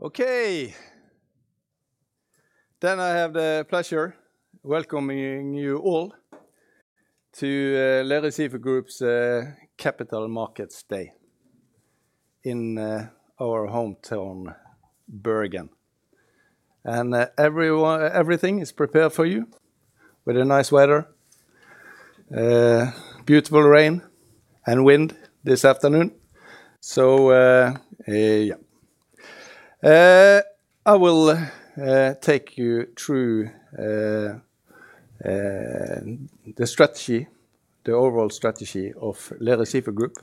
I have the pleasure welcoming you all to Lerøy Seafood Group's Capital Markets Day in our hometown Bergen. Everything is prepared for you with a nice weather. Beautiful rain and wind this afternoon. I will take you through the strategy, the overall strategy of Lerøy Seafood Group.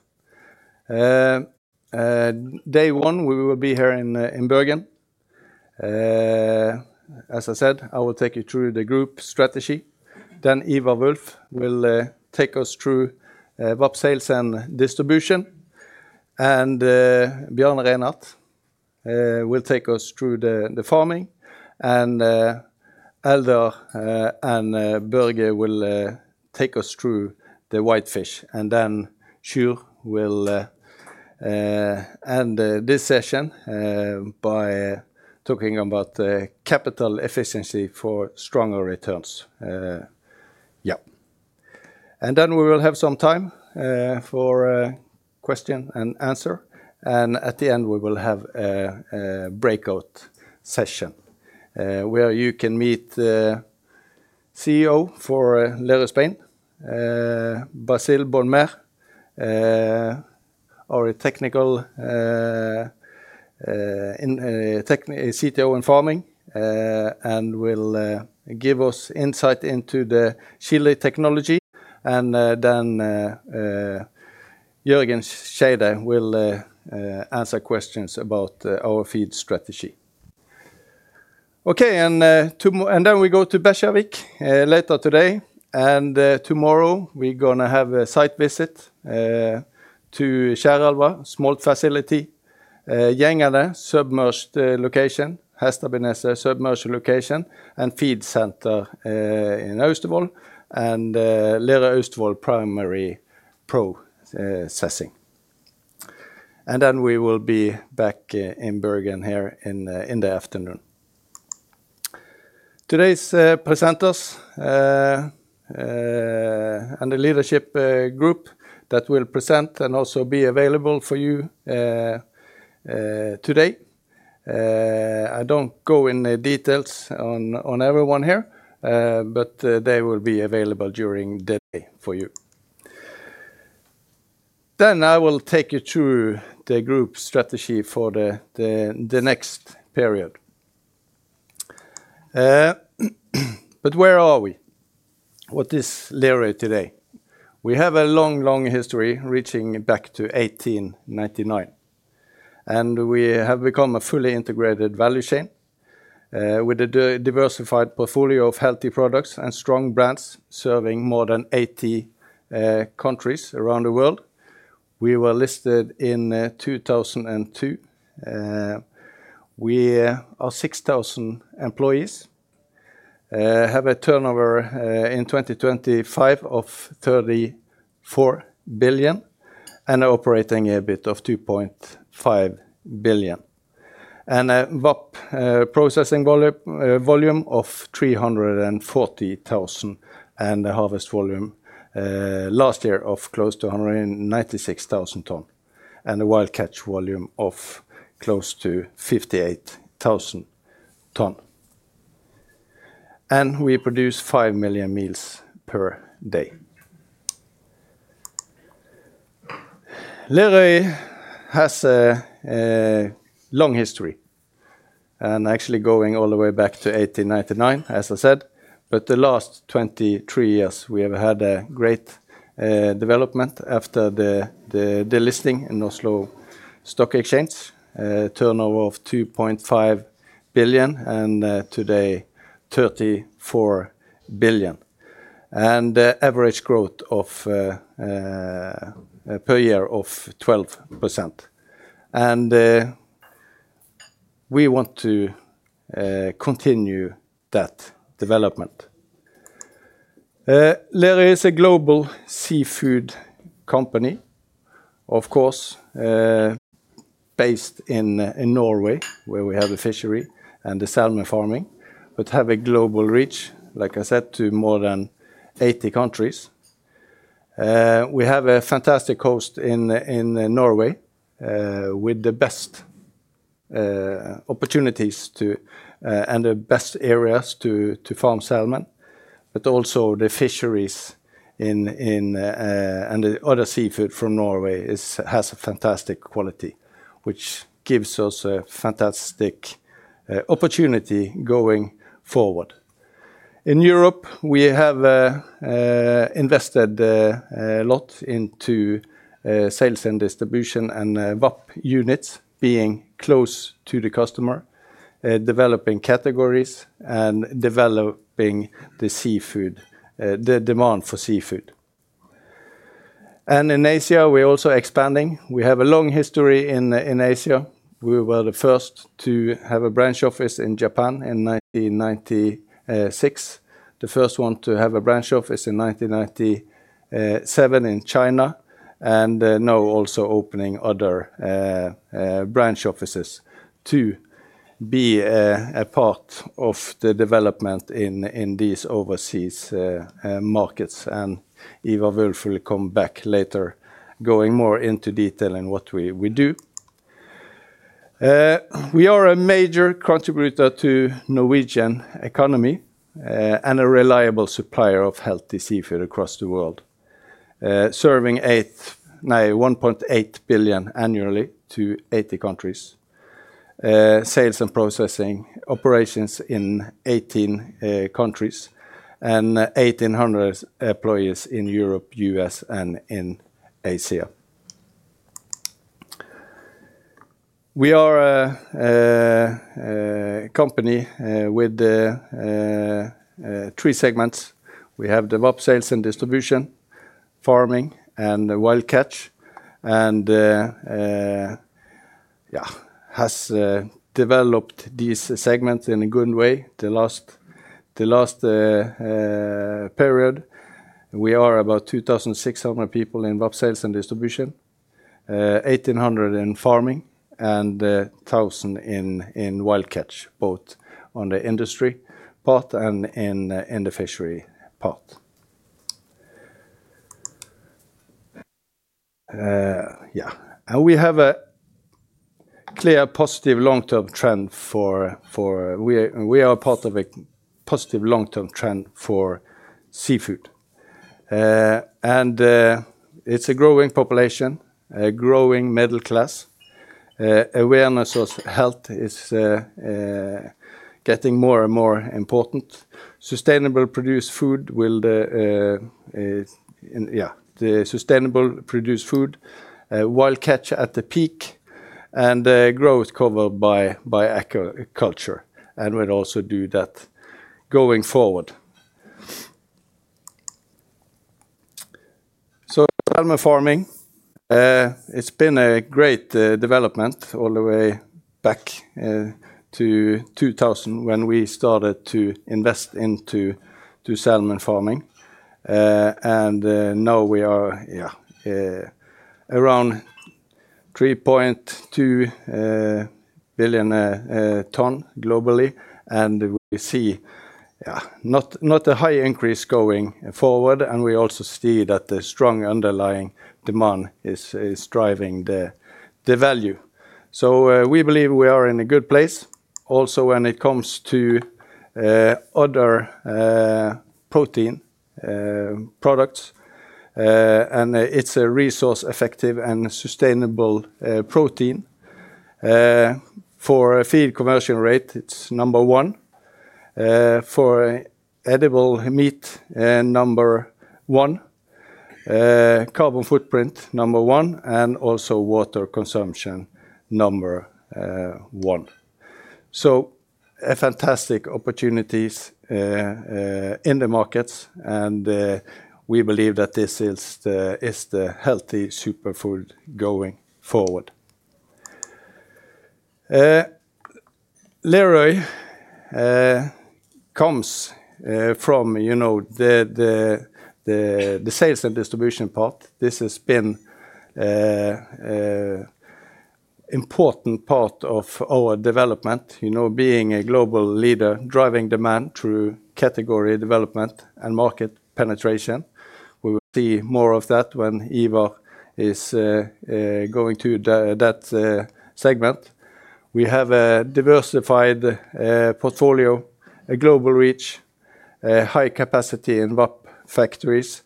Day one, we will be here in Bergen. As I said, I will take you through the group strategy. Ivar Wulff will take us through VAP sales and distribution. Bjarne Reinert will take us through the farming. Eldar and Børge will take us through the whitefish. Sjur will end this session by talking about the capital efficiency for stronger returns. We will have some time for question and answer. At the end, we will have a breakout session where you can meet the CEO for Lerøy Spain, Basile Bonnemaire, our technical CTO in farming, and will give us insight into the Chile technology. Then Jørgen Schade will answer questions about our feed strategy. Okay. We go to Berlevåg later today. Tomorrow we're gonna have a site visit to Kjærelva smolt facility. Gjengene submerged location, Hastabneset submerged location, and feed center in Austevoll, and Lerøy Austevoll primary processing. We will be back in Bergen here in the afternoon. Today's presenters and the leadership group that will present and also be available for you today. I don't go in the details on everyone here, but they will be available during the day for you. I will take you through the group strategy for the next period. Where are we? What is Lerøy today? We have a long, long history reaching back to 1899, and we have become a fully integrated value chain with a diversified portfolio of healthy products and strong brands serving more than 80 countries around the world. We were listed in 2002. We are 6,000 employees. Have a turnover in 2025 of 34 billion and operating EBIT of 2.5 billion. VAP processing volume of 340,000, and the harvest volume last year of close to 196,000 ton, and a wild catch volume of close to 58,000 ton. We produce 5 million meals per day. Lerøy has a long history, and actually going all the way back to 1899, as I said. The last 23 years we have had a great development after the listing in Oslo Stock Exchange, turnover of 2.5 billion and today 34 billion, and an average growth of per year of 12%. We want to continue that development. Lerøy is a global seafood company, of course, based in Norway where we have a fishery and the salmon farming, but have a global reach, like I said, to more than 80 countries. We have a fantastic coast in Norway, with the best opportunities to and the best areas to farm salmon, but also the fisheries in, and the other seafood from Norway has a fantastic quality, which gives us a fantastic opportunity going forward. In Europe, we have invested a lot into sales and distribution and VAP units being close to the customer, developing categories and developing the seafood, the demand for seafood. In Asia, we're also expanding. We have a long history in Asia. We were the first to have a branch office in Japan in 1996. The first one to have a branch office in 1997 in China, now also opening other branch offices to be a part of the development in these overseas markets. Ivar Wulff will come back later, going more into detail in what we do. We are a major contributor to Norwegian economy and a reliable supplier of healthy seafood across the world. Serving 1.8 billion annually to 80 countries. Sales and processing operations in 18 countries and 1,800 employees in Europe, U.S., and in Asia. We are a company with three segments. We have the VAP Sales and Distribution, farming and the wild catch. Yeah, has developed these segments in a good way the last period. We are about 2,600 people in VAP Sales & Distribution, 1,800 in farming and 1,000 in wild catch, both on the industry part and in the fishery part. Yeah. We are, we are part of a positive long-term trend for seafood. It's a growing population, a growing middle class. Awareness of health is getting more and more important. Sustainable produced food will. Yeah. The sustainable produced food, wild catch at the peak and growth covered by aquaculture, and will also do that going forward. Salmon farming, it's been a great development all the way back to 2000 when we started to invest into salmon farming. Now we are around 3.2 billion tons globally. We see not a high increase going forward. We also see that the strong underlying demand is driving the value. We believe we are in a good place also when it comes to other protein products. It's a resource effective and sustainable protein. For feed conversion rate, it's number one. For edible meat, number one. Carbon footprint number one, and also water consumption number one. Fantastic opportunities in the markets, we believe that this is the healthy super food going forward. Lerøy comes from the sales and distribution part. This has been important part of our development. Being a global leader, driving demand through category development and market penetration. We will see more of that when Ivar is going through that segment. We have a diversified portfolio, a global reach, a high capacity in VAP factories,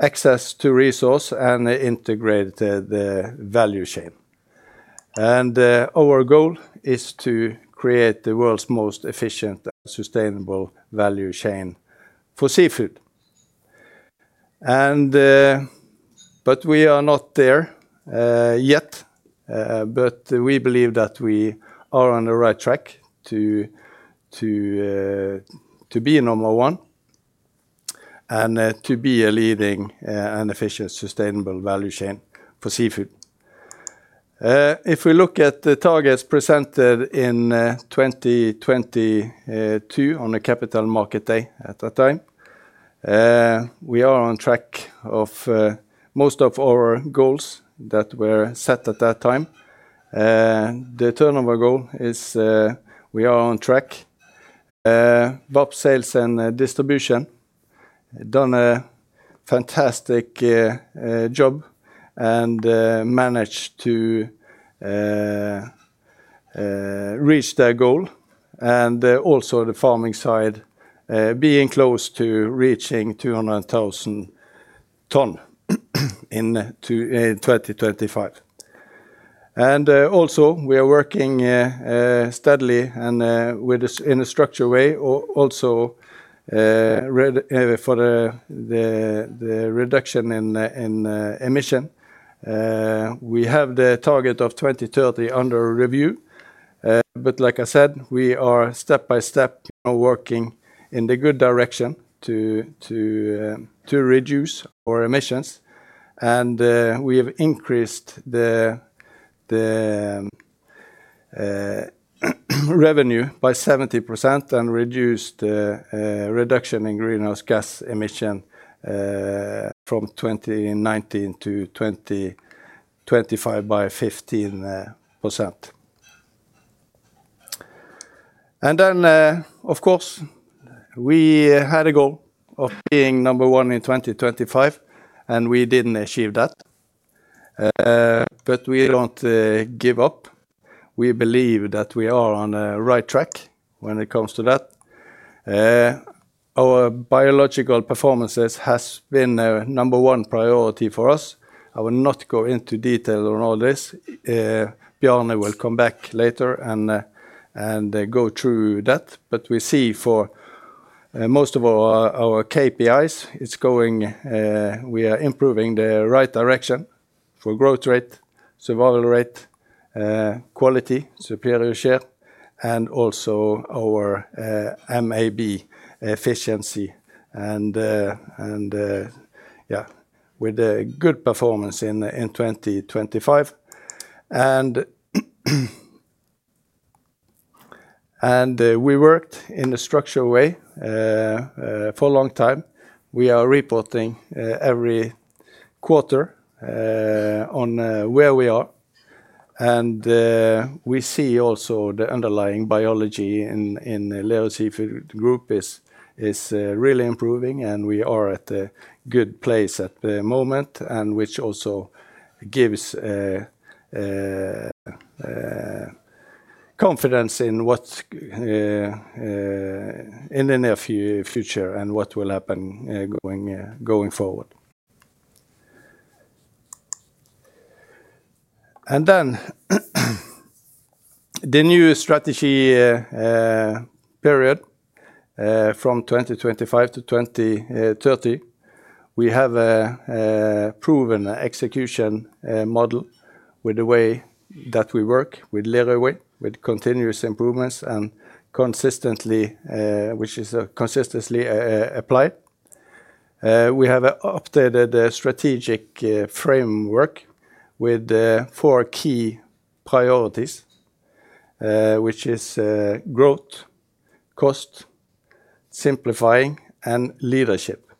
access to resource, and integrated the value chain. Our goal is to create the world's most efficient and sustainable value chain for seafood. But we are not there yet, but we believe that we are on the right track to be number one and to be a leading and efficient, sustainable value chain for seafood. If we look at the targets presented in 2022 on the Capital Market Day at that time, we are on track of most of our goals that were set at that time. The turnover goal is, we are on track. VAP Sales & Distribution done a fantastic job and managed to reach their goal. Also the farming side, being close to reaching 200,000 ton in 2025. Also we are working steadily and in a structured way, also for the reduction in emission. We have the target of 2030 under review. Like I said, we are step by step now working in the good direction to reduce our emissions. We have increased the revenue by 70% and reduced reduction in greenhouse gas emission from 2019 to 2025 by 15%. Of course, we had a goal of being number one in 2025, and we didn't achieve that. We don't give up. We believe that we are on the right track when it comes to that. Our biological performances has been a number one priority for us. I will not go into detail on all this. Bjarne will come back later and go through that. We see for most of our KPIs, it's going, we are improving the right direction for growth rate, survival rate, quality, superior share, and also our MAB efficiency and, yeah, with a good performance in 2025. We worked in a structured way for a long time. We are reporting every quarter on where we are. We see also the underlying biology in Lerøy Seafood Group is really improving, and we are at a good place at the moment, which also gives confidence in what's in the near future and what will happen going forward. The new strategy period from 2025 to 2030. We have a proven execution model with the way that we work with Lerøy Way, with continuous improvements and consistently, which is consistently applied. We have updated the strategic framework with 4 key priorities, which is growth, cost, simplifying, and leadership.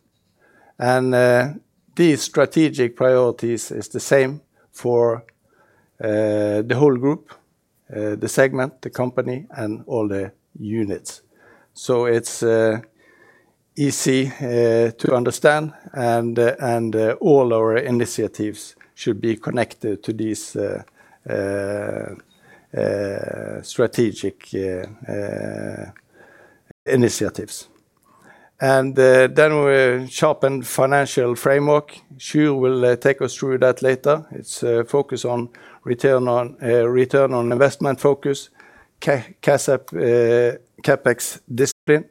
These strategic priorities is the same for the whole group, the segment, the company, and all the units. It's easy to understand and all our initiatives should be connected to these strategic initiatives. Then we sharpen financial framework. Sjur will take us through that later. It's focus on return on investment focus, CapEx discipline,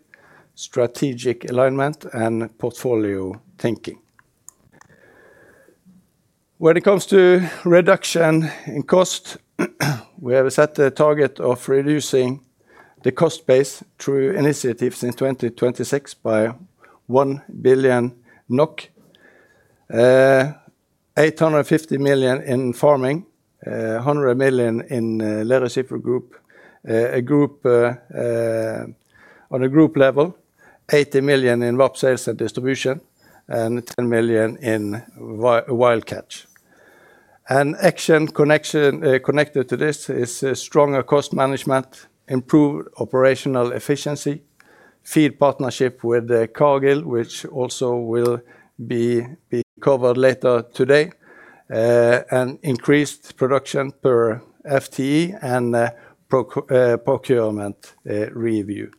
strategic alignment, and portfolio thinking. When it comes to reduction in cost, we have set a target of reducing the cost base through initiatives in 2026 by 1 billion NOK, 850 million in farming, 100 million in Lerøy Seafood Group on a group level, 80 million in VAP sales and distribution, and 10 million in wild catch. An action connection connected to this is a stronger cost management, improved operational efficiency, feed partnership with Cargill, which also will be covered later today, and increased production per FTE and a procurement review.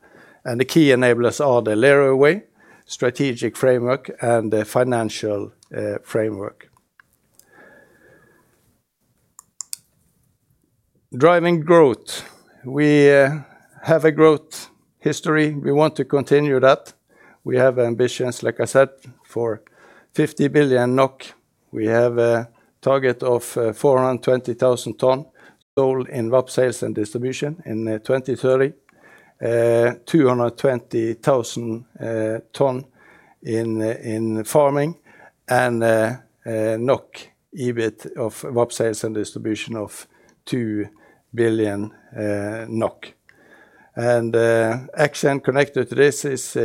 The key enablers are the Lerøy way, strategic framework, and the financial framework. Driving growth. We have a growth history. We want to continue that. We have ambitions, like I said, for 50 billion NOK. We have a target of 420,000 tons sold in VAP Sales & Distribution in 2030, 220,000 tons in farming and NOK EBIT of VAP Sales & Distribution of 2 billion NOK. Action connected to this is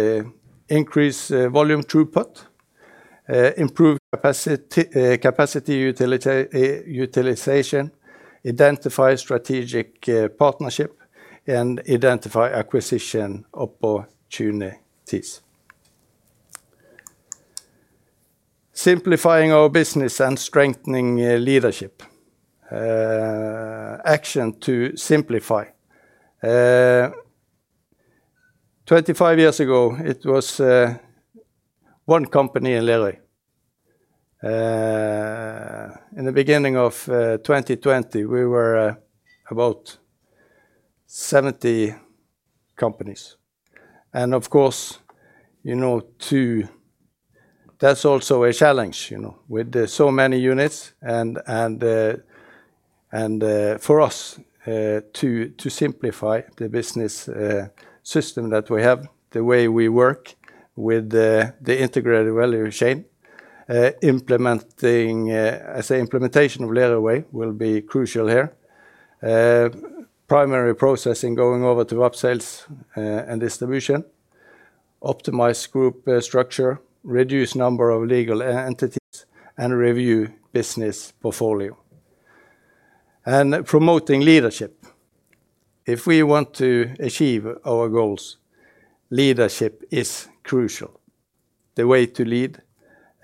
increase volume throughput, improve capacity utilization, identify strategic partnership, and identify acquisition opportunities. Simplifying our business and strengthening leadership. Action to simplify. 25 years ago, it was one company in Lerøy. In the beginning of 2020, we were about 70 companies. Of course, that's also a challenge with the so many units and for us to simplify the business system that we have, the way we work with the integrated value chain. Implementing as the implementation of Lerøy Way will be crucial here. Primary processing going over to op sales and distribution, optimize group structure, reduce number of legal entities, and review business portfolio. Promoting leadership. If we want to achieve our goals, leadership is crucial. The way to lead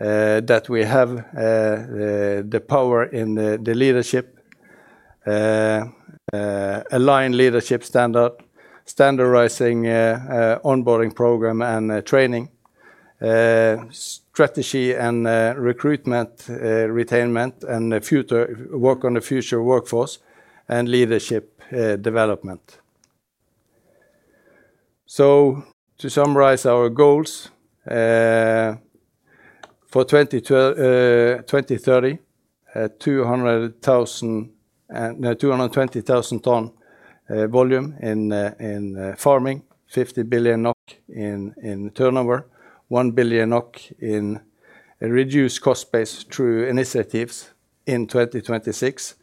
that we have the power in the leadership, align leadership standard, standardizing onboarding program and training strategy and recruitment retainment and work on the future workforce and leadership development. To summarize our goals for 2030, 200,000, no, 220,000 ton volume in farming, 50 billion NOK in turnover, 1 billion NOK in reduced cost base through initiatives in 2026,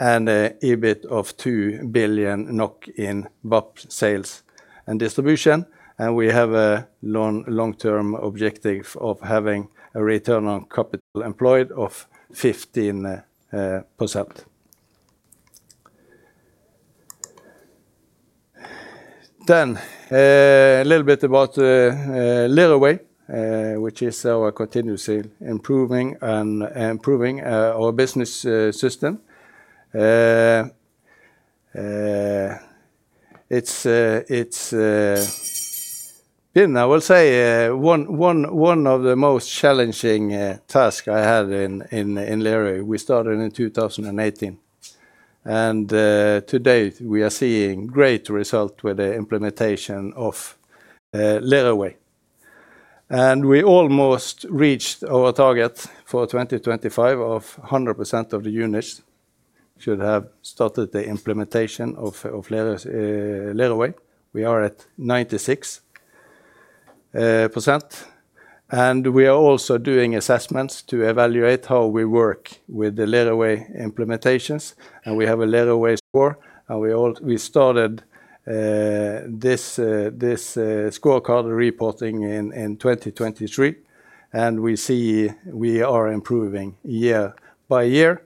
and an EBIT of 2 billion NOK in BOP sales and distribution. We have a long, long-term objective of having a return on capital employed of 15%. A little bit about Lerøy Way, which is our continuously improving and improving our business system. It's been, I will say, one of the most challenging task I had in Lerøy. We started in 2018, today we are seeing great result with the implementation of Lerøy Way. We almost reached our target for 2025 of 100% of the units should have started the implementation of Lerøy's Lerøy Way. We are at 96%. We are also doing assessments to evaluate how we work with the Lerøy Way implementations. We have a Lerøy Way score, and we started this scorecard reporting in 2023, and we see we are improving year by year.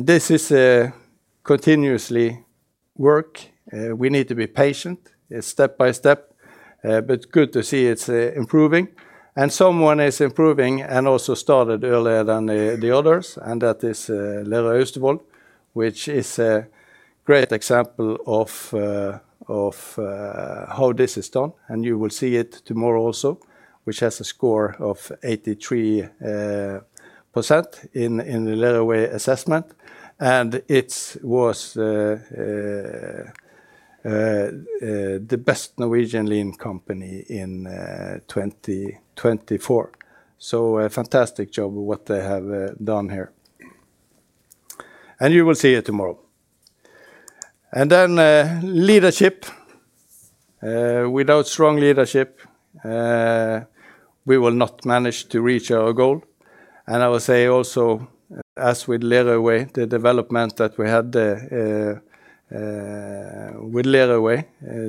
This is continuously work. We need to be patient, step by step, but good to see it's improving. Someone is improving and also started earlier than the others, and that is Lerøy Austevoll, which is a great example of how this is done. You will see it tomorrow also, which has a score of 83% in the Lerøy Way assessment. It was the best Norwegian Lean company in 2024. A fantastic job of what they have done here. You will see it tomorrow. Leadership. Without strong leadership, we will not manage to reach our goal. I will say also, as with Lerøy Way, the development that we had with Lerøy Way,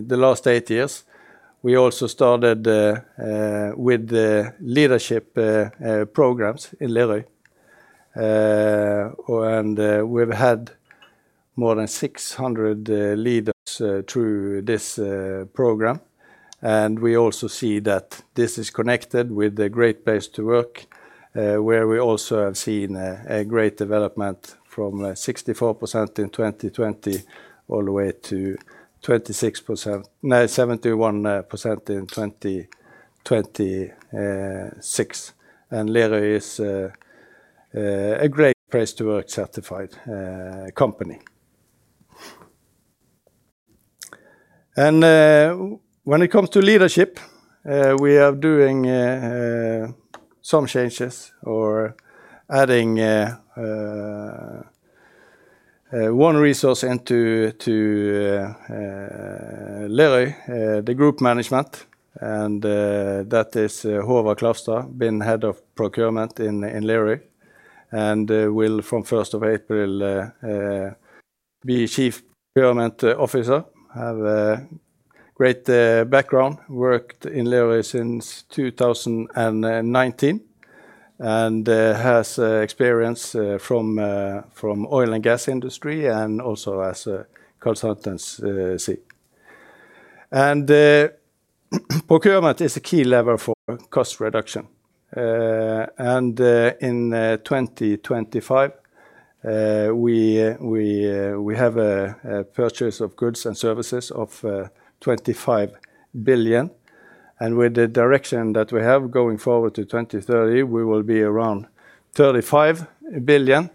the last 8 years, we also started with the leadership programs in Lerøy. We've had more than 600 leaders through this program. We also see that this is connected with the Great Place to Work, where we also have seen a great development from 64% in 2020 all the way to 71% in 2026. Lerøy is a Great Place to Work certified company. When it comes to leadership, we are doing some changes or adding one resource into Lerøy, the group management, and that is Håvard KlaKlavestadvsta, been Head of Procurement in Lerøy, and will from 1st of April be Chief Procurement Officer. Have a great background. Worked in Lerøy since 2019, and has experience from oil and gas industry and also as a consultancy. Procurement is a key lever for cost reduction. In 2025, we have a purchase of goods and services of 25 billion. With the direction that we have going forward to 2030, we will be around 35 billion.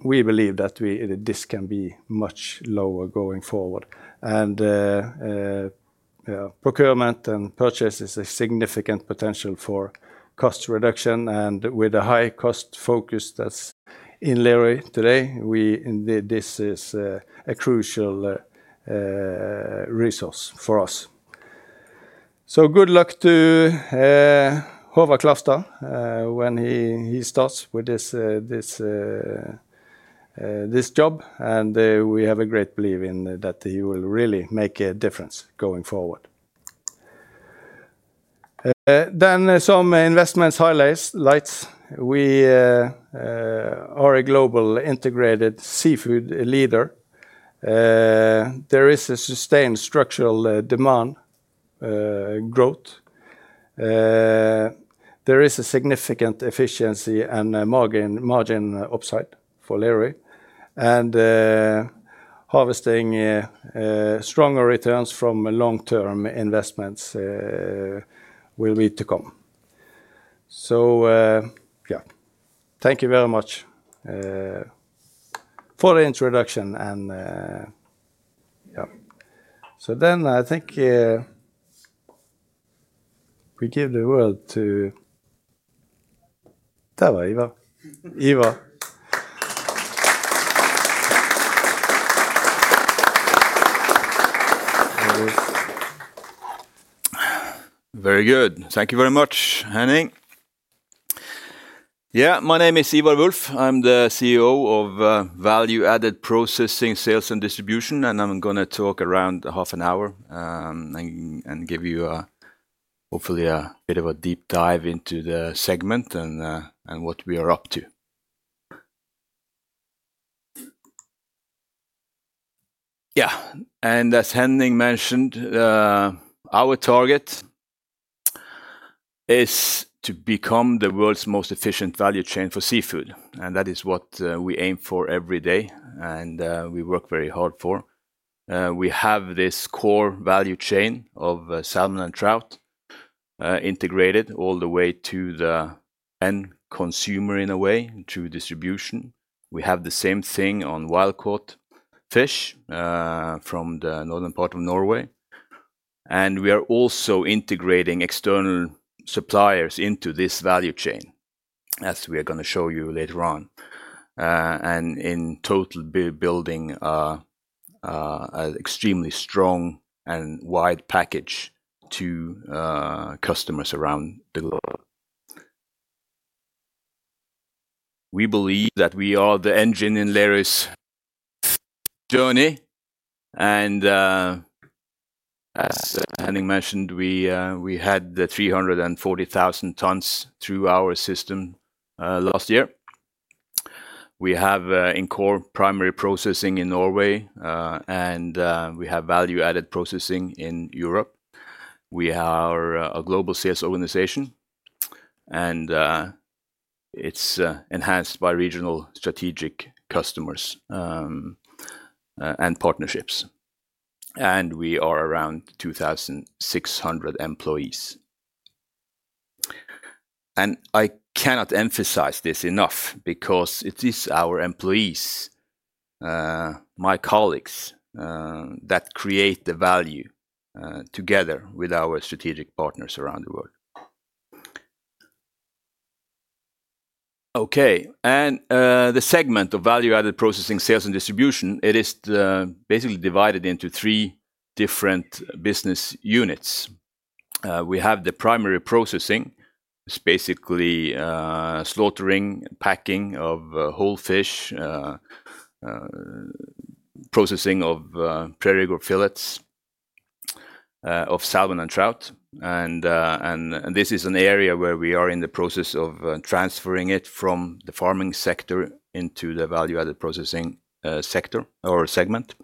We believe that this can be much lower going forward. Procurement and purchase is a significant potential for cost reduction. With a high cost focus that's in Lerøy today, this is a crucial resource for us. Good luck to Håvard Klavestad when he starts with this job, we have a great belief in that he will really make a difference going forward. Some investments highlights, lights. We are a global integrated seafood leader. There is a sustained structural demand growth. There is a significant efficiency and margin upside for Lerøy. Harvesting stronger returns from long-term investments will be to come. Yeah. Thank you very much for the introduction and yeah. I think we give the word to... There we are, Ivar. Ivar. Very good. Thank you very much, Henning. My name is Ivar Wulff. I'm the CEO of Value Added Processing, Sales and Distribution. I'm gonna talk around half an hour and give you hopefully a bit of a deep dive into the segment and what we are up to. As Henning mentioned, our target is to become the world's most efficient value chain for seafood. That is what we aim for every day and we work very hard for. We have this core value chain of salmon and trout integrated all the way to the end consumer in a way through distribution. We have the same thing on wild-caught fish from the northern part of Norway. We are also integrating external suppliers into this value chain, as we are gonna show you later on. In total building an extremely strong and wide package to customers around the globe. We believe that we are the engine in Lerøy's journey. As Henning mentioned, we had the 340,000 tons through our system last year. We have in core primary processing in Norway, and we have value-added processing in Europe. We are a global sales organization, and it's enhanced by regional strategic customers and partnerships. We are around 2,600 employees. I cannot emphasize this enough because it is our employees, my colleagues, that create the value together with our strategic partners around the world. Okay. The segment of Value-Added Processing, Sales and Distribution, it is basically divided into three different business units. We have the primary processing. It's basically slaughtering, packing of whole fish, processing of prairie or fillets of salmon and trout. This is an area where we are in the process of transferring it from the farming sector into the value-added processing sector or segment.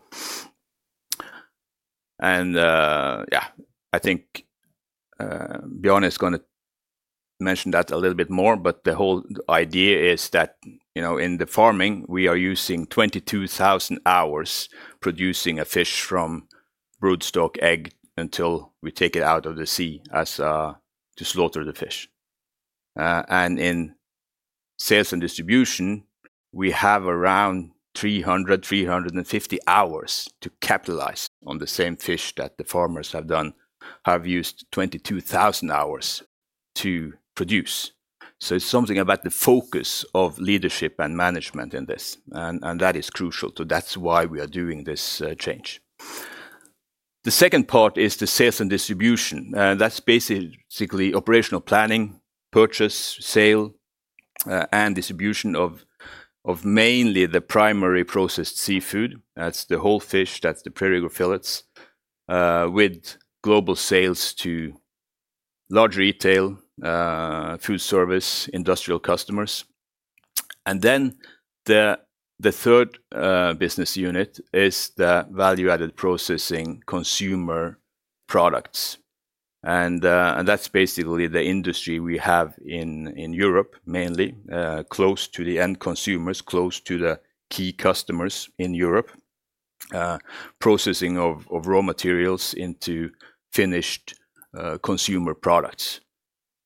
Yeah, I think Bjørn is gonna mention that a little bit more, but the whole idea is that in the farming, we are using 22,000 hours producing a fish from broodstock egg until we take it out of the sea as to slaughter the fish. In sales and distribution, we have around 300-350 hours to capitalize on the same fish that the farmers have used 22,000 hours to produce. It's something about the focus of leadership and management in this. That is crucial. That's why we are doing this change. The second part is the sales and distribution. That's basically operational planning, purchase, sale, and distribution of mainly the primary processed seafood. That's the whole fish, that's the prairie or fillets, with global sales to large retail, food service, industrial customers. The third business unit is the Value-Added Processing consumer products. That's basically the industry we have in Europe mainly, close to the end consumers, close to the key customers in Europe. Processing of raw materials into finished, consumer products.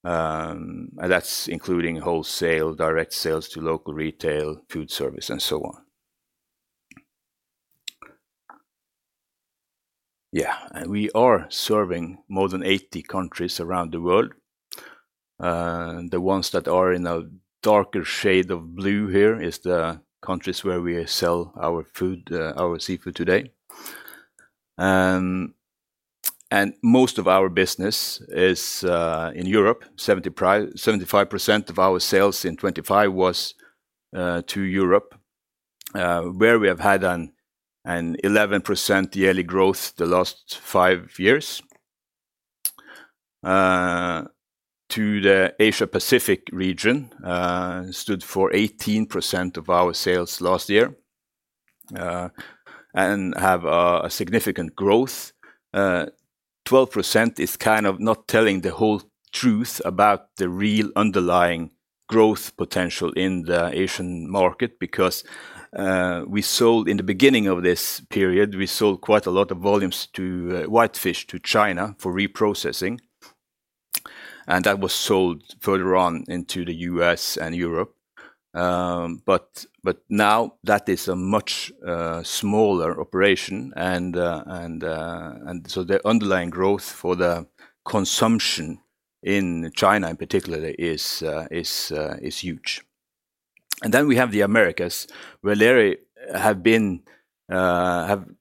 That's including wholesale, direct sales to local retail, food service, and so on. We are serving more than 80 countries around the world. The ones that are in a darker shade of blue here is the countries where we sell our food, our seafood today. Most of our business is in Europe. 75% of our sales in 2025 was to Europe, where we have had an 11% yearly growth the last 5 years. To the Asia-Pacific region, stood for 18% of our sales last year, and have a significant growth. 12% is kind of not telling the whole truth about the real underlying growth potential in the Asian market because in the beginning of this period, we sold quite a lot of volumes to whitefish to China for reprocessing, and that was sold further on into the U.S. and Europe. Now that is a much smaller operation and so the underlying growth for the consumption in China in particular is huge. Then we have the Americas, where Lerøy have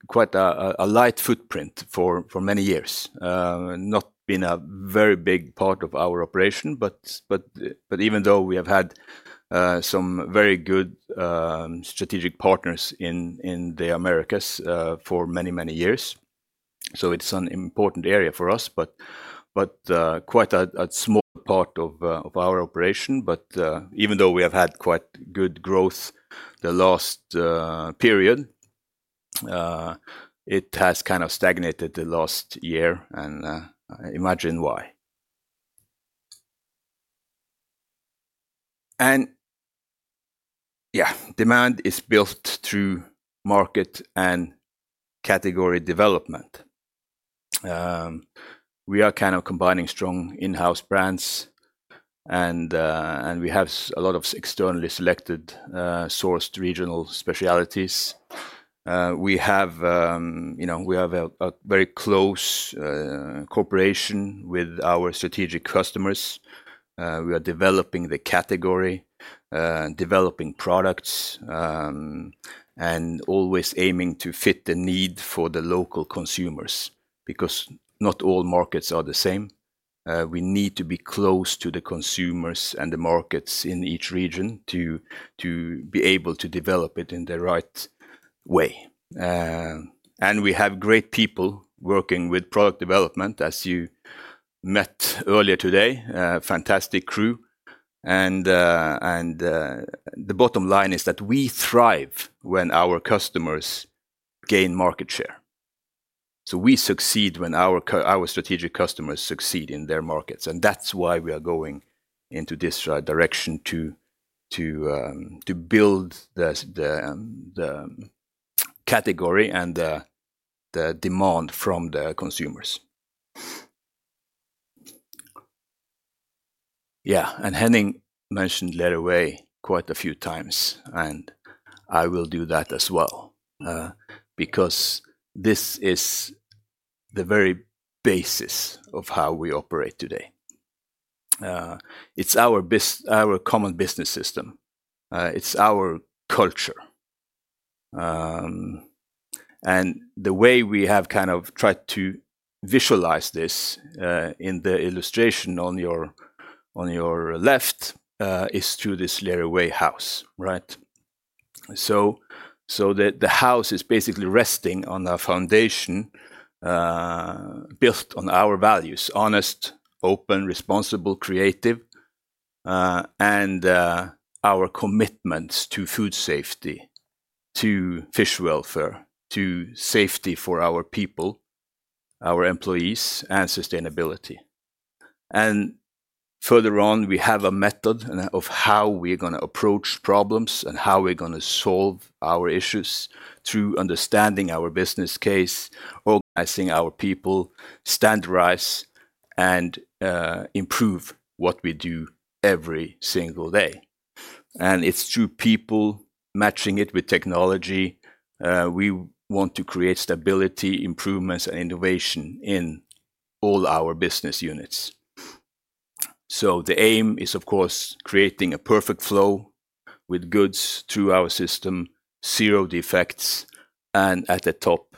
quite a light footprint for many years. Not been a very big part of our operation, but even though we have had some very good strategic partners in the Americas for many, many years, so it's an important area for us, but quite a small part of our operation. Even though we have had quite good growth the last period, it has kind of stagnated the last year, imagine why. Yeah, demand is built through market and category development. We are kind of combining strong in-house brands and we have a lot of externally selected sourced regional specialties. We have, you know, we have a very close cooperation with our strategic customers. We are developing the category, developing products, and always aiming to fit the need for the local consumers because not all markets are the same. We need to be close to the consumers and the markets in each region to be able to develop it in the right way. We have great people working with product development, as you met earlier today, fantastic crew. The bottom line is that we thrive when our customers gain market share. We succeed when our strategic customers succeed in their markets, and that's why we are going into this direction to build the category and the demand from the consumers. Yeah. Henning mentioned Lerøy quite a few times, and I will do that as well, because this is the very basis of how we operate today. It's our common business system. It's our culture. The way we have kind of tried to visualize this, in the illustration on your left, is through this Lerøy Way house, right? The house is basically resting on a foundation, built on our values, honest, open, responsible, creative, and our commitments to food safety, to fish welfare, to safety for our people, our employees, and sustainability. Further on, we have a method of how we're gonna approach problems and how we're gonna solve our issues through understanding our business case, organizing our people, standardize, and improve what we do every single day. It's through people matching it with technology. We want to create stability, improvements, and innovation in all our business units. The aim is, of course, creating a perfect flow with goods through our system, zero defects, and at the top,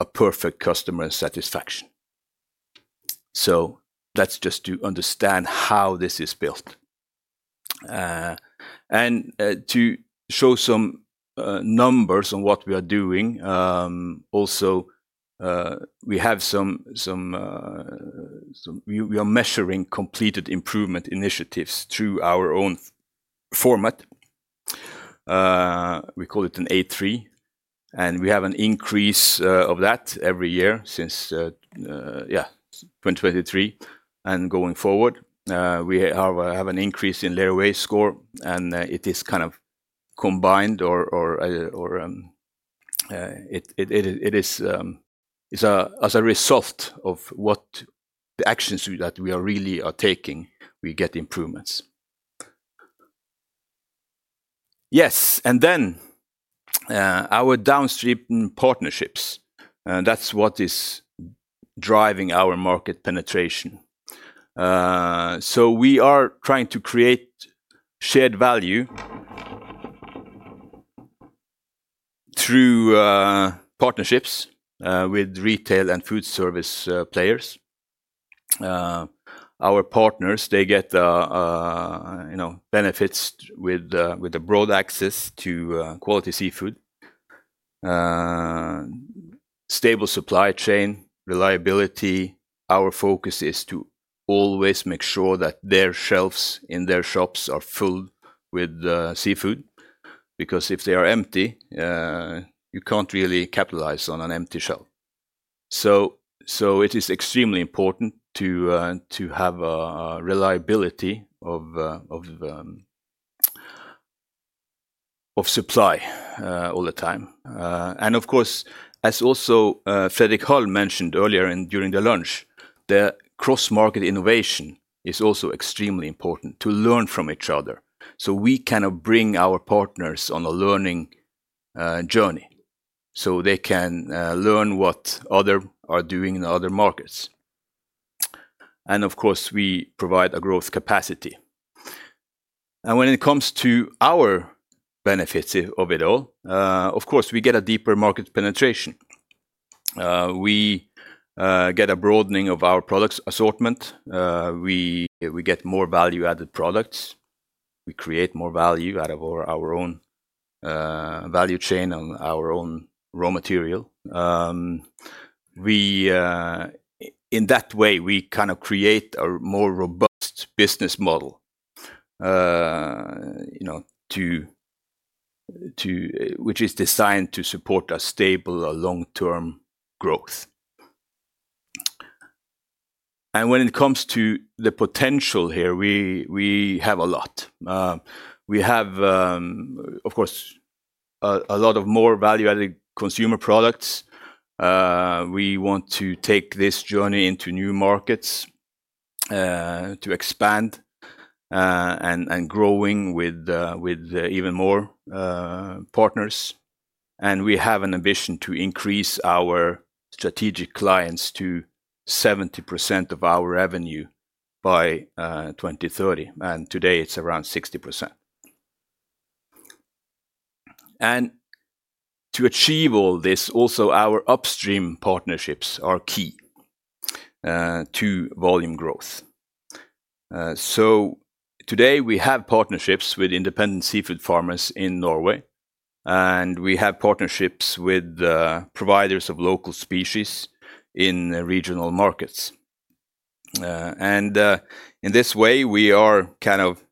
a perfect customer satisfaction. That's just to understand how this is built. And to show some numbers on what we are doing, also, we have some. We are measuring completed improvement initiatives through our own format. We call it an A3, and we have an increase of that every year since, yeah, 2023 and going forward. We have an increase in Lerøy Way score, and as a result of what the actions that we are really are taking, we get improvements. Yes, our downstream partnerships, that's what is driving our market penetration. We are trying to create shared value through partnerships with retail and food service players. Our partners, they get benefits with a broad access to quality seafood, stable supply chain, reliability. Our focus is to always make sure that their shelves in their shops are filled with seafood, because if they are empty, you can't really capitalize on an empty shelf. It is extremely important to have a reliability of supply all the time. Of course, as also Frederick Hall mentioned earlier during the lunch, the cross-market innovation is also extremely important to learn from each other. We kind of bring our partners on a learning journey, so they can learn what other are doing in other markets. Of course, we provide a growth capacity. When it comes to our benefits of it all, of course, we get a deeper market penetration. We get a broadening of our products assortment. We get more value-added products. We create more value out of our own value chain and our own raw material. We, in that way, we kind of create a more robust business model which is designed to support a stable, a long-term growth. When it comes to the potential here, we have a lot. We have, of course, a lot of more value-added consumer products. We want to take this journey into new markets, to expand, and growing with, even more, partners. We have an ambition to increase our strategic clients to 70% of our revenue by 2030, and today it's around 60%. To achieve all this, also our upstream partnerships are key, to volume growth. Today we have partnerships with independent seafood farmers in Norway, and we have partnerships with providers of local species in regional markets. In this way, we are kind of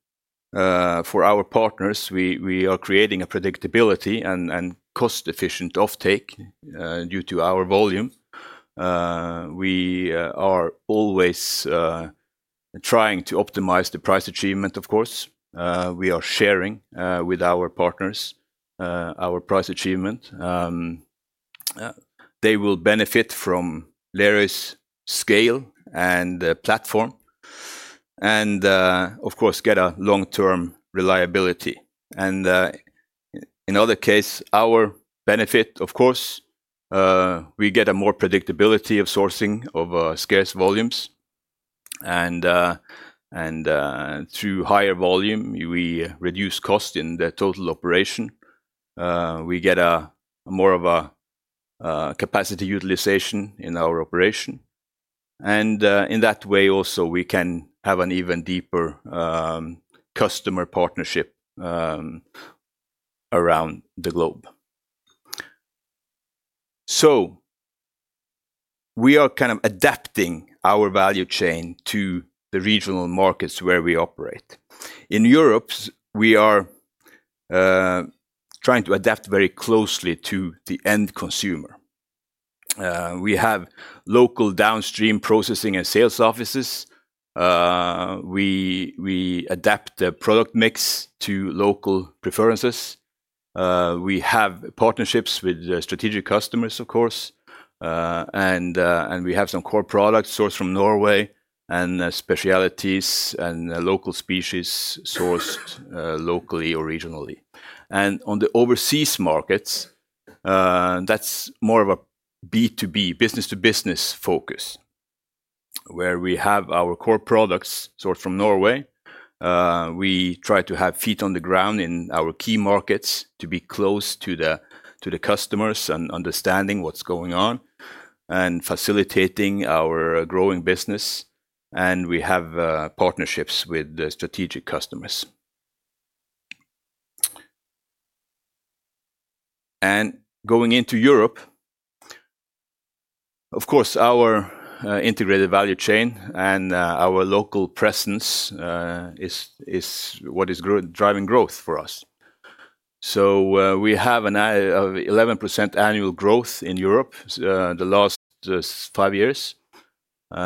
for our partners, we are creating a predictability and cost-efficient offtake due to our volume. We are always trying to optimize the price achievement, of course. We are sharing with our partners our price achievement. They will benefit from Lerøy's scale and platform and of course, get a long-term reliability. In other case, our benefit, of course, we get a more predictability of sourcing of scarce volumes. Through higher volume, we reduce cost in the total operation. We get a more of a capacity utilization in our operation. In that way also, we can have an even deeper customer partnership around the globe. We are kind of adapting our value chain to the regional markets where we operate. In Europe, we are trying to adapt very closely to the end consumer. We have local downstream processing and sales offices. We adapt the product mix to local preferences. We have partnerships with strategic customers, of course. We have some core products sourced from Norway and specialities and local species sourced locally or regionally. On the overseas markets, that's more of a B2B, business to business focus, where we have our core products sourced from Norway. We try to have feet on the ground in our key markets to be close to the customers and understanding what's going on and facilitating our growing business. We have partnerships with the strategic customers. Going into Europe, of course, our integrated value chain and our local presence is what is driving growth for us. we have an 11% annual growth in Europe the last 5 years. you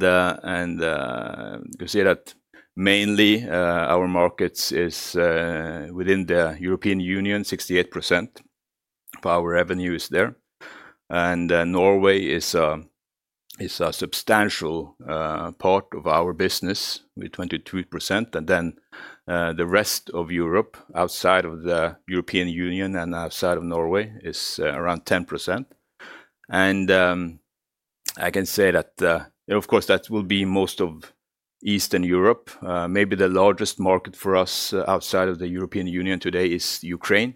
can see that mainly our markets is within the European Union, 68% of our revenue is there. Norway is a substantial part of our business with 22%. the rest of Europe outside of the European Union and outside of Norway is around 10%. I can say that, of course, that will be most of Eastern Europe. Maybe the largest market for us outside of the European Union today is Ukraine,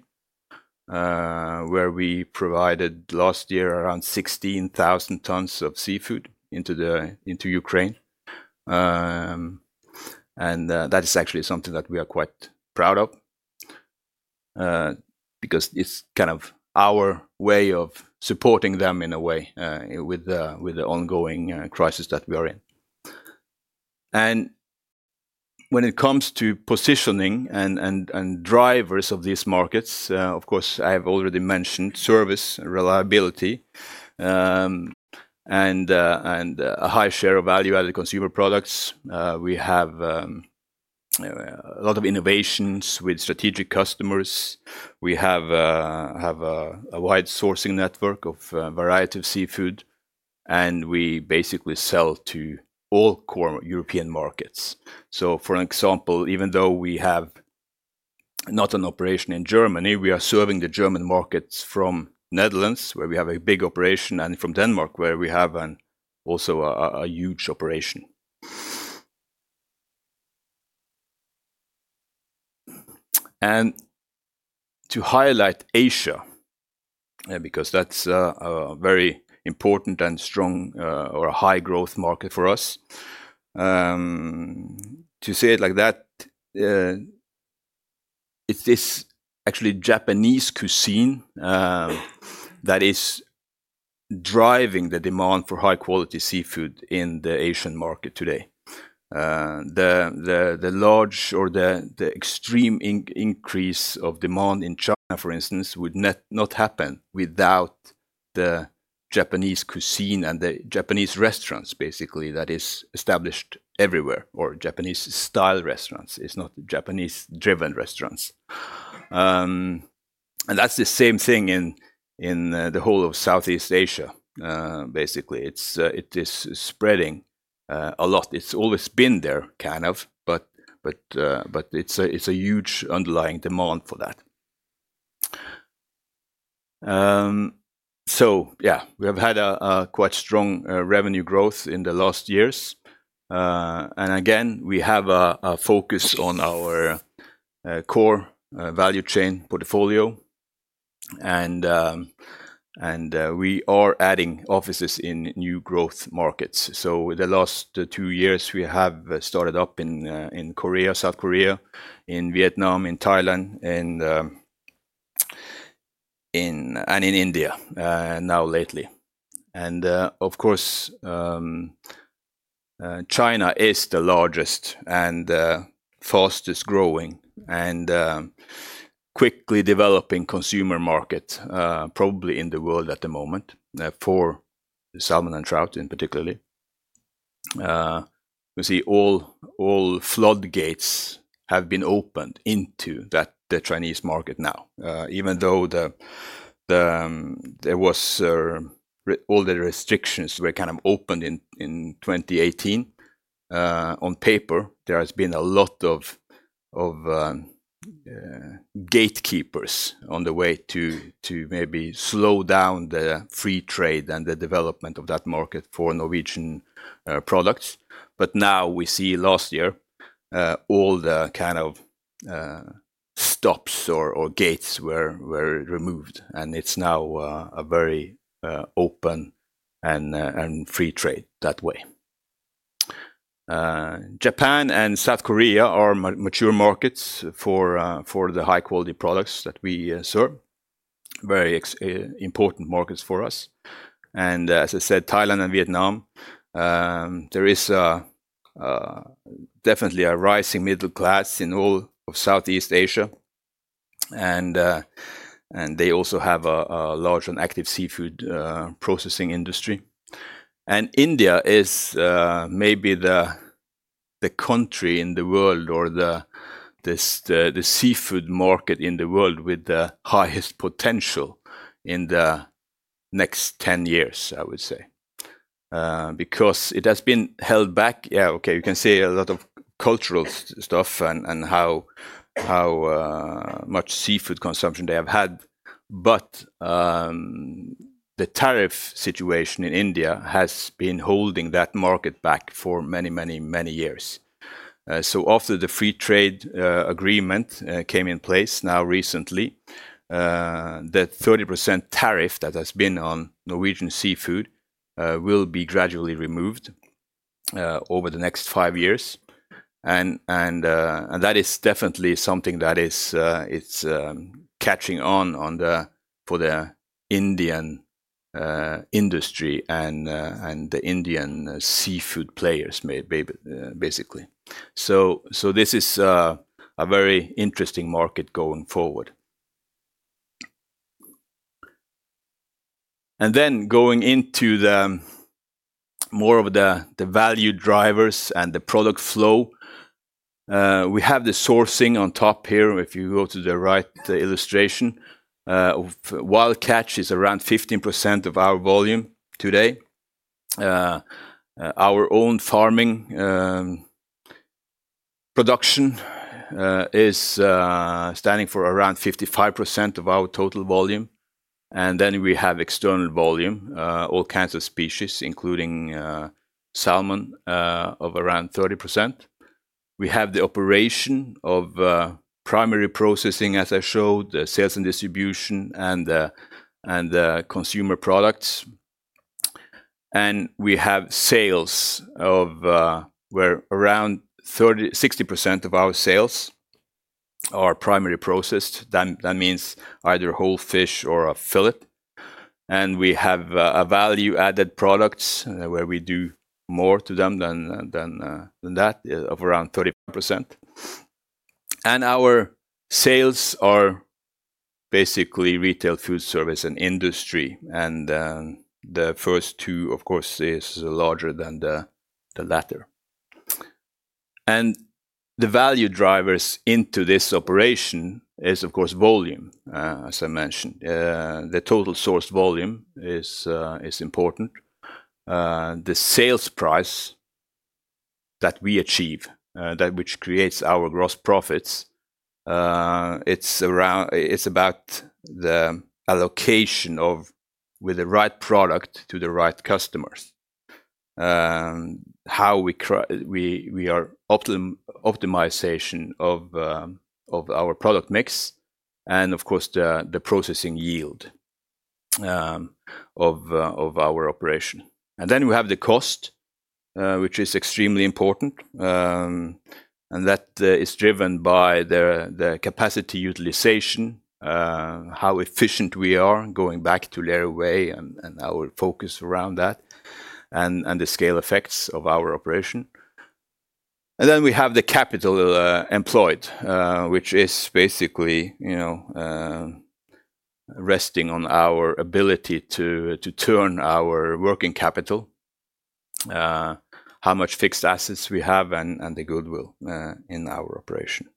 where we provided last year around 16,000 tons of seafood into Ukraine. That is actually something that we are quite proud of, because it's kind of our way of supporting them in a way, with the, with the ongoing crisis that we are in. When it comes to positioning and drivers of these markets, of course, I've already mentioned service, reliability, and a high share of value-added consumer products. We have a lot of innovations with strategic customers. We have a wide sourcing network of a variety of seafood, and we basically sell to all core European markets. For an example, even though we have not an operation in Germany, we are serving the German markets from Netherlands, where we have a big operation, and from Denmark, where we have also a huge operation. To highlight Asia, because that's a very important and strong or a high growth market for us. To say it like that, it is actually Japanese cuisine that is driving the demand for high-quality seafood in the Asian market today. The large or the extreme increase of demand in China, for instance, would not happen without the Japanese cuisine and the Japanese restaurants basically that is established everywhere or Japanese-style restaurants. It's not Japanese-driven restaurants. That's the same thing in the whole of Southeast Asia. Basically, it's spreading a lot. It's always been there kind of, but it's a huge underlying demand for that. Yeah, we have had a quite strong revenue growth in the last two years. Again, we have a focus on our core value chain portfolio. We are adding offices in new growth markets. The last two years, we have started up in Korea, South Korea, in Vietnam, in Thailand, in and in India now lately. Of course, China is the largest and fastest-growing and quickly developing consumer market probably in the world at the moment for salmon and trout in particularly. You see all floodgates have been opened into the Chinese market now. Even though all the restrictions were kind of opened in 2018 on paper, there has been a lot of gatekeepers on the way to maybe slow down the free trade and the development of that market for Norwegian products. Now we see last year, all the kind of stops or gates were removed, and it's now a very open and free trade that way. Japan and South Korea are mature markets for the high-quality products that we serve. Very important markets for us. As I said, Thailand and Vietnam, there is definitely a rising middle class in all of Southeast Asia, and they also have a large and active seafood processing industry. India is maybe the country in the world or the seafood market in the world with the highest potential in the next 10 years, I would say. Because it has been held back. Yeah, okay, you can say a lot of cultural stuff and how much seafood consumption they have had. The tariff situation in India has been holding that market back for many, many, many years. So after the free trade agreement came in place now recently, that 30% tariff that has been on Norwegian seafood will be gradually removed over the next 5 years. And that is definitely something that is, it's catching on for the Indian industry and the Indian seafood players basically. So this is a very interesting market going forward. Then going into the more of the value drivers and the product flow, we have the sourcing on top here, if you go to the right illustration. Wild catch is around 15% of our volume today. Our own farming production is standing for around 55% of our total volume. We have external volume, all kinds of species, including salmon, of around 30%. We have the operation of primary processing, as I showed, the sales and distribution and the consumer products. We have sales of where around 60% of our sales are primary processed. That means either whole fish or a fillet. We have a value-added products where we do more to them than that, of around 30%. Our sales are basically retail food service and industry. The first two, of course, is larger than the latter. The value drivers into this operation is of course, volume, as I mentioned. The total source volume is important. The sales price that we achieve, that which creates our gross profits, it's about the allocation of with the right product to the right customers. How we are optimization of our product mix and of course, the processing yield of our operation. We have the cost, which is extremely important. That is driven by the capacity utilization, how efficient we are going back to Lerøy Way and our focus around that and the scale effects of our operation. We have the capital employed, which is basically resting on our ability to turn our working capital, how much fixed assets we have and the goodwill in our operation.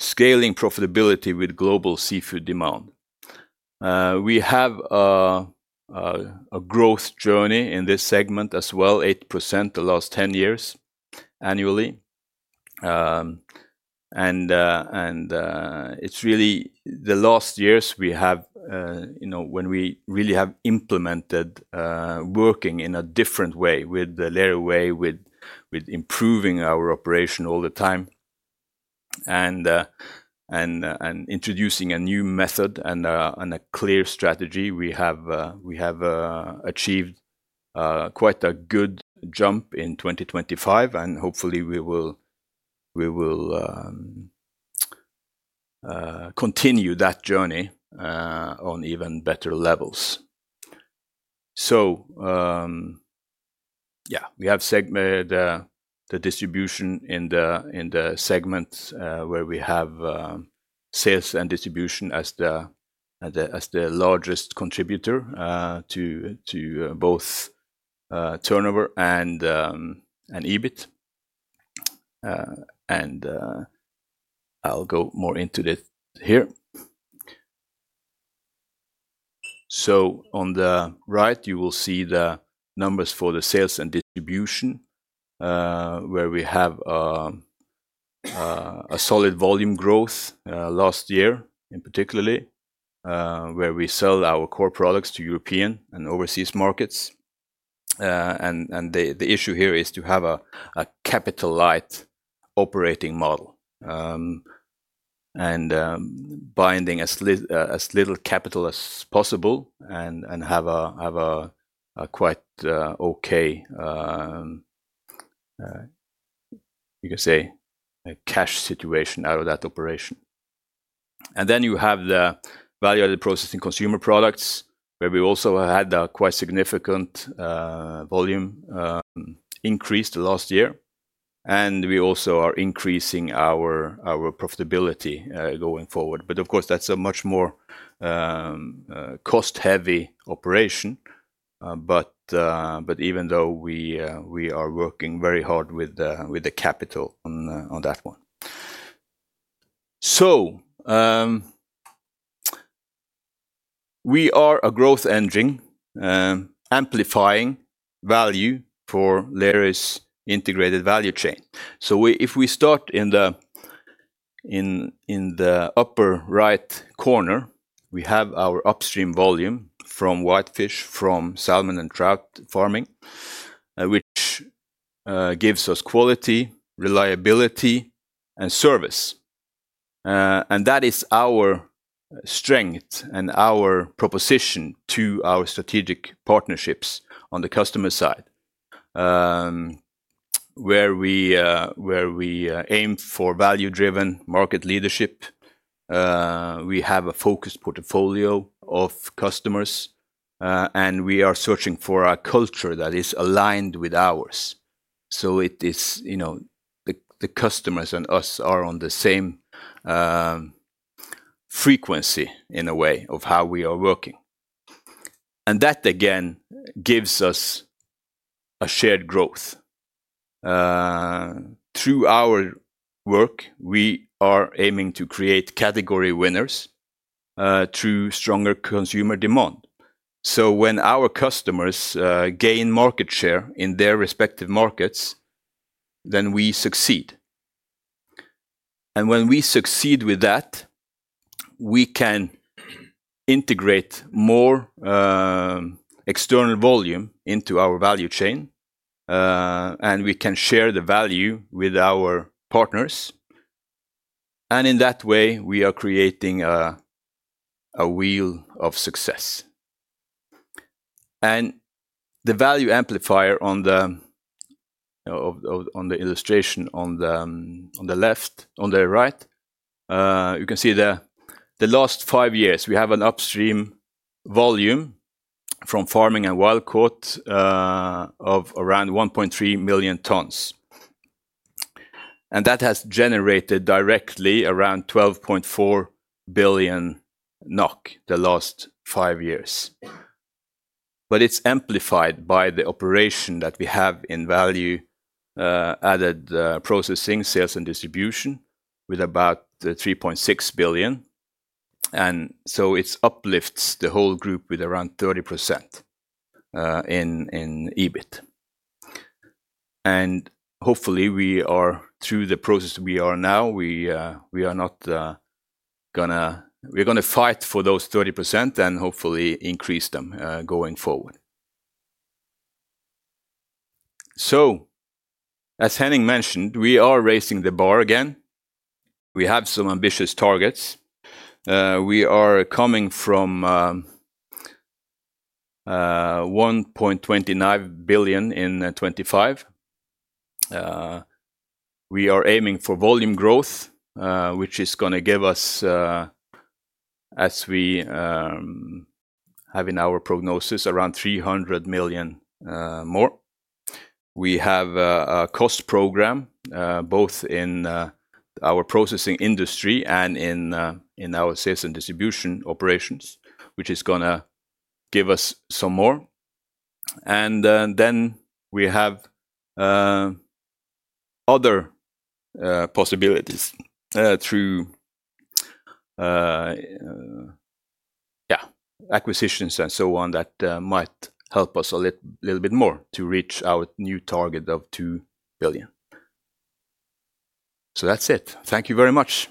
Scaling profitability with global seafood demand. We have a growth journey in this segment as well, 8% the last 10 years annually. It's really the last years we have, when we really have implemented working in a different way with the Lerøy Way, with improving our operation all the time and introducing a new method and a clear strategy. We have achieved quite a good jump in 2025, and hopefully we will continue that journey on even better levels. We have segmented the distribution in the segments where we have Sales & Distribution as the largest contributor to both turnover and EBIT. I'll go more into that here. On the right, you will see the numbers for the sales and distribution, where we have a solid volume growth last year in particularly, where we sell our core products to European and overseas markets. The issue here is to have a capital-light operating model, and binding as little capital as possible and have a quite okay, you can say a cash situation out of that operation. You have the value-added processing consumer products, where we also had a quite significant volume increase the last year. We also are increasing our profitability going forward. Of course, that's a much more cost-heavy operation. Even though we are working very hard with the capital on that one. We are a growth engine, amplifying value for Lerøy's integrated value chain. If we start in the upper right corner, we have our upstream volume from whitefish, from salmon and trout farming, which gives us quality, reliability and service. That is our strength and our proposition to our strategic partnerships on the customer side, where we aim for value-driven market leadership. We have a focused portfolio of customers, and we are searching for a culture that is aligned with ours. It is the customers and us are on the same frequency in a way of how we are working. That again gives us a shared growth. Through our work, we are aiming to create category winners through stronger consumer demand. When our customers gain market share in their respective markets, then we succeed. When we succeed with that, we can integrate more external volume into our value chain and we can share the value with our partners. In that way, we are creating a wheel of success. The value amplifier on the illustration on the right, you can see the last five years we have an upstream volume from farming and wild caught of around 1.3 million tons. That has generated directly around 12.4 billion NOK the last five years. It's amplified by the operation that we have in Value Added Processing, Sales & Distribution with about 3.6 billion. It uplifts the whole group with around 30% in EBIT. Hopefully we are through the process we are now, we are not, we're gonna fight for those 30% and hopefully increase them going forward. As Henning mentioned, we are raising the bar again. We have some ambitious targets. We are coming from 1.29 billion in 2025. We are aiming for volume growth, which is gonna give us, as we have in our prognosis, around 300 million more. We have a cost program, both in our processing industry and in our sales and distribution operations, which is gonna give us some more. We have other possibilities through acquisitions and so on that might help us a little bit more to reach our new target of 2 billion NOK. That's it. Thank you very much.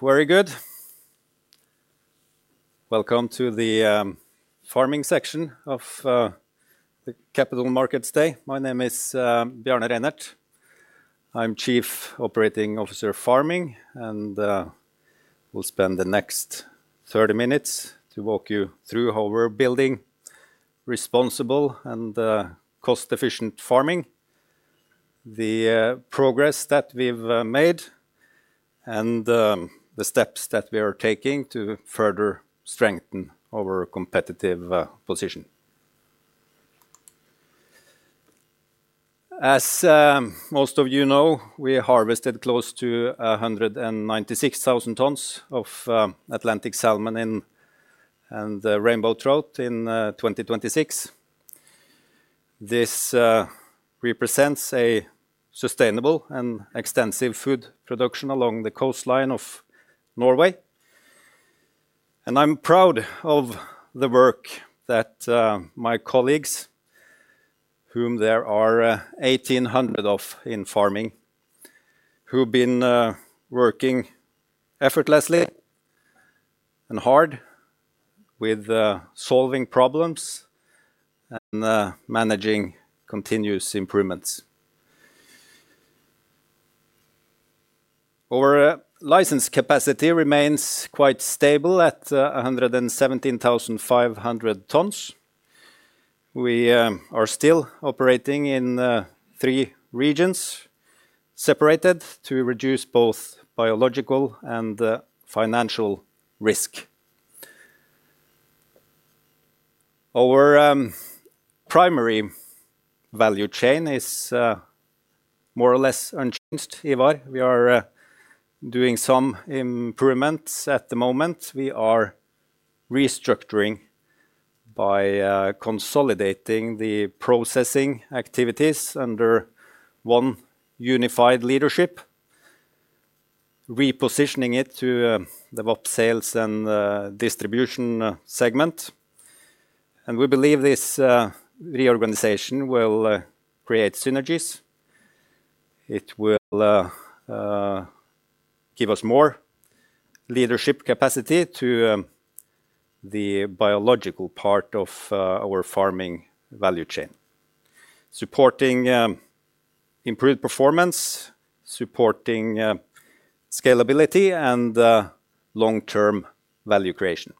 Very good. Welcome to the Farming section of the Capital Markets today. My name is Bjarne Reinert. I'm Chief Operating Officer of Farming. We'll spend the next 30 minutes to walk you through how we're building responsible and cost-efficient farming, the progress that we've made, and the steps that we are taking to further strengthen our competitive position. As most of, we harvested close to 196,000 tons of Atlantic salmon and rainbow trout in 2026. This represents a sustainable and extensive food production along the coastline of Norway. I'm proud of the work that my colleagues, whom there are 1,800 of in Farming, who've been working effortlessly and hard with solving problems and managing continuous improvements. Our license capacity remains quite stable at 117,500 tons. We are still operating in 3 regions, separated to reduce both biological and financial risk. Our primary value chain is more or less unchanged, Ivar. We are doing some improvements at the moment. We are restructuring by consolidating the processing activities under one unified leadership, repositioning it to the VAP Sales and Distribution segment. We believe this reorganization will create synergies. It will give us more leadership capacity to the biological part of our farming value chain. Supporting improved performance, supporting scalability and long-term value creation.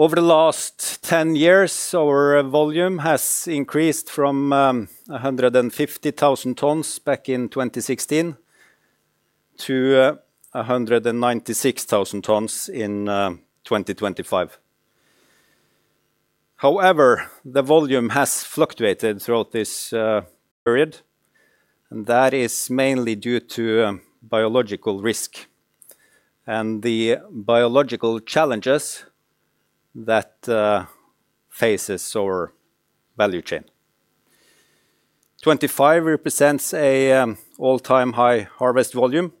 Over the last 10 years, our volume has increased from 150,000 tons back in 2016 to 196,000 tons in 2025. However, the volume has fluctuated throughout this period, and that is mainly due to biological risk and the biological challenges that faces our value chain. 2025 represents a all-time high harvest volume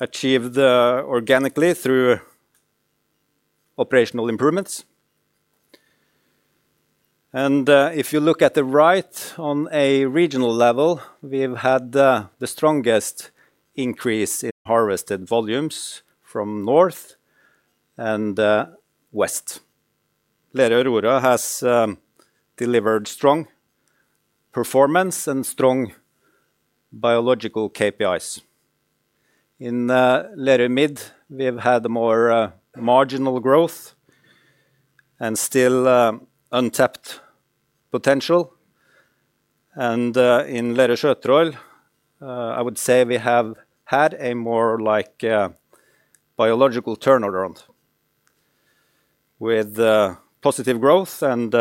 achieved organically through operational improvements. If you look at the right on a regional level, we've had the strongest increase in harvested volumes from north and west. Lerøy Aurora has delivered strong performance and strong biological KPIs. In Lerøy Midt, we've had more marginal growth and still untapped potential. In Lerøy Sjøtroll, I would say we have had a more like biological turnaround with positive growth and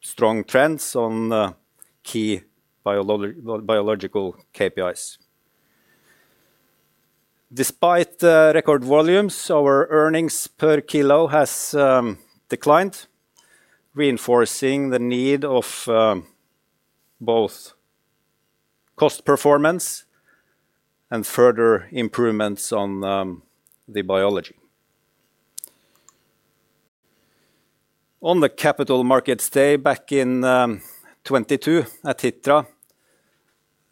strong trends on key biological KPIs. Despite record volumes, our earnings per kilo has declined, reinforcing the need of both cost performance and further improvements on the biology. On the Capital Markets Day back in 2022 at Hitra,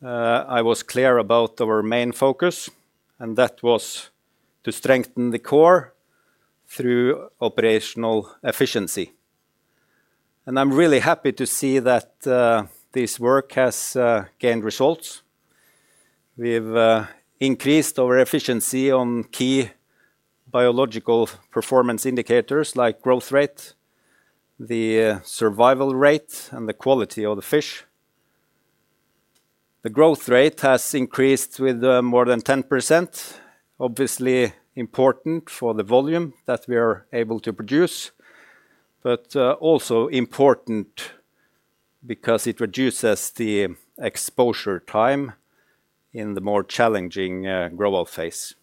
I was clear about our main focus, and that was to strengthen the core through operational efficiency. I'm really happy to see that this work has gained results. We've increased our efficiency on key biological performance indicators like growth rate, the survival rate, and the quality of the fish. The growth rate has increased with more than 10%. Obviously important for the volume that we are able to produce, but also important because it reduces the exposure time in the more challenging grow out phase.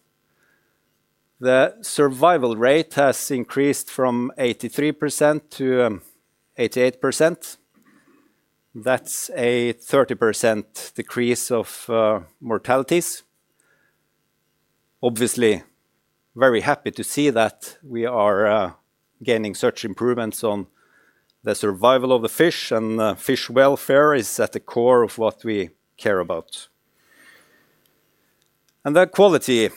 The survival rate has increased from 83% to 88%. That's a 30% decrease of mortalities. Obviously, very happy to see that we are gaining such improvements on the survival of the fish, and fish welfare is at the core of what we care about. That quality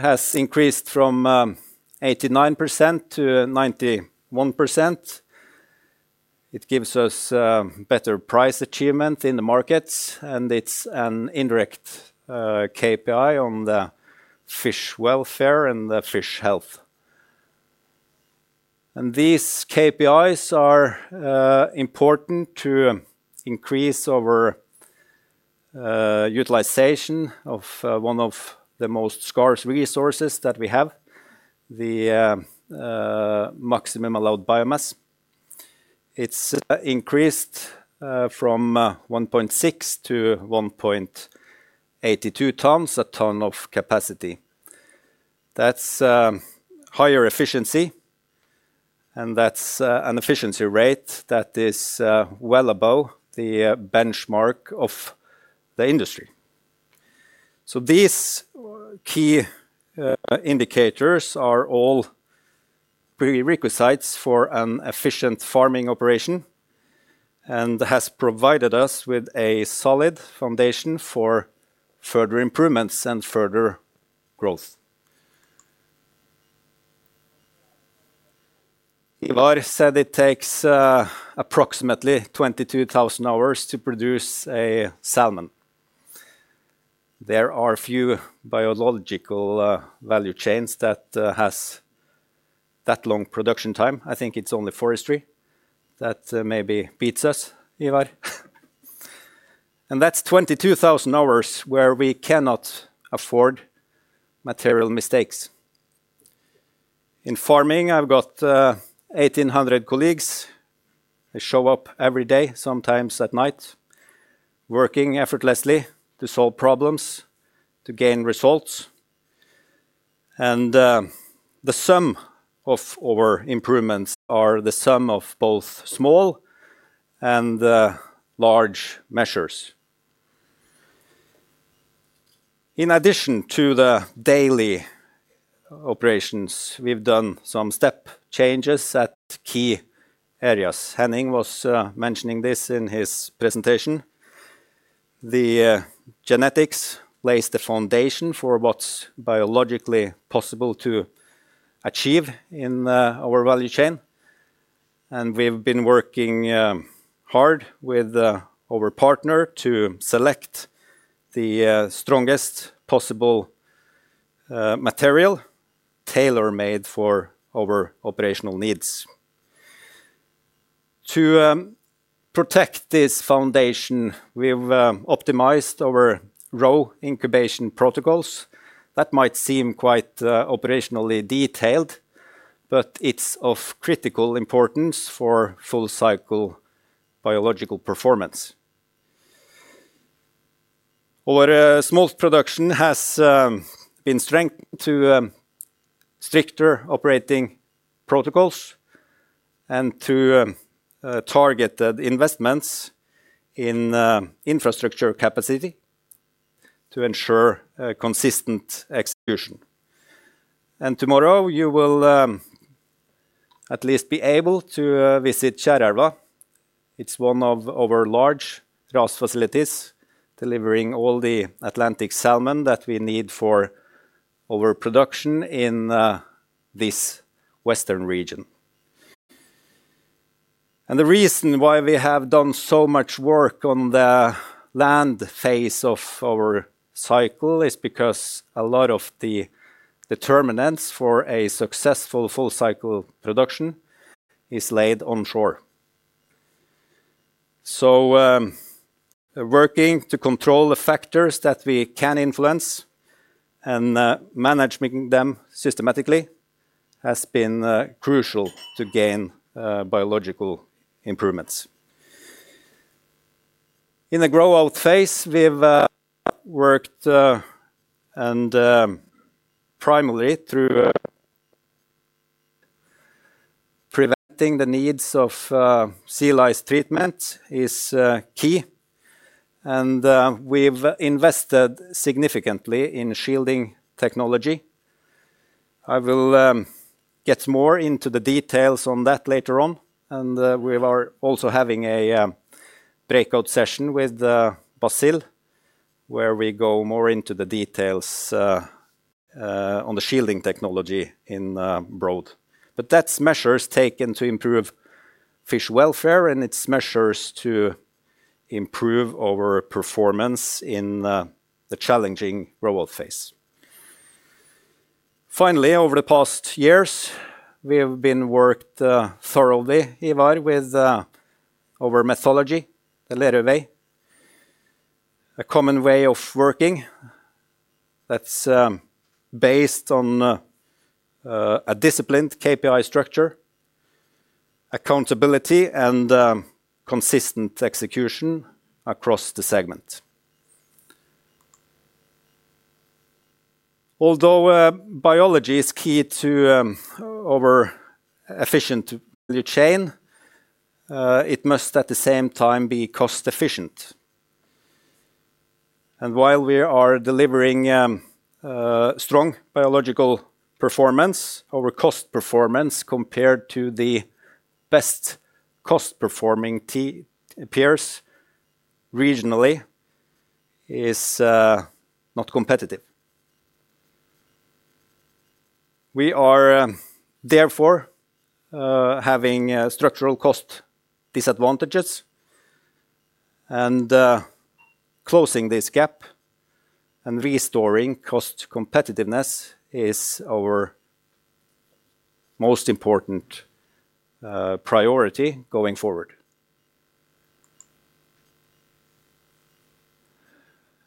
has increased from 89% to 91%. It gives us better price achievement in the markets, and it's an indirect KPI on the fish welfare and the fish health. These KPIs are important to increase our utilization of one of the most scarce resources that we have, the maximum allowed biomass. It's increased from 1.6 to 1.82 tons, a ton of capacity. That's higher efficiency, and that's an efficiency rate that is well above the benchmark of the industry. These key indicators are all prerequisites for an efficient farming operation and has provided us with a solid foundation for further improvements and further growth. Ivar said it takes approximately 22,000 hours to produce a salmon. There are few biological value chains that has that long production time. I think it's only forestry that maybe beats us, Ivar. That's 22,000 hours where we cannot afford material mistakes. In farming, I've got 1,800 colleagues. They show up every day, sometimes at night, working effortlessly to solve problems, to gain results. The sum of our improvements are the sum of both small and large measures. In addition to the daily operations, we've done some step changes at key areas. Henning was mentioning this in his presentation. The genetics lays the foundation for what's biologically possible to achieve in our value chain. We've been working hard with our partner to select the strongest possible material tailor-made for our operational needs. To protect this foundation, we've optimized our roe incubation protocols. That might seem quite operationally detailed, but it's of critical importance for full-cycle biological performance. Our smolt production has been strengthened to stricter operating protocols and to target the investments in infrastructure capacity to ensure consistent execution. Tomorrow you will, at least be able to visit Kjerag. It's one of our large grass facilities, delivering all the Atlantic salmon that we need for our production in this western region. The reason why we have done so much work on the land phase of our cycle is because a lot of the determinants for a successful full-cycle production is laid onshore. Working to control the factors that we can influence and managing them systematically has been crucial to gain biological improvements. In the grow-out phase, we've worked and primarily through preventing the needs of sea lice treatment is key. We've invested significantly in shielding technology. I will get more into the details on that later on. We are also having a breakout session with Basil, where we go more into the details on the shielding technology in broad. That's measures taken to improve fish welfare and it's measures to improve our performance in the challenging grow-out phase. Finally, over the past years, we have been worked thoroughly, Ivar, with our methodology, the Lerøy Way. A common way of working that's based on a disciplined KPI structure, accountability, and consistent execution across the segment. Although biology is key to our efficient value chain, it must at the same time be cost-efficient. While we are delivering strong biological performance, our cost performance compared to the best cost-performing peers regionally is not competitive. We are, therefore, having structural cost disadvantages and closing this gap and restoring cost competitiveness is our most important priority going forward.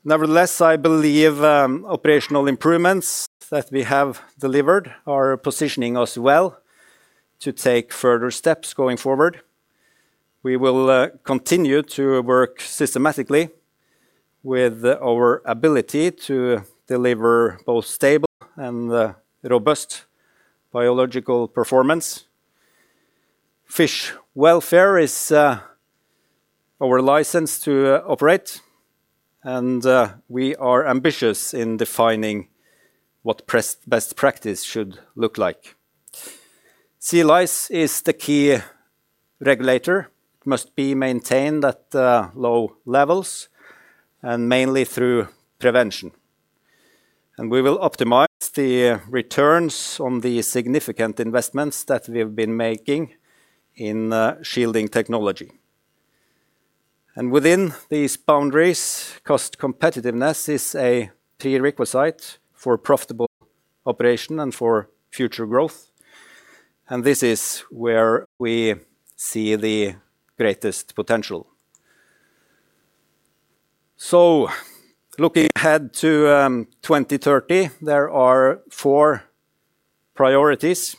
Nevertheless, I believe operational improvements that we have delivered are positioning us well to take further steps going forward. We will continue to work systematically with our ability to deliver both stable and robust biological performance. Fish welfare is our license to operate, and we are ambitious in defining what best practice should look like. Sea lice is the key regulator. It must be maintained at low levels and mainly through prevention. We will optimize the returns on the significant investments that we've been making in shielding technology. Within these boundaries, cost competitiveness is a prerequisite for profitable operation and for future growth. This is where we see the greatest potential. Looking ahead to 2030, there are four priorities.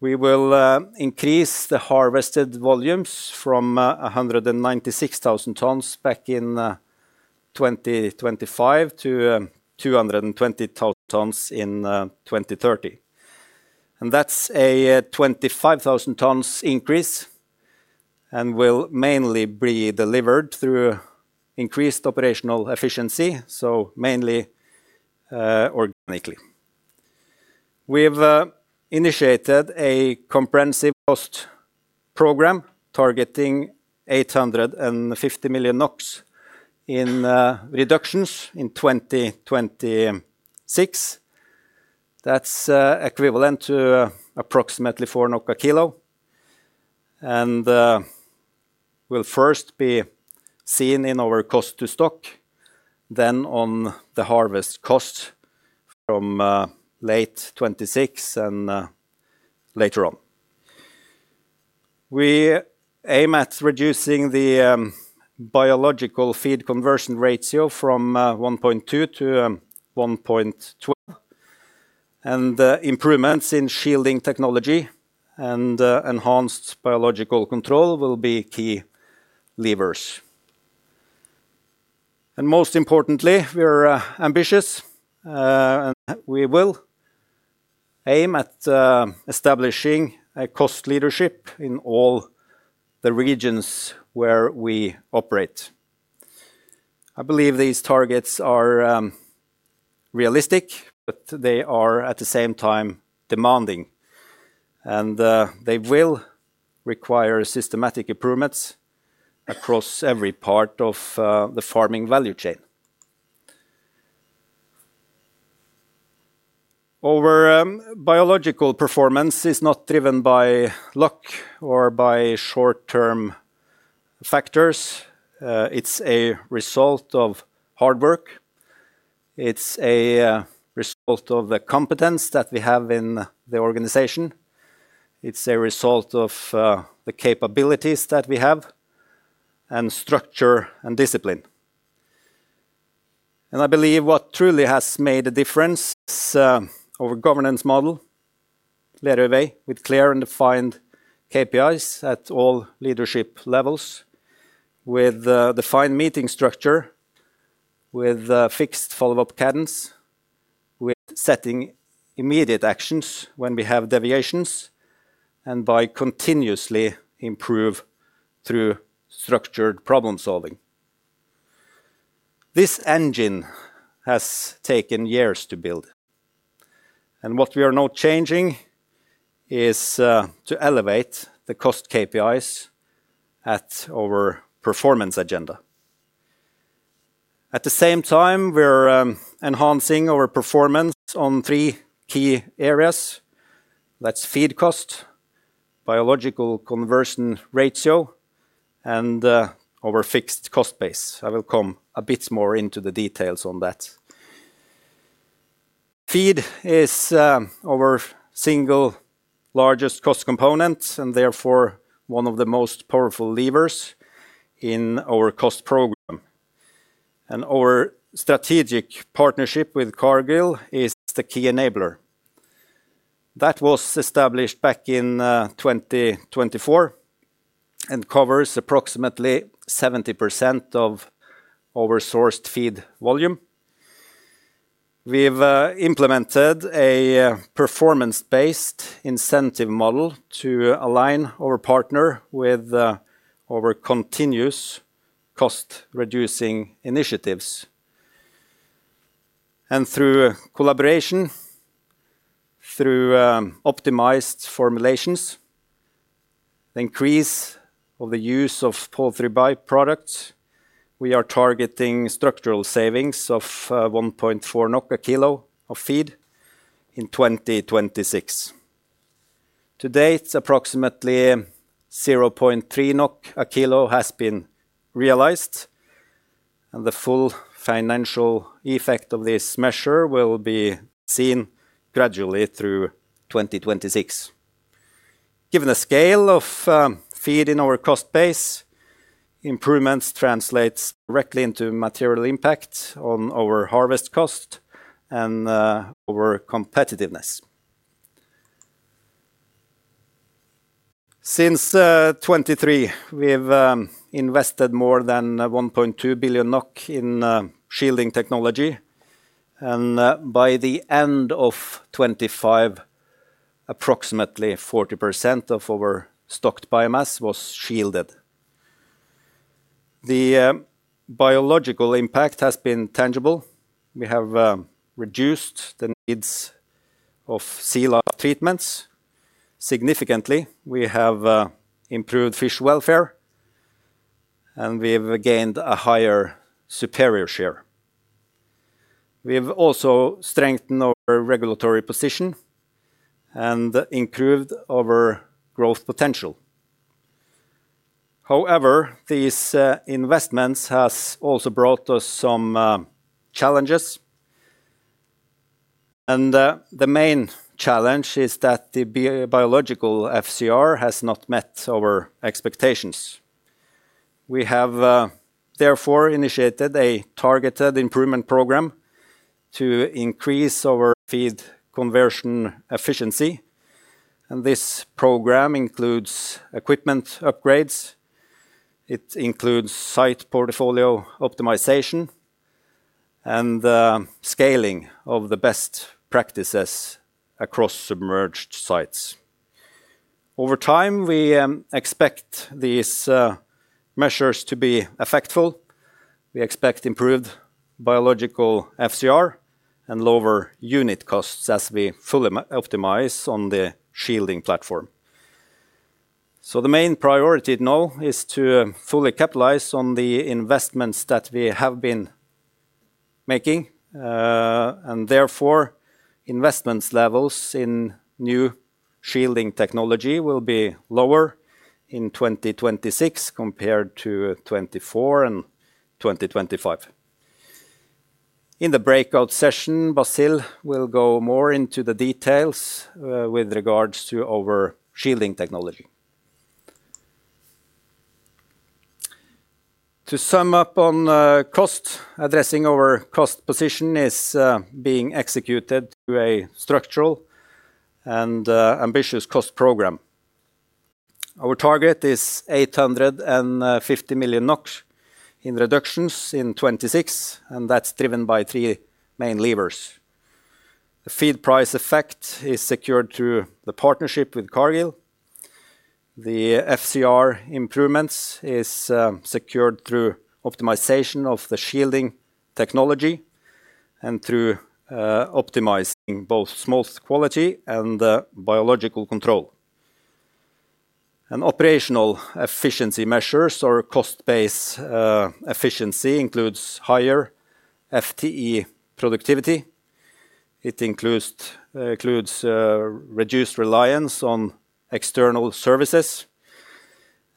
We will increase the harvested volumes from 196,000 tons back in 2025 to 220,000 tons in 2030. That's a 25,000 tons increase and will mainly be delivered through increased operational efficiency, so mainly organically. We've initiated a comprehensive cost program targeting 850 million NOK in reductions in 2026. That's equivalent to approximately 4 a kilo, and will first be seen in our cost to stock, then on the harvest cost from late 2026 and later on. We aim at reducing the biological feed conversion ratio from 1.2 to 1.2. Improvements in shielding technology and enhanced biological control will be key levers. Most importantly, we're ambitious, and we will aim at establishing a cost leadership in all the regions where we operate. I believe these targets are realistic, but they are at the same time demanding. They will require systematic improvements across every part of the farming value chain. Our biological performance is not driven by luck or by short-term factors. It's a result of hard work. It's a result of the competence that we have in the organization. It's a result of the capabilities that we have, and structure and discipline. I believe what truly has made a difference, our governance model, led otherwise with clear and defined KPIs at all leadership levels, with defined meeting structure, with fixed follow-up cadence, with setting immediate actions when we have deviations, and by continuously improve through structured problem-solving. This engine has taken years to build. What we are now changing is to elevate the cost KPIs at our performance agenda. At the same time, we're enhancing our performance on three key areas. That's feed cost, biological conversion ratio, and our fixed cost base. I will come a bit more into the details on that. Feed is our single largest cost component, and therefore one of the most powerful levers in our cost program. Our strategic partnership with Cargill is the key enabler. That was established back in 2024 and covers approximately 70% of our sourced feed volume. We've implemented a performance-based incentive model to align our partner with our continuous cost-reducing initiatives. Through collaboration, through optimized formulations, the increase of the use of poultry by-products, we are targeting structural savings of 1.4 NOK a kilo of feed in 2026. To date, approximately 0.3 NOK a kilo has been realized, the full financial effect of this measure will be seen gradually through 2026. Given the scale of feed in our cost base, improvements translates directly into material impact on our harvest cost and our competitiveness. Since 2023, we've invested more than 1.2 billion NOK in shielding technology, and by the end of 2025, approximately 40% of our stocked biomass was shielded. The biological impact has been tangible. We have reduced the needs of sea louse treatments significantly. We have improved fish welfare, and we've gained a higher superior share. We've also strengthened our regulatory position and improved our growth potential. However, these investments has also brought us some challenges. The main challenge is that the biological FCR has not met our expectations. We have therefore initiated a targeted improvement program to increase our feed conversion efficiency. This program includes equipment upgrades. It includes site portfolio optimization and scaling of the best practices across submerged sites. Over time, we expect these measures to be effectual. We expect improved biological FCR and lower unit costs as we fully optimize on the shielding platform. The main priority now is to fully capitalize on the investments that we have been making, and therefore, investments levels in new shielding technology will be lower in 2026 compared to 2024 and 2025. In the breakout session, Basil will go more into the details with regards to our shielding technology. To sum up on cost, addressing our cost position is being executed through a structural and ambitious cost program. Our target is 850 million NOK in reductions in 2026, and that's driven by three main levers. The feed price effect is secured through the partnership with Cargill. The FCR improvements is secured through optimization of the shielding technology and through optimizing both smolt quality and the biological control. Operational efficiency measures or cost base, efficiency includes higher FTE productivity. It includes reduced reliance on external services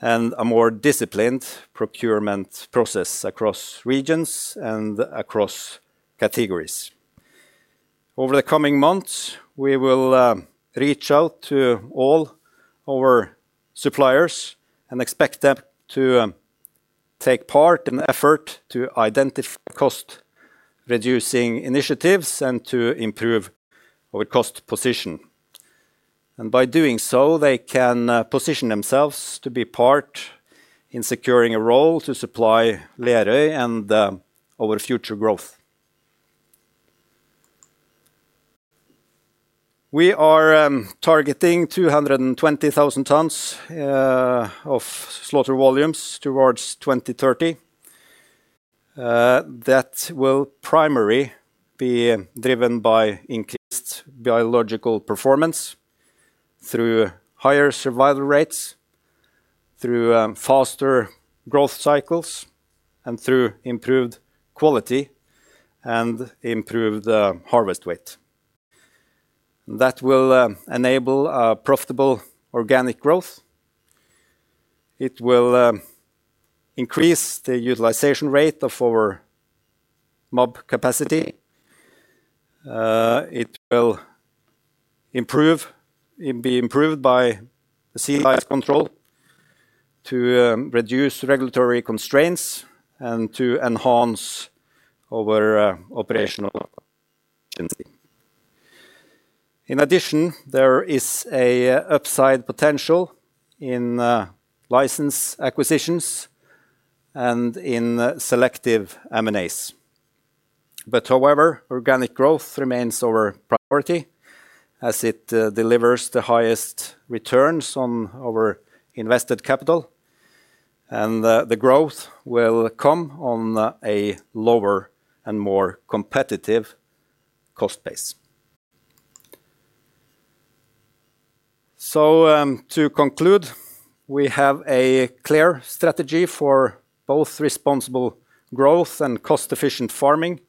and a more disciplined procurement process across regions and across categories. Over the coming months, we will reach out to all our suppliers and expect them to take part in the effort to identify cost-reducing initiatives and to improve our cost position. By doing so, they can position themselves to be part in securing a role to supply Lerøy and our future growth. We are targeting 220,000 tons of slaughter volumes towards 2030. That will primary be driven by increased biological performance through higher survival rates, through faster growth cycles, and through improved quality and improved harvest weight. That will enable a profitable organic growth. It will increase the utilization rate of our mob capacity. It be improved by sea lice control to reduce regulatory constraints and to enhance our operational efficiency. In addition, there is a upside potential in license acquisitions and in selective M&As. However, organic growth remains our priority as it delivers the highest returns on our invested capital, and the growth will come on a lower and more competitive cost base. To conclude, we have a clear strategy for both responsible growth and cost-efficient farming.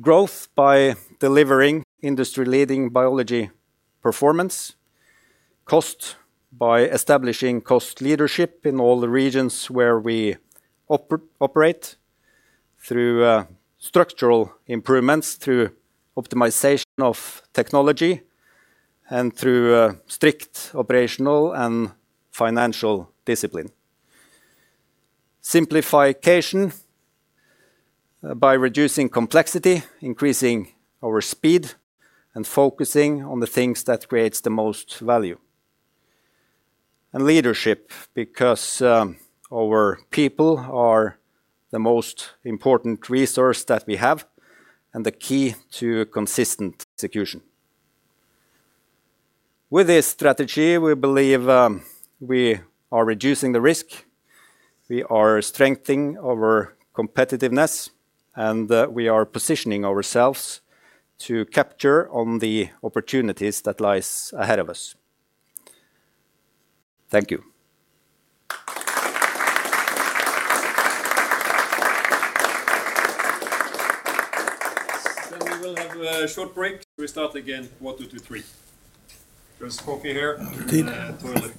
Growth by delivering industry-leading biology performance. Cost by establishing cost leadership in all the regions where we operate through structural improvements, through optimization of technology, and through strict operational and financial discipline. Simplification, by reducing complexity, increasing our speed, and focusing on the things that creates the most value. Leadership, because our people are the most important resource that we have and the key to consistent execution. With this strategy, we believe we are reducing the risk, we are strengthening our competitiveness, and we are positioning ourselves to capture on the opportunities that lies ahead of us. Thank you. We will have a short break. We start again 2:45 P.M. There's coffee here and a toilet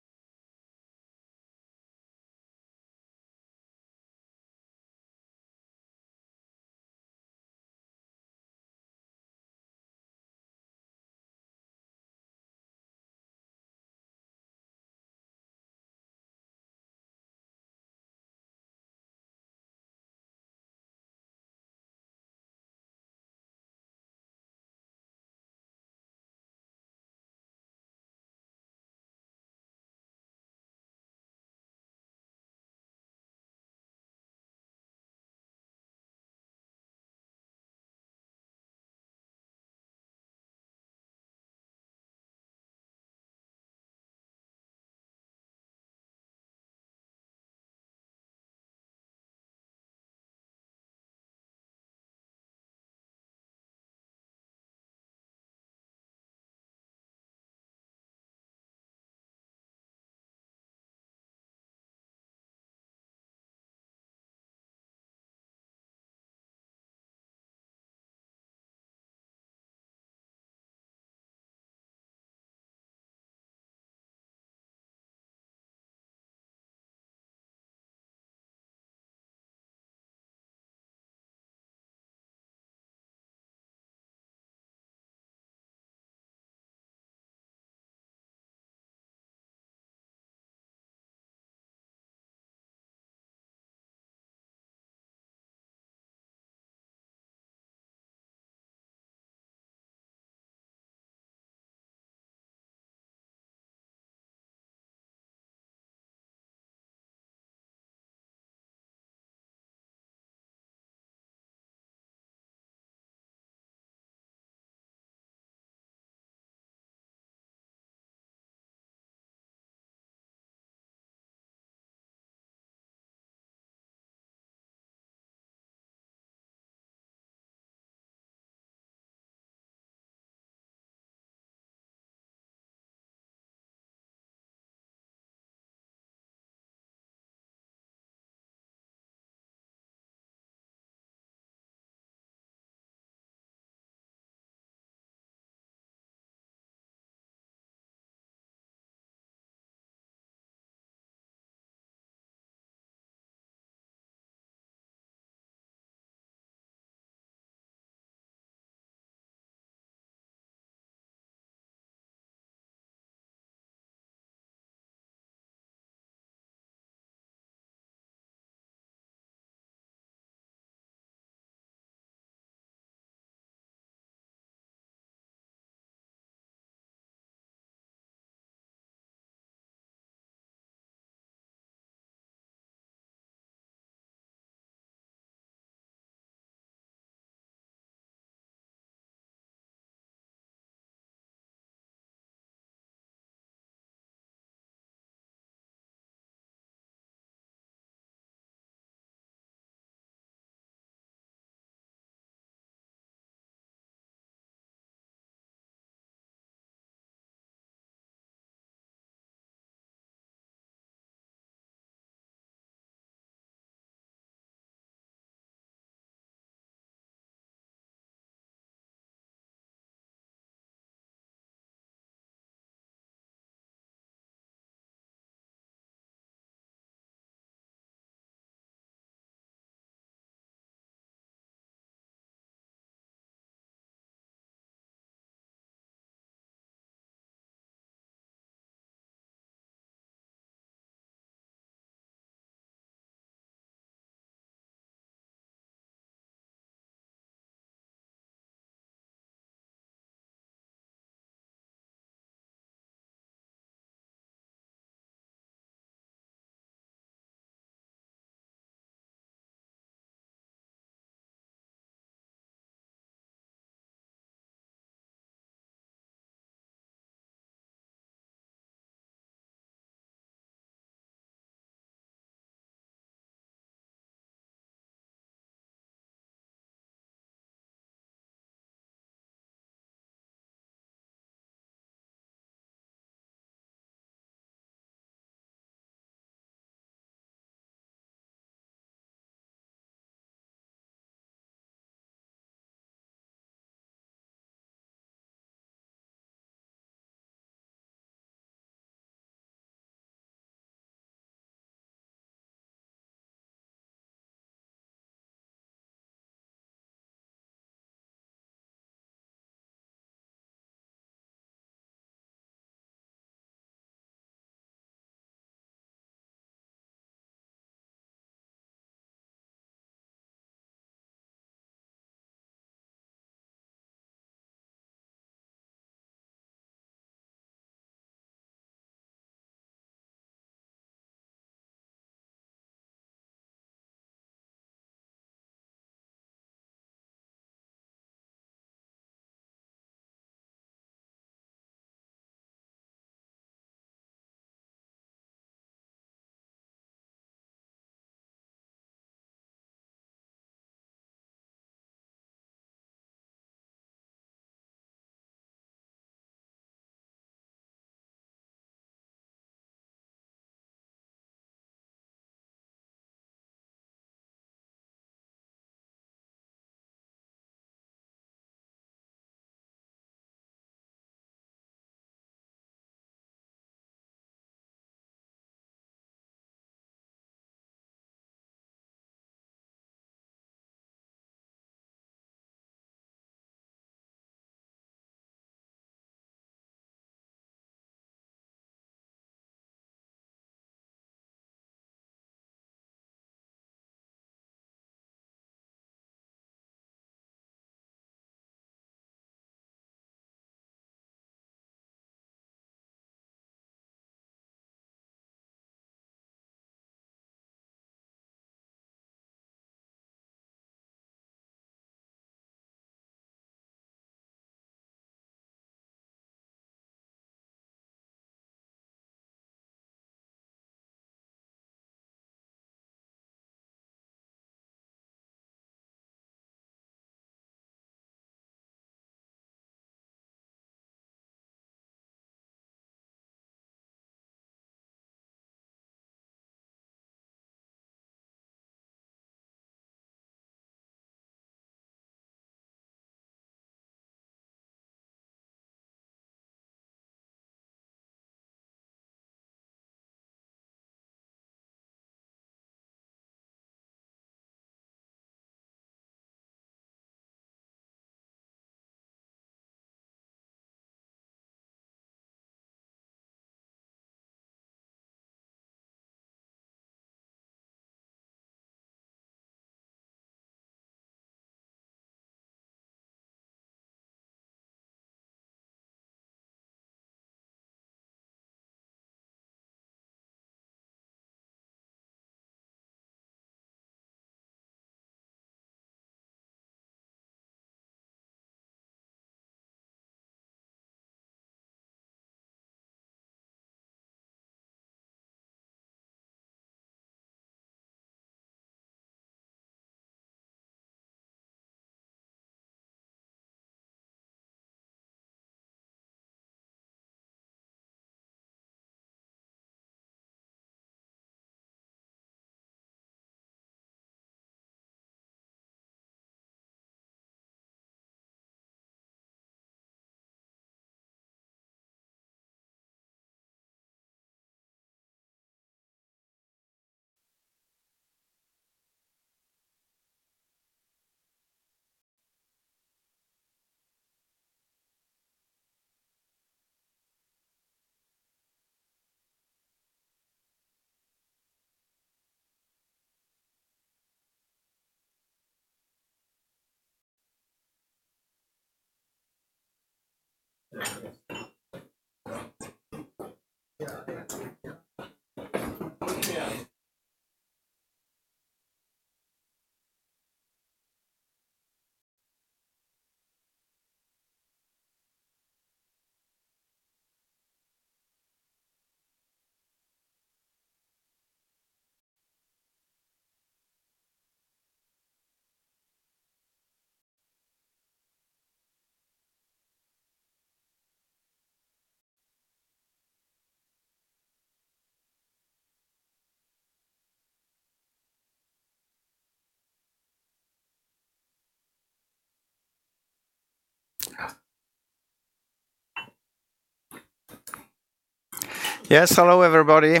outside. Yes. Hello everybody,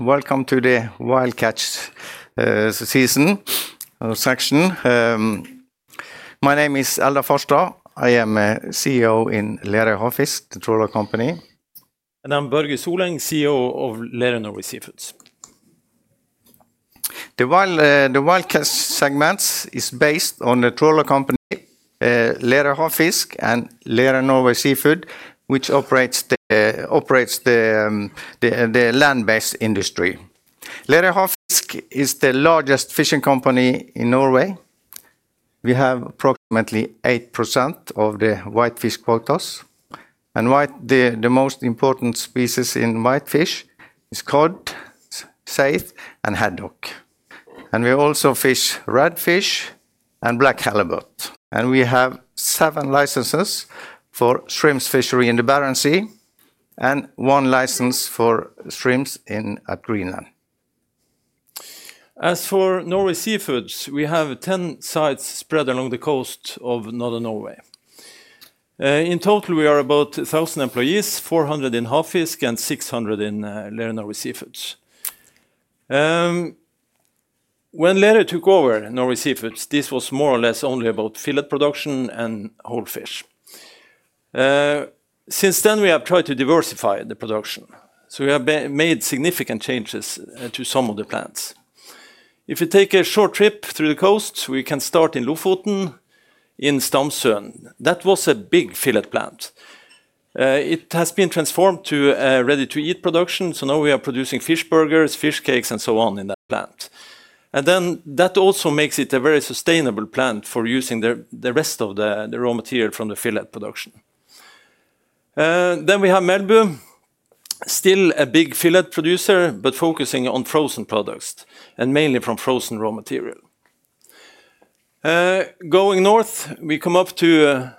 welcome to the wild catch season or section. My name is Eldar Forstad. I am a CEO in Lerøy Havfisk trawler company. I'm Børge Soleng, CEO of Lerøy Norway Seafoods. The wild, the wild catch segments is based on the trawler company, Lerøy Havfisk and Lerøy Norway Seafoods, which operates the land-based industry. Lerøy Havfisk is the largest fishing company in Norway. We have approximately 8% of the whitefish quotas. The most important species in whitefish is cod, saithe, and haddock. We also fish red fish and black halibut. We have 7 licenses for shrimps fishery in the Barents Sea, and 1 license for shrimps at Greenland. As for Norway Seafoods, we have 10 sites spread along the coast of Northern Norway. In total, we are about 1,000 employees, 400 in Havfisk and 600 in Lerøy Norway Seafoods. When Lerøy took over Norway Seafoods, this was more or less only about fillet production and whole fish. Since then, we have tried to diversify the production, so we have made significant changes to some of the plants. If you take a short trip through the coast, we can start in Lofoten in Stamsund. That was a big fillet plant. It has been transformed to a ready-to-eat production, so now we are producing fish burgers, fish cakes, and so on in that plant. That also makes it a very sustainable plant for using the rest of the raw material from the fillet production. We have Melbu, still a big fillet producer, but focusing on frozen products and mainly from frozen raw material. Going north, we come up to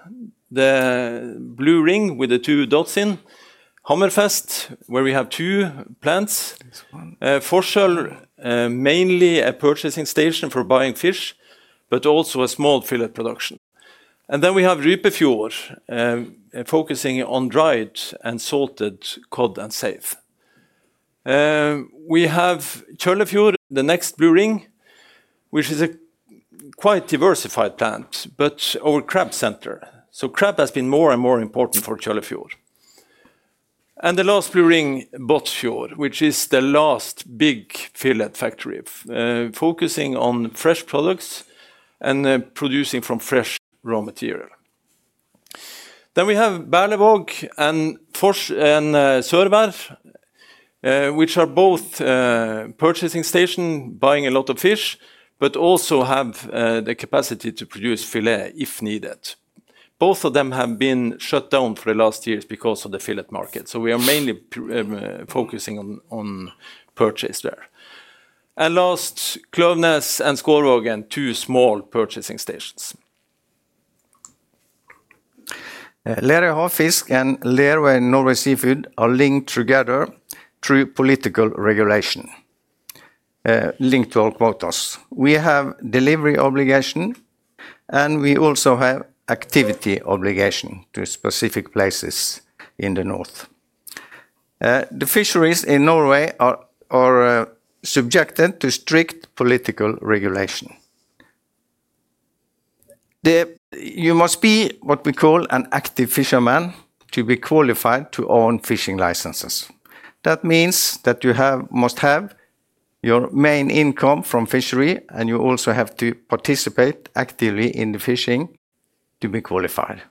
the blue ring with the two dots in Hamarøy, where we have two plants. Forsøl, mainly a purchasing station for buying fish, but also a small fillet production. We have Rypefjord, focusing on dried and salted cod and saithe. We have Tjørnfjord, the next blue ring, which is a quite diversified plant, but our crab center. Crab has been more and more important for Tjørnfjord. The last blue ring Båtsfjord, which is the last big fillet factory, focusing on fresh products and producing from fresh raw material. We have Berlevåg and Sørvær, which are both purchasing stations, buying a lot of fish, but also have the capacity to produce fillet if needed. Both of them have been shut down for the last years because of the fillet market, so we are mainly focusing on purchase there. Last, Kløves and Skårvågen, two small purchasing stations. Lerøy Havfisk and Lerøy Norway Seafood are linked together through political regulation, linked to our quotas. We have delivery obligation, we also have activity obligation to specific places in the north. The fisheries in Norway are subjected to strict political regulation. You must be what we call an active fisherman to be qualified to own fishing licenses. That means that you must have your main income from fishery, and you also have to participate actively in the fishing to be qualified.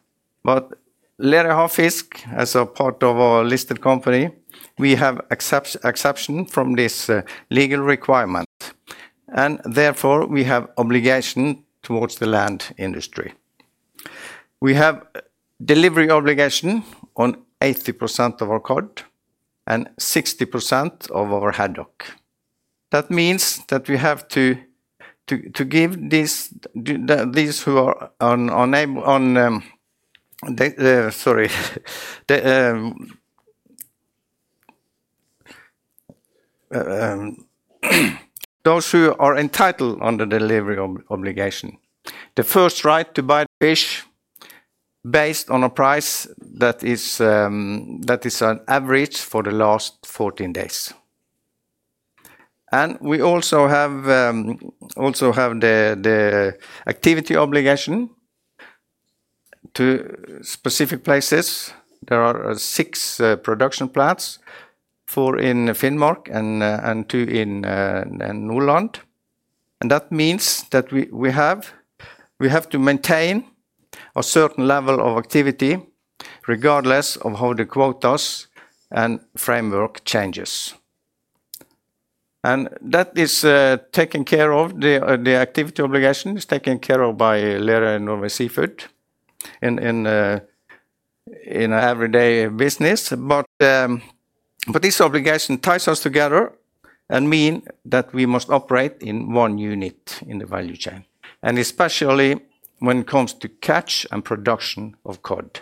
Lerøy Havfisk, as a part of our listed company, we have exception from this legal requirement, and therefore we have obligation towards the land industry. We have delivery obligation on 80% of our cod and 60% of our haddock. That means that we have to give these, the these who are on able, the those who are entitled under delivery obligation, the first right to buy the fish based on a price that is that is an average for the last 14 days. We also have the activity obligation to specific places. There are 6 production plants, 4 in Finnmark and 2 in Nordland. That means that we have to maintain a certain level of activity regardless of how the quotas and framework changes. That is taken care of the activity obligation is taken care of by Lerøy Norway Seafoods in everyday business. This obligation ties us together and mean that we must operate in one unit in the value chain, and especially when it comes to catch and production of cod.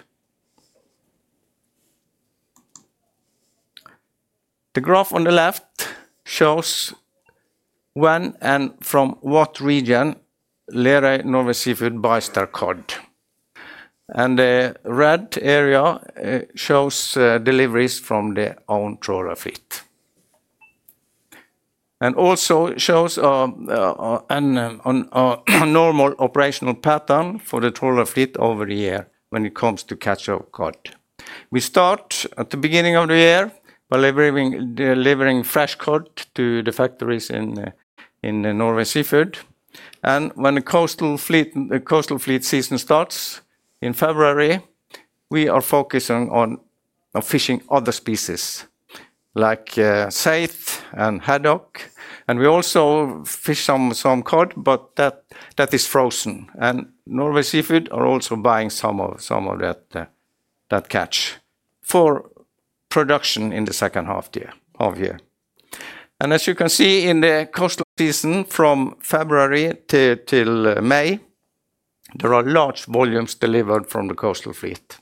The graph on the left shows when and from what region Lerøy Norway Seafoods buys their cod. The red area shows deliveries from their own trawler fleet. Also shows a normal operational pattern for the trawler fleet over the year when it comes to catch of cod. We start at the beginning of the year by delivering fresh cod to the factories in the Lerøy Norway Seafoods. When the coastal fleet season starts in February, we are focusing on fishing other species like saithe and haddock, and we also fish some cod, but that is frozen. Lerøy Norway Seafoods are also buying some of that catch for production in the second half of year. As you can see in the coastal season from February till May, there are large volumes delivered from the coastal fleet.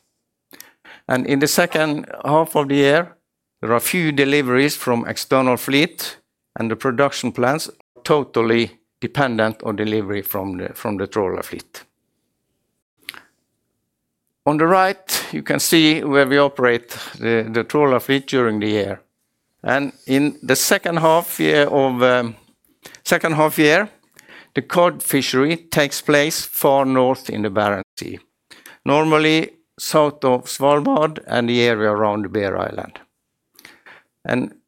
In the second half of the year, there are few deliveries from external fleet and the production plants are totally dependent on delivery from the trawler fleet. On the right, you can see where we operate the trawler fleet during the year. In the second half year, the cod fishery takes place far north in the Barents Sea, normally south of Svalbard and the area around the Bear Island.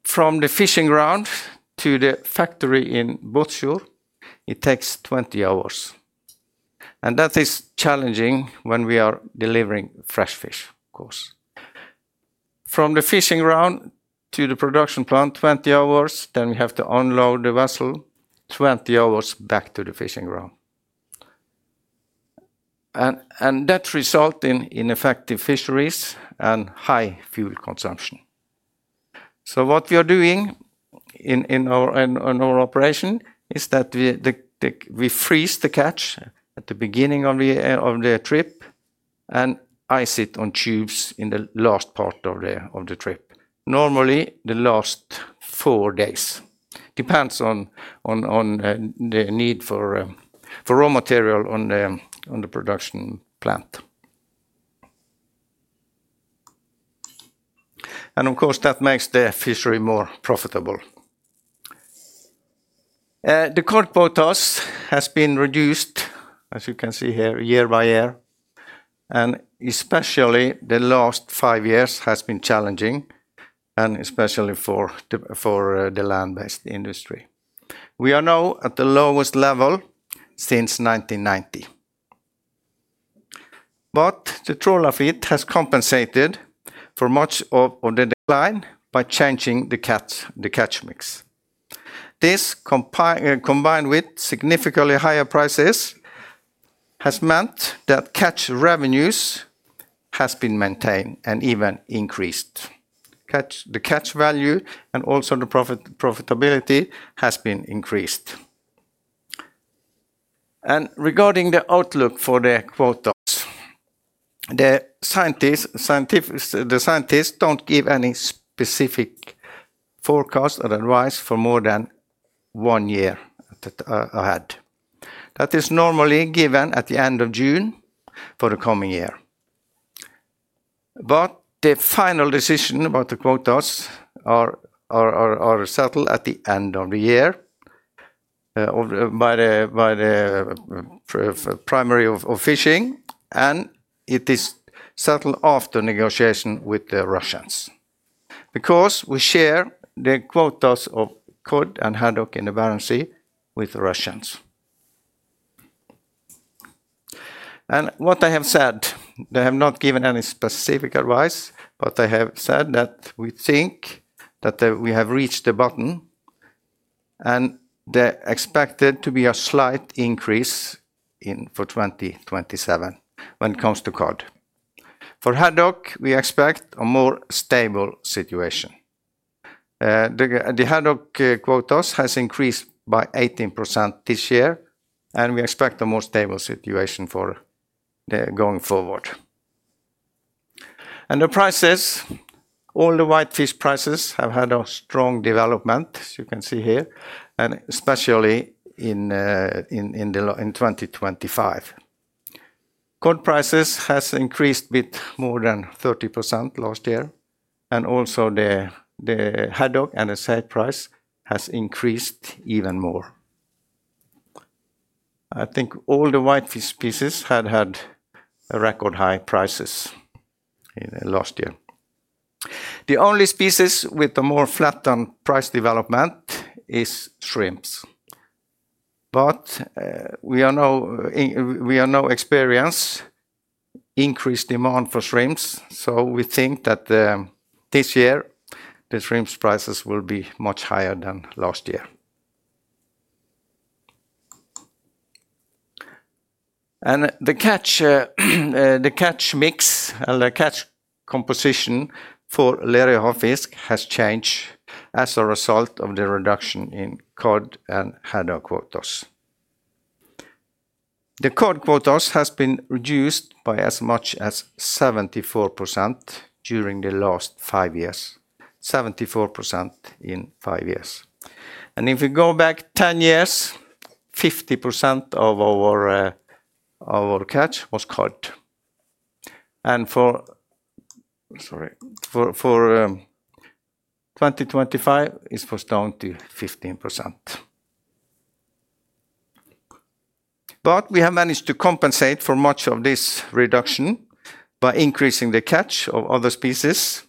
From the fishing ground to the factory in Båtsfjord, it takes 20 hours. That is challenging when we are delivering fresh fish, of course. From the fishing ground to the production plant, 20 hours, then we have to unload the vessel, 20 hours back to the fishing ground. That result in ineffective fisheries and high fuel consumption. What we are doing in our operation is that we freeze the catch at the beginning of the trip and ice it on tubes in the last part of the trip. Normally, the last 4 days. Depends on the need for raw material on the production plant. Of course, that makes the fishery more profitable. The cod quotas has been reduced, as you can see here, year by year, and especially the last 5 years has been challenging, and especially for the land-based industry. We are now at the lowest level since 1990. The trawler fleet has compensated for much of the decline by changing the catch mix. Combined with significantly higher prices, has meant that catch revenues has been maintained and even increased. The catch value and also the profitability has been increased. Regarding the outlook for the quotas, the scientists don't give any specific forecast or advice for more than 1 year that ahead. That is normally given at the end of June for the coming year. The final decision about the quotas are settled at the end of the year, of the, by the primary of fishing, and it is settled after negotiation with the Russians because we share the quotas of cod and haddock in the Barents Sea with Russians. What I have said, they have not given any specific advice, but they have said that we think we have reached the bottom and they're expected to be a slight increase in, for 2027 when it comes to cod. For haddock, we expect a more stable situation. The haddock quotas has increased by 18% this year, and we expect a more stable situation going forward. The prices, all the white fish prices have had a strong development, as you can see here, and especially in the 2025. Cod prices has increased bit more than 30% last year. Also the haddock and the side price has increased even more. I think all the white fish species had a record high prices in last year. The only species with the more flat on price development is shrimps. We are now experience increased demand for shrimps. We think that the, this year, the shrimps prices will be much higher than last year. The catch mix and the catch composition for Lerøy Havfisk has changed as a result of the reduction in cod and haddock quotas. The cod quotas has been reduced by as much as 74% during the last 5 years. 74% in 5 years. If you go back 10 years, 50% of our catch was cod. Sorry. For 2025, it was down to 15%. We have managed to compensate for much of this reduction by increasing the catch of other species,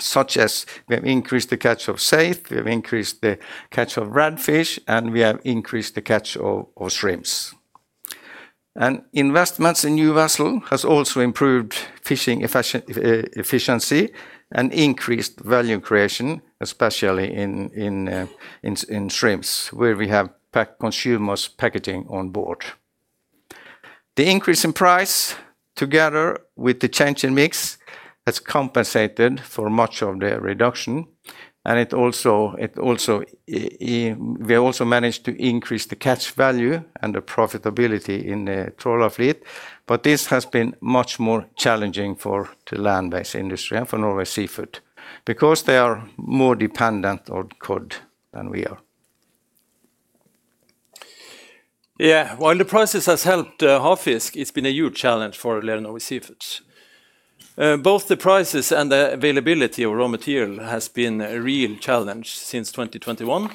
such as we have increased the catch of saithe, we have increased the catch of red fish, and we have increased the catch of shrimps. Investments in new vessel has also improved fishing efficiency and increased value creation, especially in shrimps, where we have pack consumers packaging on board. The increase in price, together with the change in mix, has compensated for much of the reduction. It also we also managed to increase the catch value and the profitability in the trawler fleet, but this has been much more challenging for the land-based industry and for Lerøy Norway Seafoods because they are more dependent on cod than we are. Yeah. While the prices has helped Havfisk, it's been a huge challenge for Lerøy Norway Seafoods. Both the prices and the availability of raw material has been a real challenge since 2021,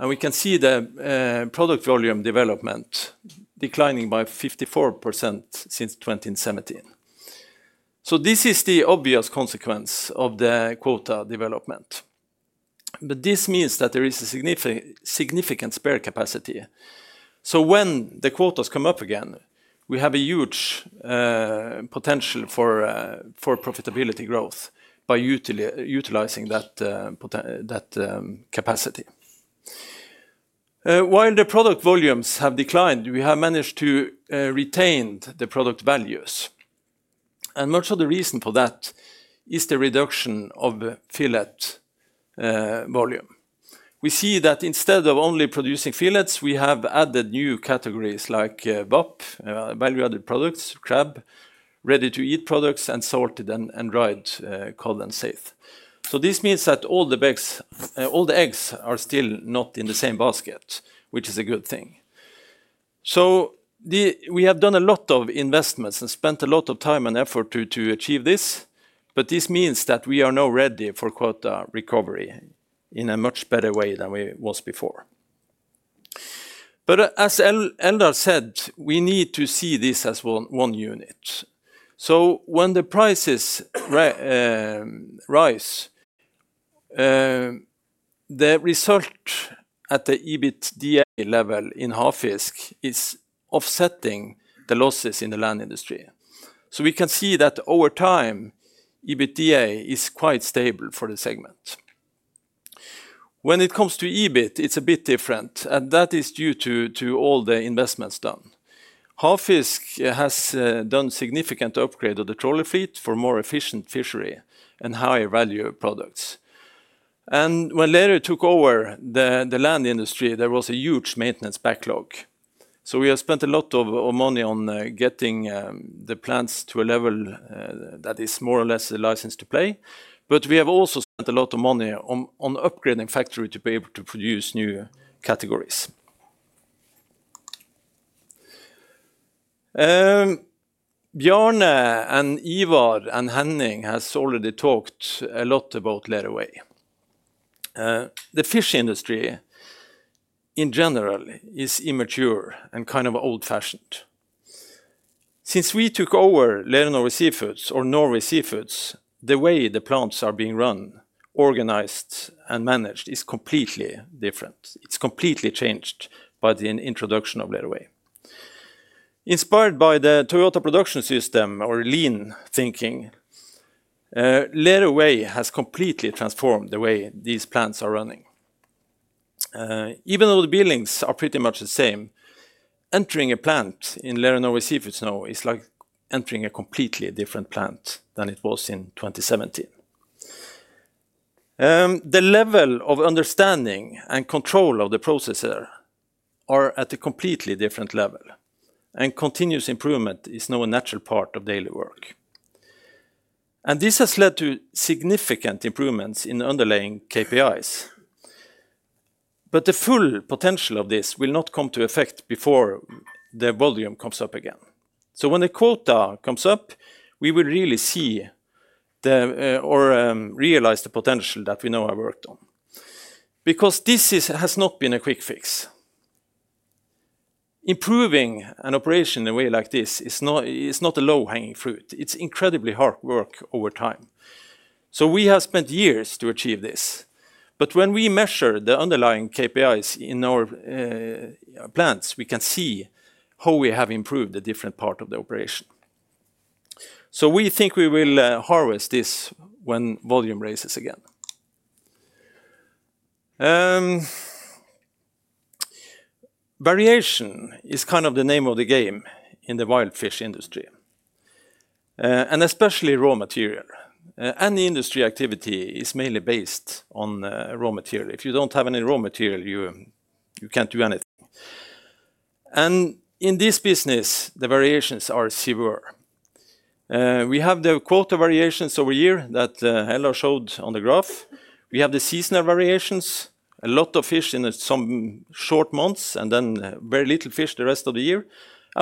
we can see the product volume development declining by 54% since 2017. This is the obvious consequence of the quota development. This means that there is a significant spare capacity. When the quotas come up again, we have a huge potential for profitability growth by utilizing that capacity. While the product volumes have declined, we have managed to retain the product values. Much of the reason for that is the reduction of the filet volume. We see that instead of only producing fillets, we have added new categories like VAP, value-added products, crab, ready-to-eat products, and dried cod and saithe. This means that all the eggs are still not in the same basket, which is a good thing. We have done a lot of investments and spent a lot of time and effort to achieve this, but this means that we are now ready for quota recovery in a much better way than we was before. As Eldar said, we need to see this as one unit. When the prices rise, the result at the EBITDA level in Havfisk is offsetting the losses in the land industry. We can see that over time, EBITDA is quite stable for the segment. When it comes to EBIT, it's a bit different, that is due to all the investments done. Havfisk has done significant upgrade of the trawler fleet for more efficient fishery and higher value products. When Lerøy took over the land industry, there was a huge maintenance backlog. We have spent a lot of money on getting the plants to a level that is more or less a license to play. We have also spent a lot of money on upgrading factory to be able to produce new categories. Bjarne and Ivar and Henning has already talked a lot about Lerøy. The fish industry in general is immature and kind of old-fashioned. Since we took over Lerøy Norway Seafoods, the way the plants are being run, organized, and managed is completely different. It's completely changed by the introduction of Lerøy. Inspired by the Toyota production system or lean thinking, Lerøy has completely transformed the way these plants are running. Even though the buildings are pretty much the same, entering a plant in Lerøy Norway Seafood now is like entering a completely different plant than it was in 2017. The level of understanding and control of the processor are at a completely different level, and continuous improvement is now a natural part of daily work. This has led to significant improvements in underlying KPIs. But the full potential of this will not come to effect before the volume comes up again. When the quota comes up, we will really see the or realize the potential that we know I worked on. This has not been a quick fix. Improving an operation in a way like this is not a low-hanging fruit. It's incredibly hard work over time. We have spent years to achieve this. When we measure the underlying KPIs in our plants, we can see how we have improved the different part of the operation. We think we will harvest this when volume raises again. Variation is kind of the name of the game in the wild fish industry, especially raw material. Any industry activity is mainly based on raw material. If you don't have any raw material, you can't do anything. In this business, the variations are severe. We have the quota variations over year that Henning Beltestad showed on the graph. We have the seasonal variations, a lot of fish in some short months and then very little fish the rest of the year.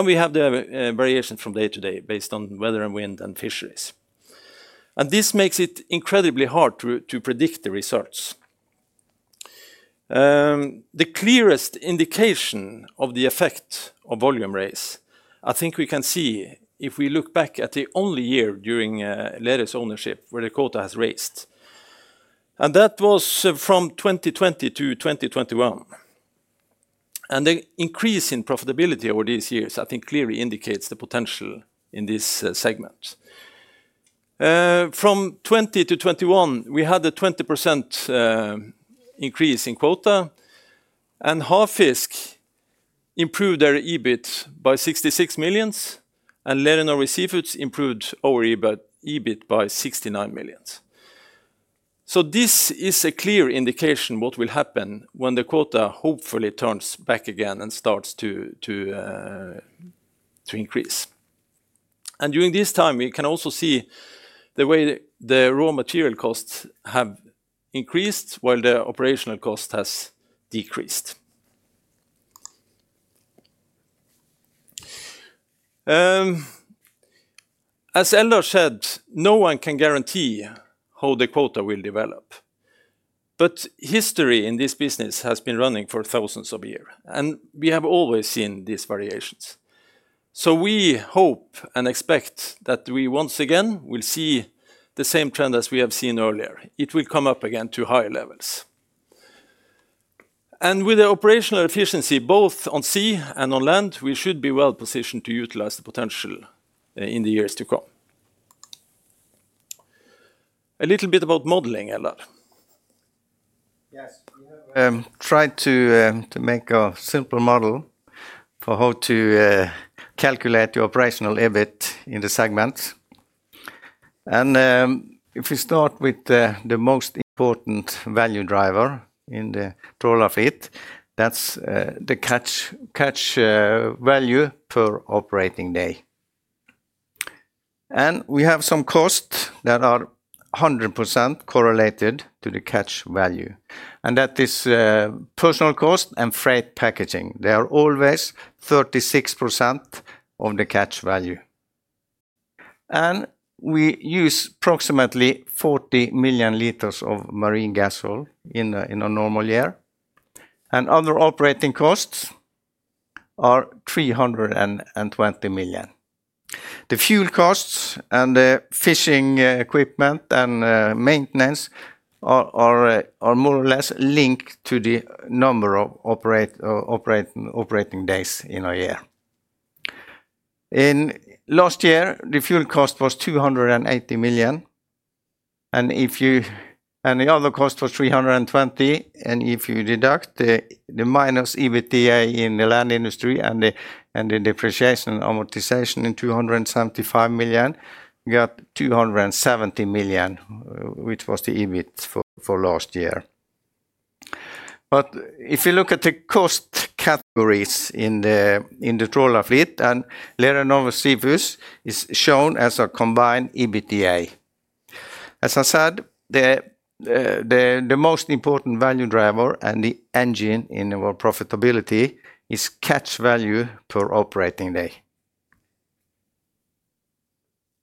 We have the variation from day to day based on weather and wind and fisheries. This makes it incredibly hard to predict the results. The clearest indication of the effect of volume raise, I think we can see if we look back at the only year during Lerøy's ownership where the quota has raised. That was from 2020 to 2021. The increase in profitability over these years, I think clearly indicates the potential in this segment. From 20 to 21, we had a 20% increase in quota, Havfisk improved their EBIT by 66 million, and Lerøy Seafood Group improved our EBIT by 69 million. This is a clear indication what will happen when the quota hopefully turns back again and starts to increase. During this time, we can also see the way the raw material costs have increased while the operational cost has decreased. As Henning Beltestad said, no one can guarantee how the quota will develop. History in this business has been running for thousands of year, and we have always seen these variations. We hope and expect that we once again will see the same trend as we have seen earlier. It will come up again to higher levels. With the operational efficiency both on sea and on land, we should be well-positioned to utilize the potential in the years to come. A little bit about modeling, Henning Beltestad. Yes. We have tried to make a simple model for how to calculate the operational EBIT in the segment. If we start with the most important value driver in the trawler fleet, that's the catch value per operating day. We have some costs that are 100% correlated to the catch value, and that is personal cost and freight packaging. They are always 36% of the catch value. We use approximately 40 million liters of Marine Gas Oil in a normal year. Other operating costs are 320 million. The fuel costs and the fishing equipment and maintenance are more or less linked to the number of operating days in a year. In last year, the fuel cost was 280 million, and the other cost was 320, and if you deduct the minus EBITDA in the land industry and the depreciation amortization in 275 million, we got 270 million, which was the EBIT for last year. If you look at the cost categories in the trawler fleet, and Lerøy Seafoods is shown as a combined EBITDA. As I said, the most important value driver and the engine in our profitability is catch value per operating day.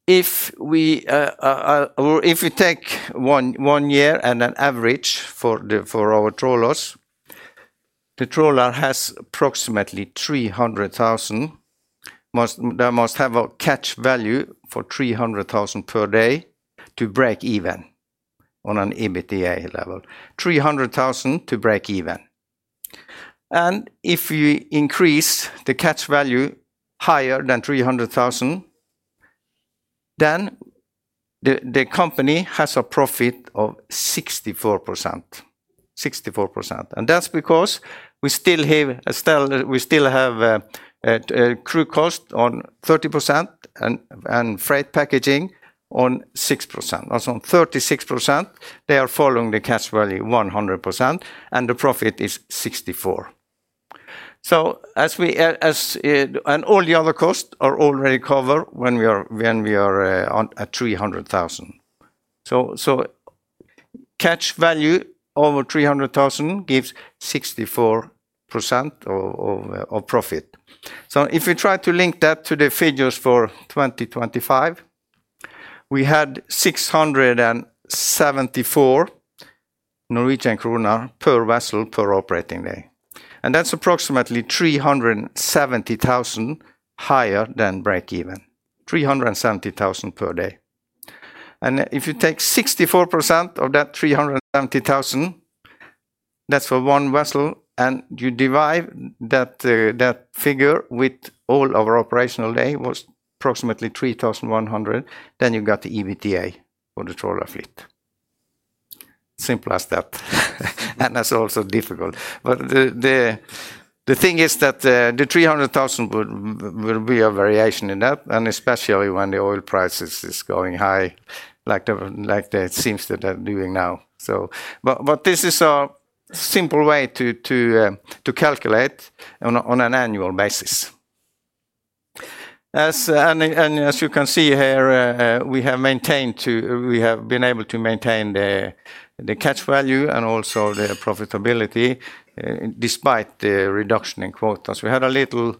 If we or if we take one year and an average for our trawlers, the trawler has approximately 300,000. They must have a catch value for 300 thousand per day to break even on an EBITDA level. 300 thousand to break even. If we increase the catch value higher than 300 thousand, then the company has a profit of 64%. 64%. That's because we still have a crew cost on 30% and freight packaging on 6%. That's on 36%. They are following the catch value 100%. The profit is 64%. As we, all the other costs are already covered when we are on at 300,000. Catch value over 300,000 gives 64% of profit. If we try to link that to the figures for 2025, we had 674 Norwegian kroner per vessel per operating day. That's approximately 370,000 higher than break even. 370,000 per day. If you take 64% of that 370,000, that's for one vessel, and you divide that figure with all of our operational day was approximately 3,100, then you've got the EBITDA for the trawler fleet. Simple as that. That's also difficult. The thing is that the 300,000 will be a variation in that, and especially when the oil prices is going high like it seems that they're doing now. This is a simple way to calculate on an annual basis. As, and as you can see here, we have been able to maintain the catch value and also the profitability despite the reduction in quotas. We had a little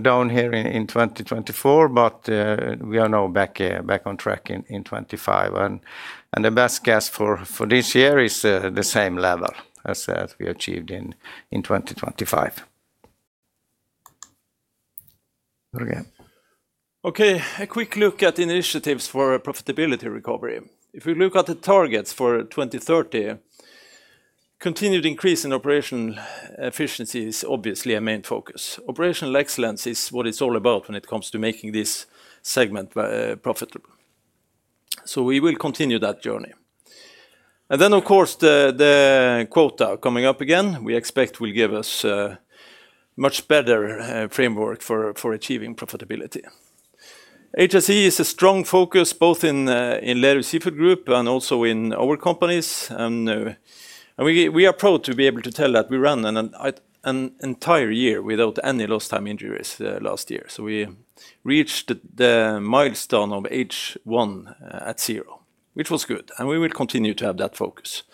down here in 2024, but we are now back on track in 2025. The best guess for this year is the same level as we achieved in 2025. Roger. Okay. A quick look at initiatives for profitability recovery. If we look at the targets for 2030, continued increase in operational efficiency is obviously a main focus. Operational excellence is what it's all about when it comes to making this segment profitable. We will continue that journey. Then of course, the quota coming up again, we expect will give us much better framework for achieving profitability. HSE is a strong focus both in Lerøy Seafood Group and also in our companies. We are proud to be able to tell that we ran an entire year without any lost time injuries last year. We reached the milestone of H1 at zero, which was good, and we will continue to have that focus.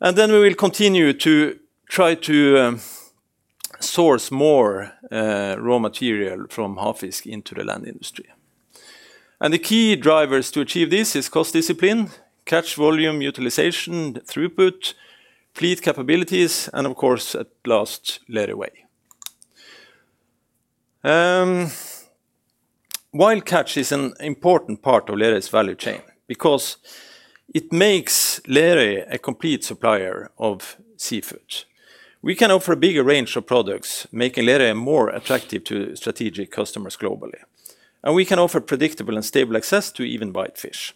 Then we will continue to try to source more raw material from Havfisk into the land industry. The key drivers to achieve this is cost discipline, catch volume utilization, throughput, fleet capabilities, and of course, at last, Lerøy Way. Wild catch is an important part of Lerøy's value chain because it makes Lerøy a complete supplier of seafood. We can offer a bigger range of products, making Lerøy more attractive to strategic customers globally. We can offer predictable and stable access to even whitefish.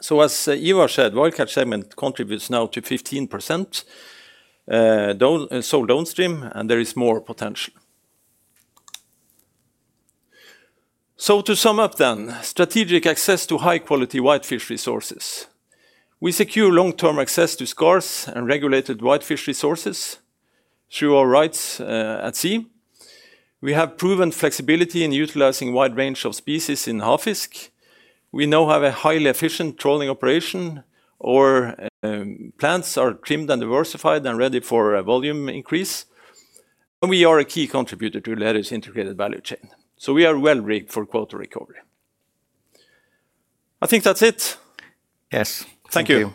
As Ivar said, wild catch segment contributes now to 15% so downstream, and there is more potential. To sum up then, strategic access to high-quality whitefish resources. We secure long-term access to scarce and regulated whitefish resources through our rights at sea. We have proven flexibility in utilizing a wide range of species in Havfisk. We now have a highly efficient trawling operation. Our plants are trimmed and diversified and ready for a volume increase. We are a key contributor to Lerøy's integrated value chain. We are well-rigged for quota recovery. I think that's it. Yes. Thank you.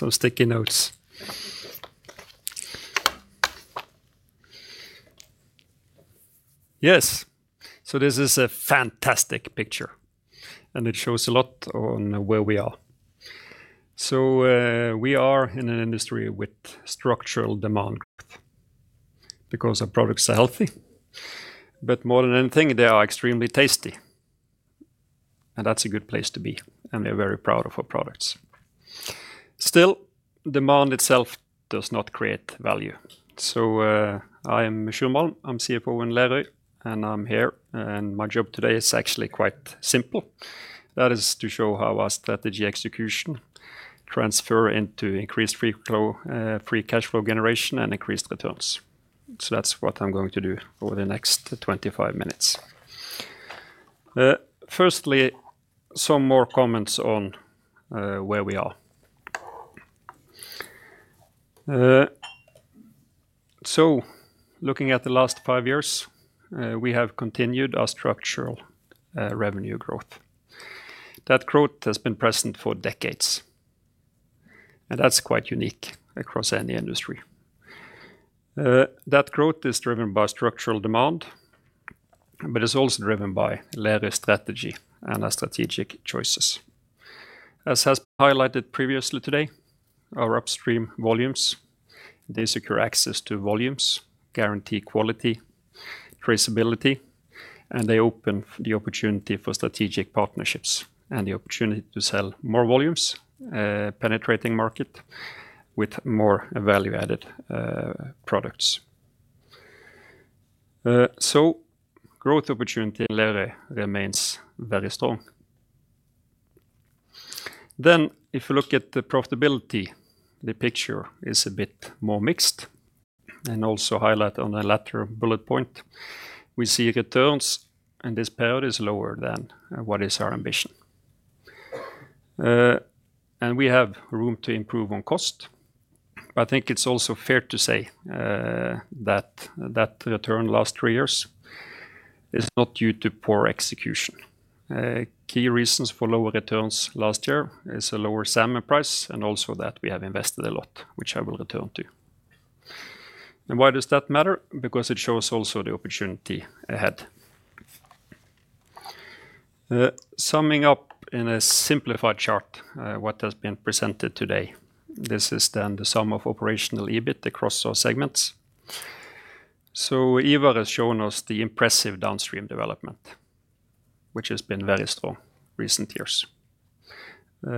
Thank you. Some sticky notes. Yes. This is a fantastic picture, and it shows a lot on where we are. We are in an industry with structural demand growth because our products are healthy. More than anything, they are extremely tasty, and that's a good place to be, and we're very proud of our products. Still, demand itself does not create value. I am Sjur Malm. I'm CFO in Lerøy, and I'm here. My job today is actually quite simple. That is to show how our strategy execution transfer into increased free flow, free cash flow generation and increased returns. That's what I'm going to do over the next 25 minutes. Firstly, some more comments on where we are. Looking at the last 5 years, we have continued our structural revenue growth. That growth has been present for decades. That's quite unique across any industry. That growth is driven by structural demand It's also driven by Lerøy strategy and our strategic choices. As has been highlighted previously today, our upstream volumes, they secure access to volumes, guarantee quality, traceability, and they open the opportunity for strategic partnerships and the opportunity to sell more volumes, penetrating market with more value-added products. Growth opportunity in Lerøy remains very strong. If you look at the profitability, the picture is a bit more mixed and also highlight on the latter bullet point. We see returns and this period is lower than what is our ambition. We have room to improve on cost. I think it's also fair to say that that return last three years is not due to poor execution. Key reasons for lower returns last year is a lower salmon price and also that we have invested a lot, which I will return to. Why does that matter? Because it shows also the opportunity ahead. Summing up in a simplified chart, what has been presented today. This is then the sum of operational EBIT across our segments. Ivar has shown us the impressive downstream development, which has been very strong recent years.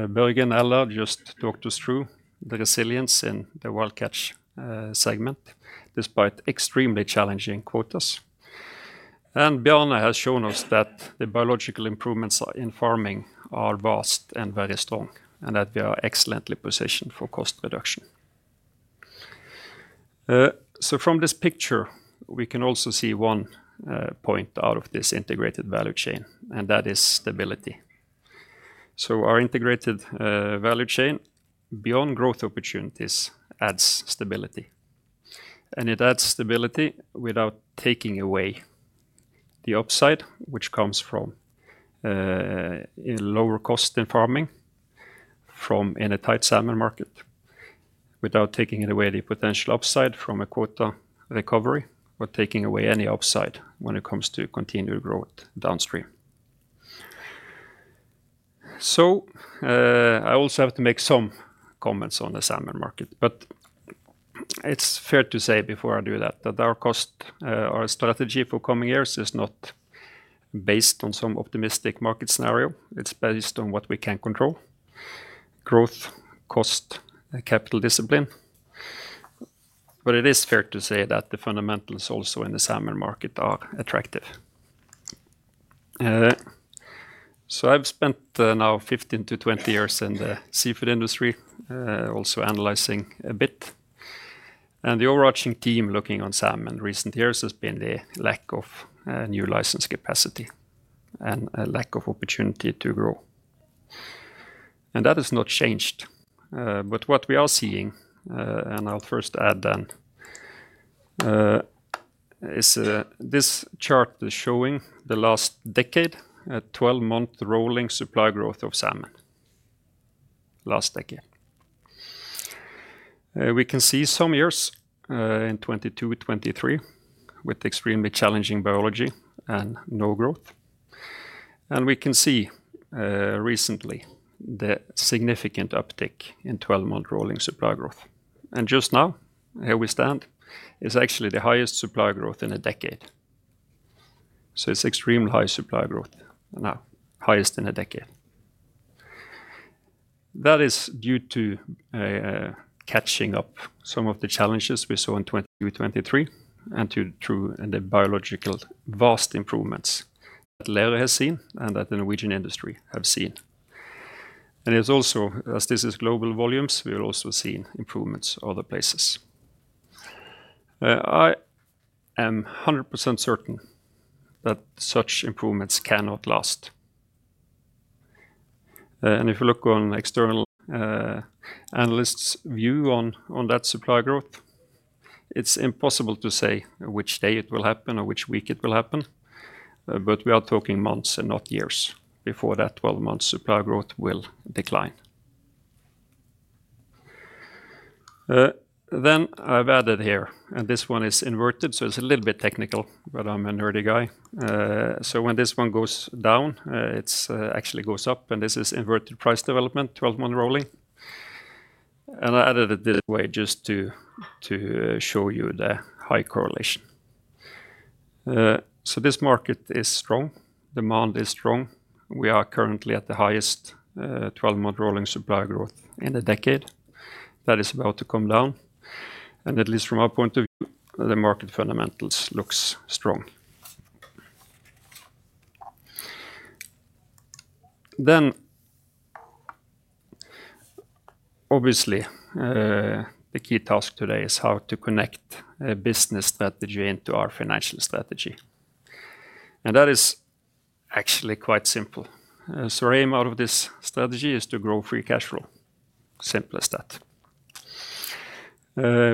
Børge and Eldar just talked us through the resilience in the wild catch segment despite extremely challenging quotas. Bjarne has shown us that the biological improvements in farming are vast and very strong, and that we are excellently positioned for cost reduction. From this picture, we can also see one point out of this integrated value chain, and that is stability. Our integrated value chain beyond growth opportunities adds stability. It adds stability without taking away the upside which comes from, in lower cost in farming from in a tight salmon market, without taking away the potential upside from a quota recovery, or taking away any upside when it comes to continued growth downstream. I also have to make some comments on the salmon market. It's fair to say before I do that our cost, our strategy for coming years is not based on some optimistic market scenario. It's based on what we can control. Growth, cost, capital discipline. It is fair to say that the fundamentals also in the salmon market are attractive. I've spent now 15 to 20 years in the seafood industry, also analyzing a bit. The overarching theme looking on salmon in recent years has been the lack of new license capacity and a lack of opportunity to grow. That has not changed. What we are seeing, and I'll first add then, is this chart is showing the last decade at 12-month rolling supply growth of salmon. Last decade. We can see some years in 2022, 2023 with extremely challenging biology and no growth. We can see recently the significant uptick in 12-month rolling supply growth. Just now, here we stand, is actually the highest supply growth in a decade. It's extremely high supply growth now, highest in a decade. That is due to catching up some of the challenges we saw in 2022, 2023 through the biological vast improvements that Lerøy has seen and that the Norwegian industry have seen. It's also, as this is global volumes, we're also seeing improvements other places. I am 100% certain that such improvements cannot last. If you look on external analysts' view on that supply growth, it's impossible to say which day it will happen or which week it will happen. We are talking months and not years before that 12-month supply growth will decline. I've added here, and this one is inverted, so it's a little bit technical, but I'm a nerdy guy. When this one goes down, it's actually goes up, and this is inverted price development, 12-month rolling. I added it this way just to show you the high correlation. This market is strong. Demand is strong. We are currently at the highest 12-month rolling supply growth in a decade. That is about to come down. At least from our point of view, the market fundamentals look strong. Obviously, the key task today is how to connect a business strategy into our financial strategy. That is actually quite simple. Our aim out of this strategy is to grow free cash flow. Simple as that.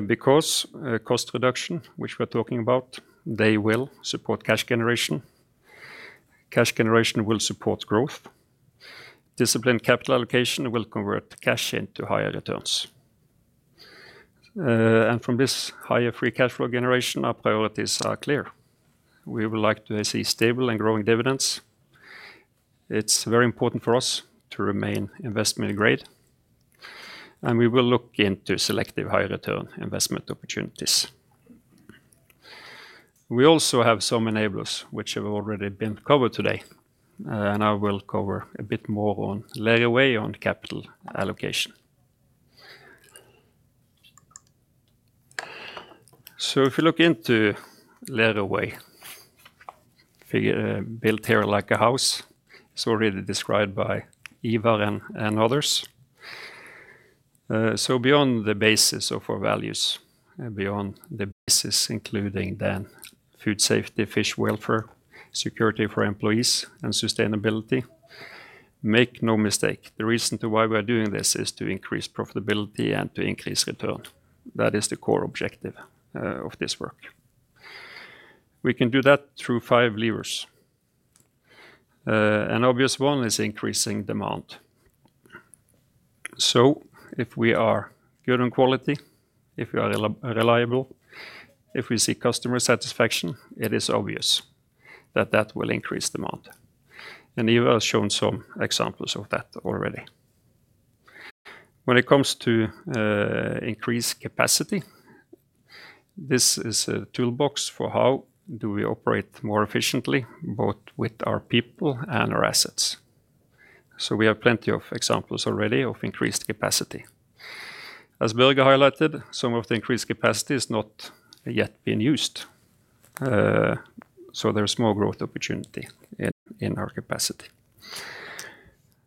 Because cost reduction, which we're talking about, they will support cash generation. Cash generation will support growth. Disciplined capital allocation will convert cash into higher returns. From this higher free cash flow generation, our priorities are clear. We would like to see stable and growing dividends. It's very important for us to remain investment grade, and we will look into selective higher return investment opportunities. We also have some enablers which have already been covered today, and I will cover a bit more on Lerøy on capital allocation. If you look into Lerøy, built here like a house, it's already described by Ivar and others. Beyond the basis of our values and beyond the basis including then food safety, fish welfare, security for employees, and sustainability, make no mistake, the reason to why we are doing this is to increase profitability and to increase return. That is the core objective of this work. We can do that through five levers. An obvious one is increasing demand. If we are good on quality, if we are reliable, if we see customer satisfaction, it is obvious that that will increase demand. Ivar has shown some examples of that already. When it comes to increased capacity, this is a toolbox for how do we operate more efficiently, both with our people and our assets. We have plenty of examples already of increased capacity. As Belga highlighted, some of the increased capacity has not yet been used. There's more growth opportunity in our capacity.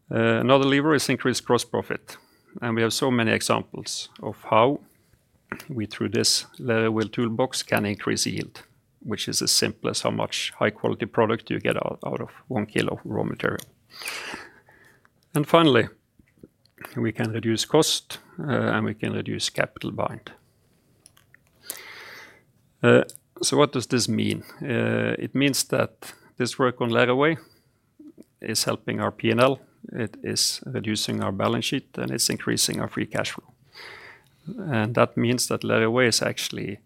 Another lever is increased gross profit, and we have so many examples of how we, through this Lerøy Way toolbox, can increase yield, which is as simple as how much high quality product you get out of one kilo raw material. Finally, we can reduce cost, and we can reduce capital bind. What does this mean? It means that this work on Lerøy Way is helping our P&L, it is reducing our balance sheet, and it's increasing our free cash flow. That means that Lerøy Way is actually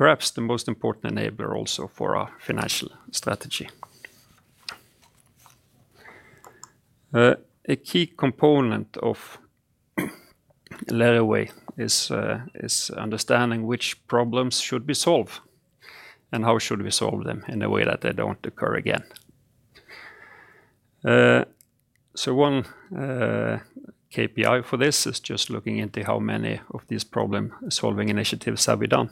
perhaps the most important enabler also for our financial strategy. A key component of Lerøy Way is understanding which problems should we solve and how should we solve them in a way that they don't occur again. One KPI for this is just looking into how many of these problem-solving initiatives have we done.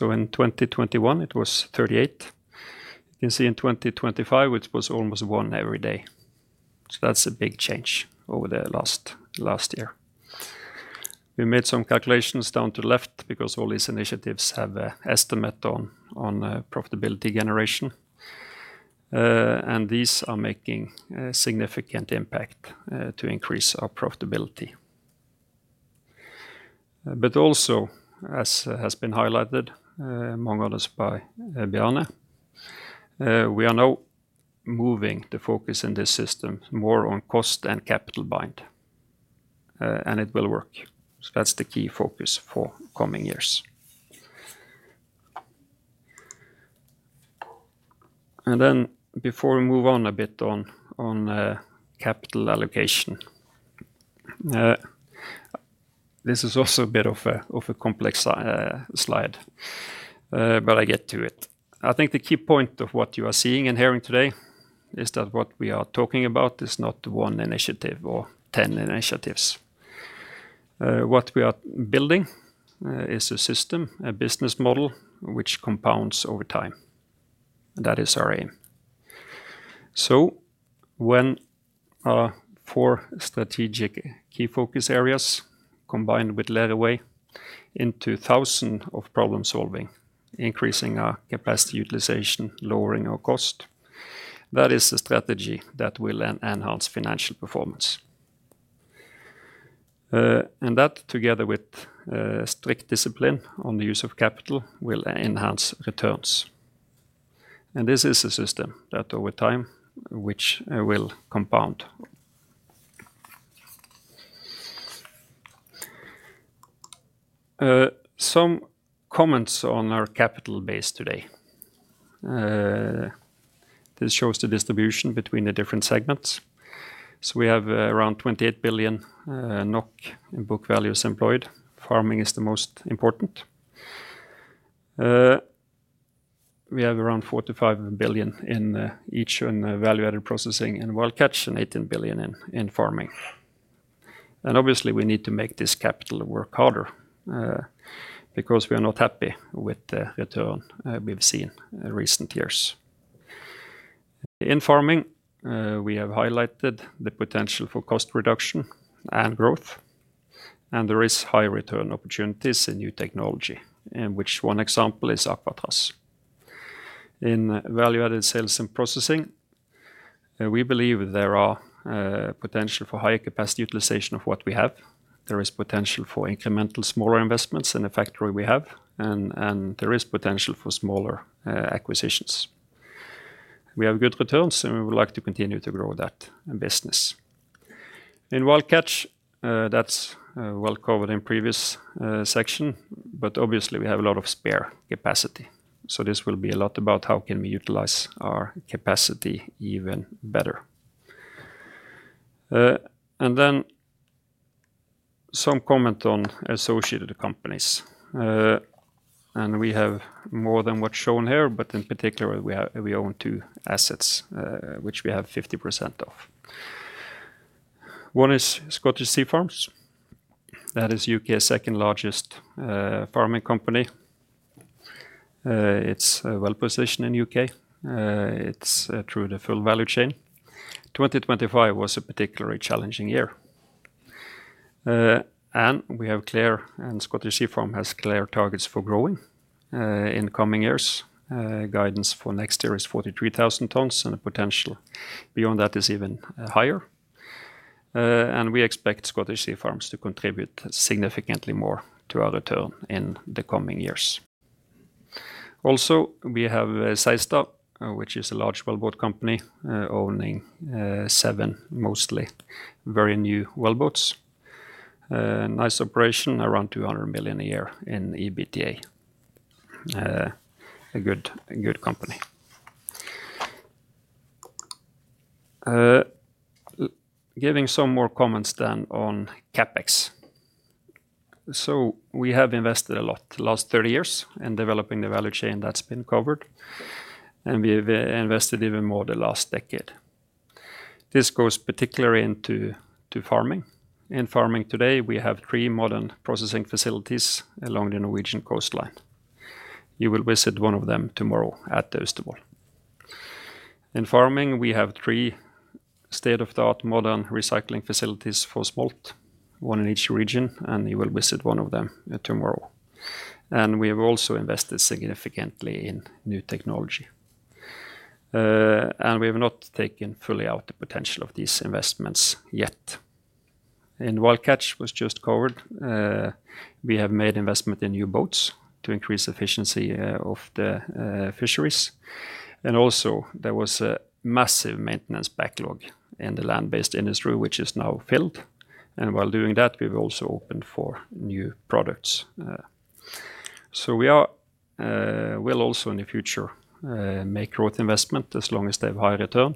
In 2021 it was 38. You can see in 2025 it was almost 1 every day. That's a big change over the last year. We made some calculations down to the left because all these initiatives have a estimate on profitability generation, and these are making a significant impact to increase our profitability. Also, as has been highlighted, among others by Bjarne, we are now moving the focus in this system more on cost and capital bind, and it will work. That's the key focus for coming years. Before we move on a bit on capital allocation, this is also a bit of a, of a complex slide, but I get to it. I think the key point of what you are seeing and hearing today is that what we are talking about is not 1 initiative or 10 initiatives. What we are building is a system, a business model which compounds over time. That is our aim. When our four strategic key focus areas combined with Lerøy Way into thousands of problem-solving, increasing our capacity utilization, lowering our cost, that is the strategy that will enhance financial performance. That together with strict discipline on the use of capital will enhance returns. This is a system that over time which will compound. Some comments on our capital base today. This shows the distribution between the different segments. We have around 28 billion NOK in book values employed. Farming is the most important. We have around 45 billion in each in Value-Added Processing and wild catch and 18 billion in farming. Obviously we need to make this capital work harder because we are not happy with the return we've seen in recent years. In farming, we have highlighted the potential for cost reduction and growth. There is high return opportunities in new technology, which one example is Aquatraz. In value-added sales and processing, we believe there are potential for higher capacity utilization of what we have. There is potential for incremental smaller investments in the factory we have and there is potential for smaller acquisitions. We have good returns and we would like to continue to grow that business. In wild catch, that's well covered in previous section. Obviously we have a lot of spare capacity. This will be a lot about how can we utilize our capacity even better. Some comment on associated companies. We have more than what's shown here, but in particular, we own two assets, which we have 50% of. One is Scottish Sea Farms. That is UK's second-largest farming company. It's well-positioned in UK. It's through the full value chain. 2025 was a particularly challenging year. We have clear, and Scottish Sea Farms has clear targets for growing in the coming years. Guidance for next year is 43,000 tons, and the potential beyond that is even higher. We expect Scottish Sea Farms to contribute significantly more to our return in the coming years. Also, we have Seistar, which is a large wellboat company, owning seven, mostly very new wellboats. Nice operation, around 200 million a year in EBITDA. A good company. Giving some more comments then on CapEx. We have invested a lot the last 30 years in developing the value chain that's been covered, and we've invested even more the last decade. This goes particularly into farming. In farming today, we have 3 modern processing facilities along the Norwegian coastline. You will visit one of them tomorrow at Austevoll. In farming, we have 3 state-of-the-art modern recycling facilities for smolt, one in each region, and you will visit one of them tomorrow. We have also invested significantly in new technology. We have not taken fully out the potential of these investments yet. In wild catch, was just covered, we have made investment in new boats to increase efficiency of the fisheries. Also there was a massive maintenance backlog in the land-based industry, which is now filled. While doing that, we've also opened for new products. We are will also in the future make growth investment as long as they have high return.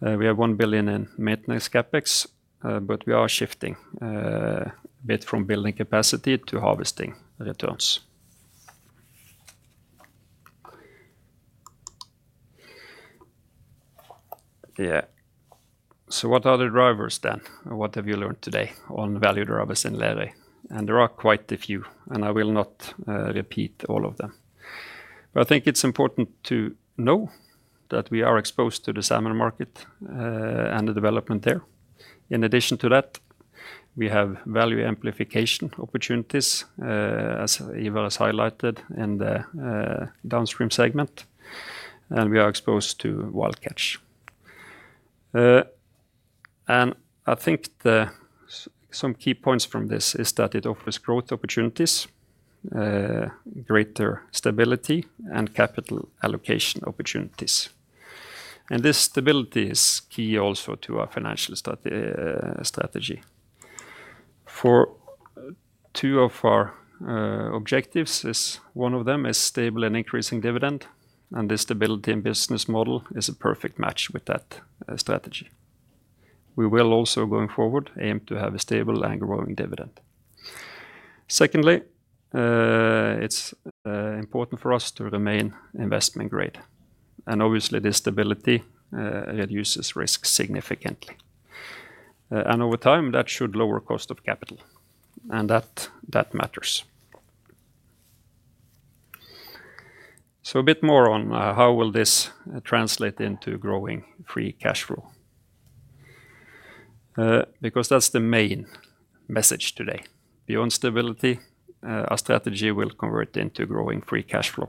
We have 1 billion in maintenance CapEx, but we are shifting a bit from building capacity to harvesting returns. Yeah. What are the drivers then? What have you learned today on value drivers in Lerøy? There are quite a few, and I will not repeat all of them. I think it's important to know that we are exposed to the salmon market, and the development there. In addition to that, we have value amplification opportunities, as Ivar has highlighted in the downstream segment, and we are exposed to wild catch. I think some key points from this is that it offers growth opportunities, greater stability, and capital allocation opportunities. This stability is key also to our financial strategy. For two of our, objectives is one of them is stable and increasing dividend, and the stability in business model is a perfect match with that, strategy. We will also, going forward, aim to have a stable and growing dividend. Secondly, it's important for us to remain investment grade. Obviously this stability reduces risk significantly. Over time, that should lower cost of capital, and that matters. A bit more on how will this translate into growing free cash flow. That's the main message today. Beyond stability, our strategy will convert into growing free cash flow.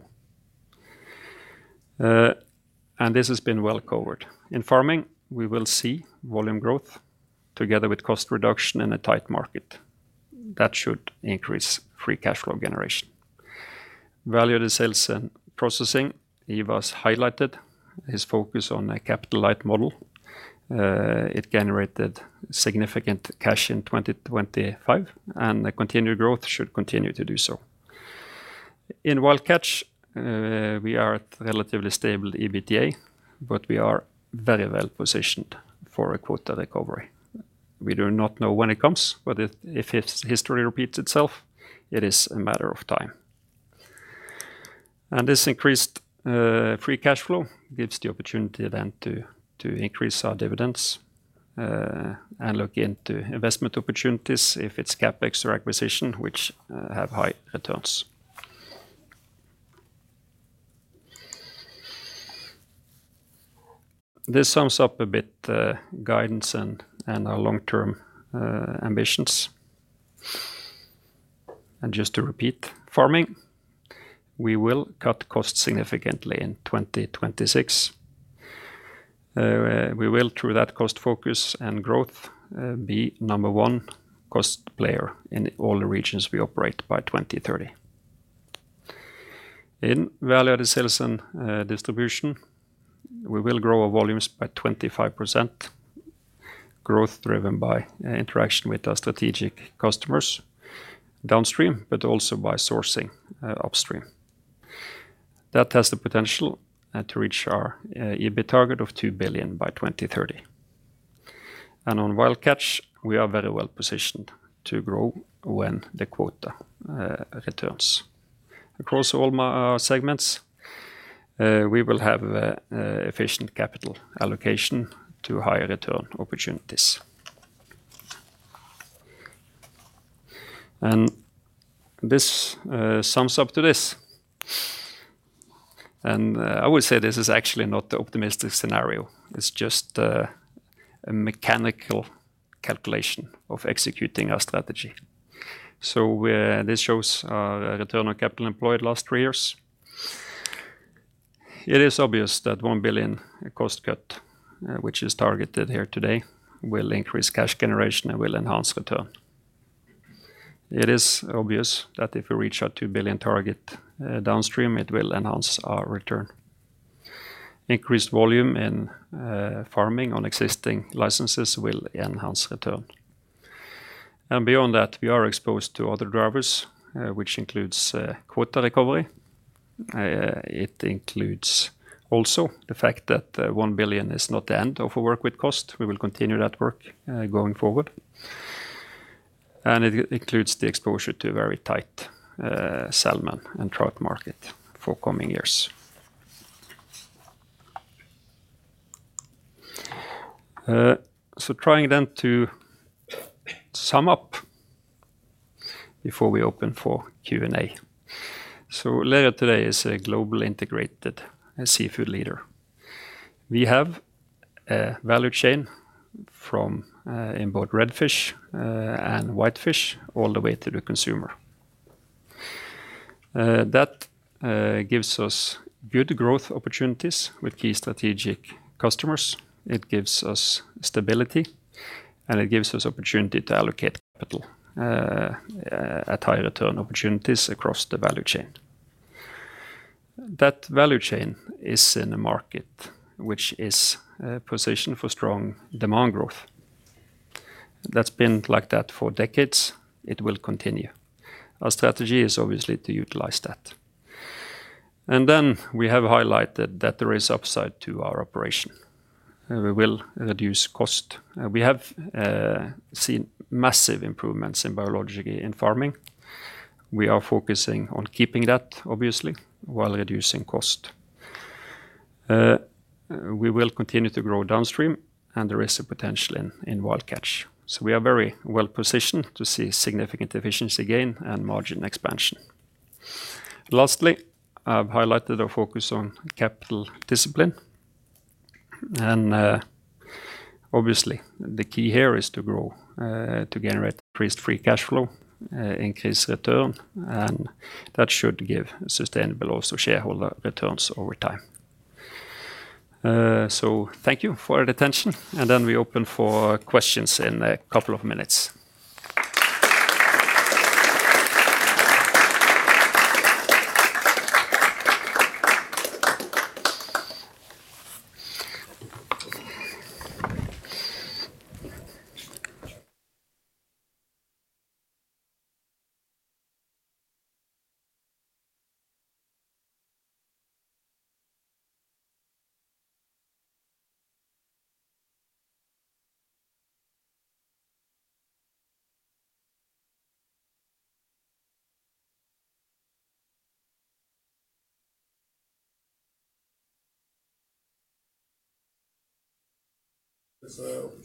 This has been well covered. In farming, we will see volume growth together with cost reduction in a tight market. That should increase free cash flow generation. Valued sales and processing, Ivar's highlighted his focus on a capital-light model. It generated significant cash in 2025, the continued growth should continue to do so. In wild catch, we are at relatively stable EBITDA, we are very well positioned for a quota recovery. We do not know when it comes, if history repeats itself, it is a matter of time. This increased free cash flow gives the opportunity then to increase our dividends and look into investment opportunities if it's CapEx or acquisition which have high returns. This sums up a bit guidance and our long-term ambitions. Just to repeat, farming, we will cut costs significantly in 2026. We will through that cost focus and growth, be number one cost player in all the regions we operate by 2030. In Value Added Sales and Distribution, we will grow our volumes by 25%. Growth driven by interaction with our strategic customers downstream, but also by sourcing upstream. That has the potential to reach our EBIT target of 2 billion by 2030. On wild catch, we are very well positioned to grow when the quota returns. Across all my segments, we will have efficient capital allocation to higher return opportunities. This sums up to this. I would say this is actually not the optimistic scenario. It's just a mechanical calculation of executing our strategy. This shows our return on capital employed last 3 years. It is obvious that 1 billion cost cut, which is targeted here today, will increase cash generation and will enhance return. It is obvious that if we reach our 2 billion target, downstream, it will enhance our return. Increased volume in farming on existing licenses will enhance return. Beyond that, we are exposed to other drivers, which includes quota recovery. It includes also the fact that 1 billion is not the end of our work with cost. We will continue that work going forward. It includes the exposure to very tight salmon and trout market for coming years. Trying then to sum up before we open for Q&A. Later today is a global integrated seafood leader. We have a value chain from in both red fish and whitefish all the way to the consumer. That gives us good growth opportunities with key strategic customers. It gives us stability, and it gives us opportunity to allocate capital at higher return opportunities across the value chain. That value chain is in a market which is positioned for strong demand growth. That's been like that for decades. It will continue. Our strategy is obviously to utilize that. We have highlighted that there is upside to our operation. We will reduce cost. We have seen massive improvements in biologically in farming. We are focusing on keeping that obviously while reducing cost. We will continue to grow downstream, and there is a potential in wild catch. We are very well-positioned to see significant efficiency gain and margin expansion. Lastly, I've highlighted our focus on capital discipline. Obviously, the key here is to grow, to generate increased free cash flow, increase return, and that should give sustainable also shareholder returns over time. Thank you for your attention. Then we open for questions in a couple of minutes.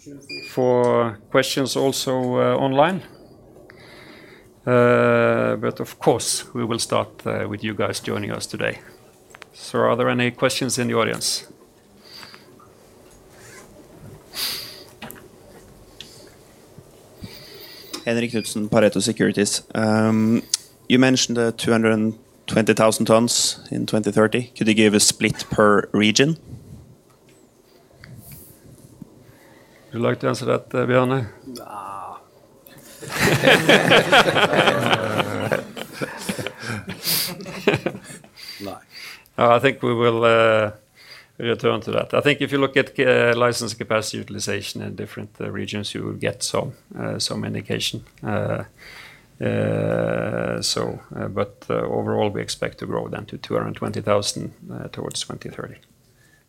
There's an opportunity for questions also, online. But of course, we will start with you guys joining us today. Are there any questions in the audience? Henrik Løngaas Knutsen, Pareto Securities. You mentioned the 220,000 tons in 2030. Could you give a split per region? Would you like to answer that, Bjarne? Nah. No. I think we will return to that. I think if you look at license capacity utilization in different regions, you will get some indication. Overall, we expect to grow then to 220,000 towards 2030.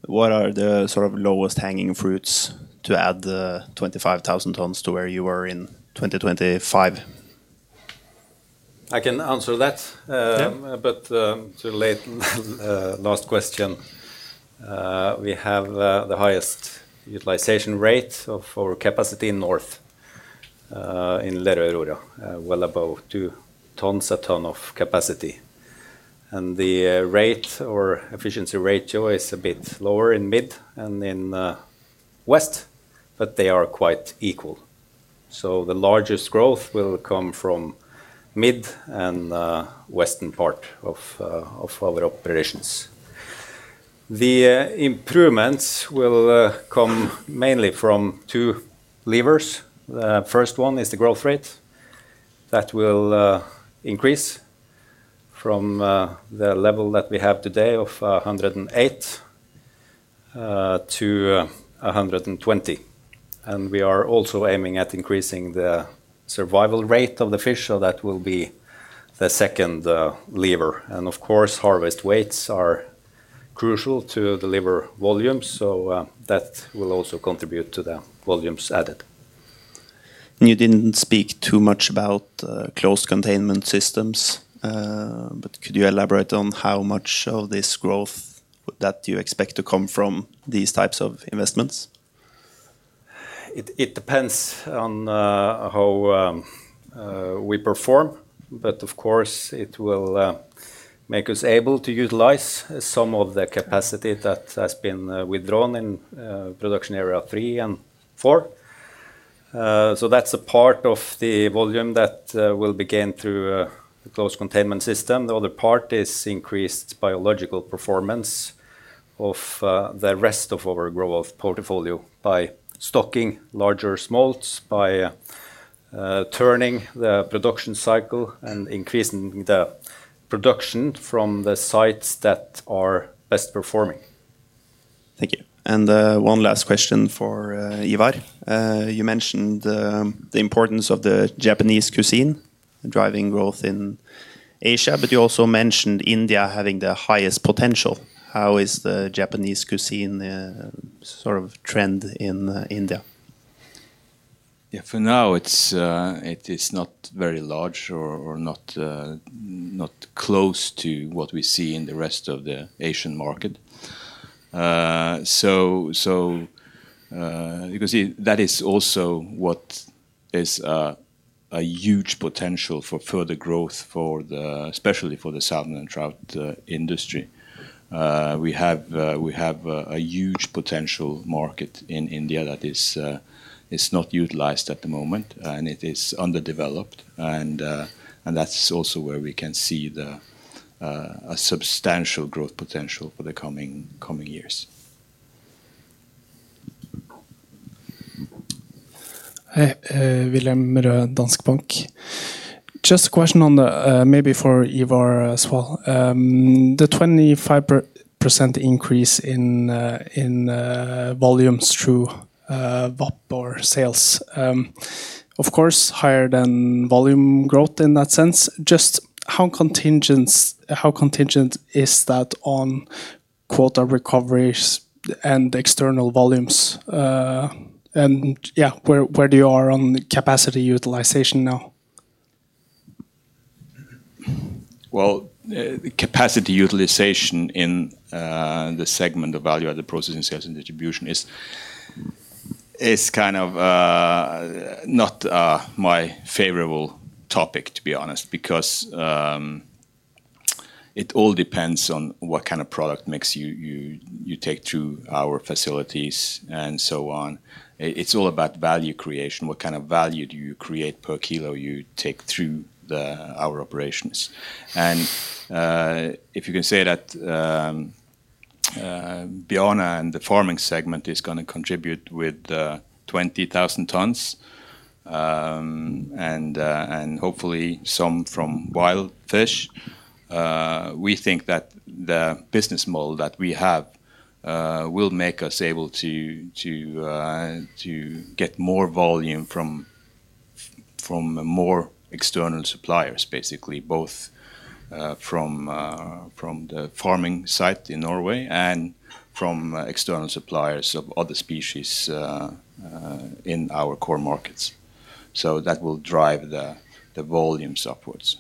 What are the sort of lowest hanging fruits to add the 25,000 tons to where you were in 2025? I can answer that. Yeah. To the late last question, we have the highest utilization rate of our capacity north in Lerøy, well above 2 tons a ton of capacity. The rate or efficiency ratio is a bit lower in mid and in west, but they are quite equal. The largest growth will come from mid and western part of our operations. The improvements will come mainly from 2 levers. First one is the growth rate. That will increase from the level that we have today of 108 to 120. We are also aiming at increasing the survival rate of the fish, so that will be the second lever. Of course, harvest weights are crucial to deliver volume, so that will also contribute to the volumes added. You didn't speak too much about, close containment systems, but could you elaborate on how much of this growth that you expect to come from these types of investments? It depends on how we perform. Of course it will make us able to utilize some of the capacity that has been withdrawn in Production Area 3 and 4. That's a part of the volume that will begin through the close containment system. The other part is increased biological performance of the rest of our growth portfolio by stocking larger smolts, by turning the production cycle and increasing the production from the sites that are best performing. Thank you. One last question for Ivar. You mentioned the importance of the Japanese cuisine driving growth in Asia, but you also mentioned India having the highest potential. How is the Japanese cuisine sort of trend in India? Yeah, for now, it's, it is not very large or not close to what we see in the rest of the Asian market. You can see that is also what is a huge potential for further growth especially for the salmon and trout industry. We have, we have a huge potential market in India that is not utilized at the moment, and it is underdeveloped. That's also where we can see a substantial growth potential for the coming years. Hi. William Røed, Danske Bank. Just a question on the, maybe for Ivar as well. The 25% increase in volumes through VAP or sales, of course, higher than volume growth in that sense. Just how contingent is that on quota recoveries and external volumes? Where are you on capacity utilization now? Well, capacity utilization in the segment of Value Added Processing, Sales & Distribution is kind of not my favorable topic, to be honest, because it all depends on what kind of product makes you take through our facilities and so on. It's all about value creation. What kind of value do you create per kilo you take through our operations? If you can say that Bjørn and the farming segment is gonna contribute with 20,000 tons, and hopefully some from wild fish, we think that the business model that we have will make us able to get more volume from more external suppliers, basically, both from the farming site in Norway and from external suppliers of other species in our core markets. So that will drive the volumes upwards.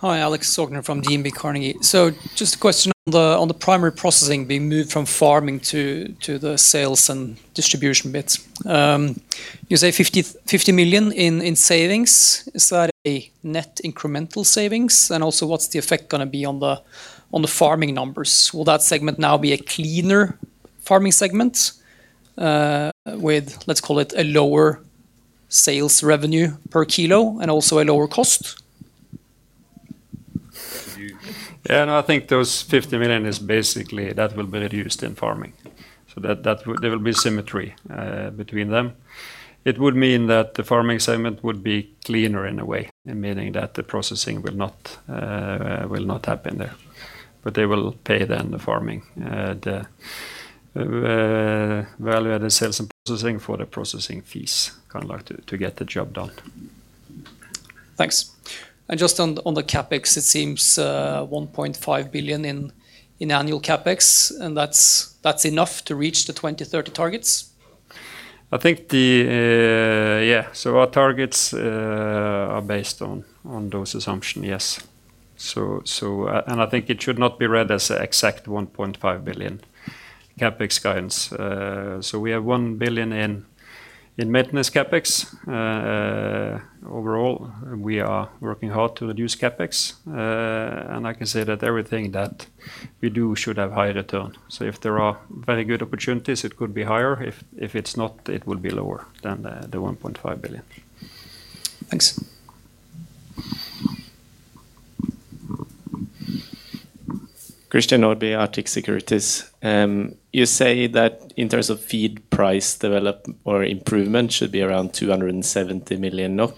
Hi, Alexander Aukner from DNB Carnegie. Just a question on the primary processing being moved from Farming to the Sales and Distribution bits. You say 50 million in savings. Is that a net incremental savings? Also, what's the effect gonna be on the Farming numbers? Will that segment now be a cleaner Farming segment, with, let's call it, a lower sales revenue per kilo and also a lower cost? Yeah, no, I think those 50 million is basically that will be reduced in farming. That, there will be symmetry between them. It would mean that the farming segment would be cleaner in a way, meaning that the processing will not will not happen there. They will pay then the farming, the Value-Added Sales and Processing for the processing fees, kind of like to get the job done. Thanks. Just on the CapEx, it seems, 1.5 billion in annual CapEx, and that's enough to reach the 2030 targets? I think the. Yeah. Our targets are based on those assumption, yes. I think it should not be read as a exact 1.5 billion CapEx guidance. We have 1 billion in maintenance CapEx. Overall, we are working hard to reduce CapEx, and I can say that everything that we do should have higher return. If there are very good opportunities, it could be higher. If, if it's not, it would be lower than the 1.5 billion. Thanks. You say that in terms of feed price improvement should be around 270 million NOK.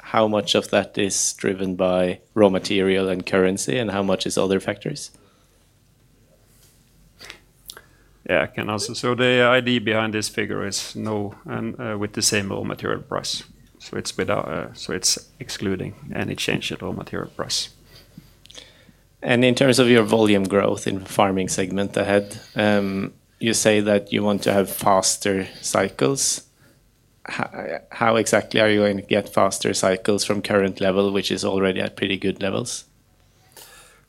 How much of that is driven by raw material and currency, and how much is other factors? Yeah, I can answer. The idea behind this figure is no and, with the same raw material price. It's excluding any change in raw material price. In terms of your volume growth in farming segment ahead, you say that you want to have faster cycles. How exactly are you going to get faster cycles from current level, which is already at pretty good levels?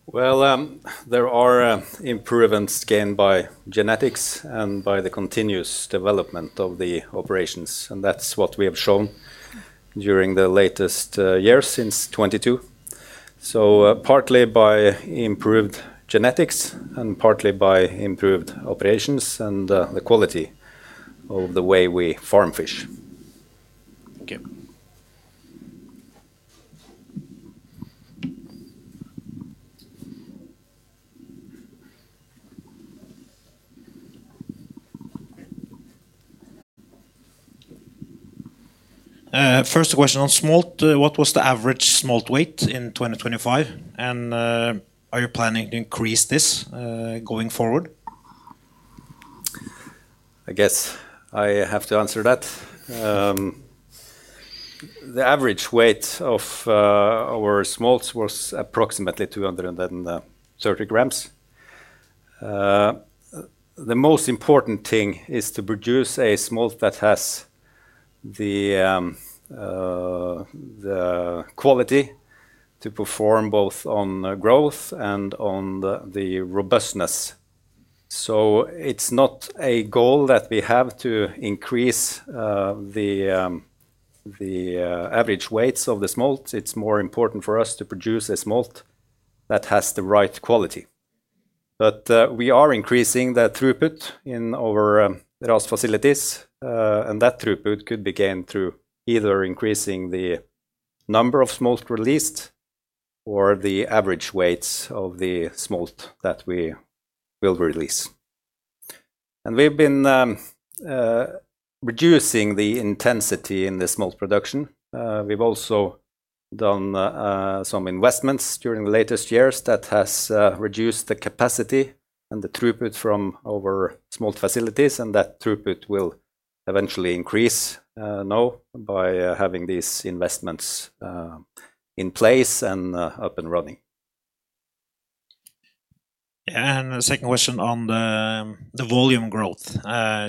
Well, there are improvements gained by genetics and by the continuous development of the operations, and that's what we have shown during the latest years since 2022. Partly by improved genetics and partly by improved operations and the quality of the way we farm fish. Thank you. First question on smolt. What was the average smolt weight in 2025? Are you planning to increase this going forward? I guess I have to answer that. The average weight of our smolts was approximately 230 grams. The most important thing is to produce a smolt that has the quality to perform both on growth and on the robustness. It's not a goal that we have to increase the average weights of the smolt. It's more important for us to produce a smolt that has the right quality. We are increasing the throughput in our RAS facilities. That throughput could be gained through either increasing the number of smolt released or the average weights of the smolt that we will release. We've been reducing the intensity in the smolt production. We've also done some investments during the latest years that has reduced the capacity and the throughput from our smolt facilities, and that throughput will eventually increase now by having these investments in place and up and running. Yeah. The second question on the volume growth.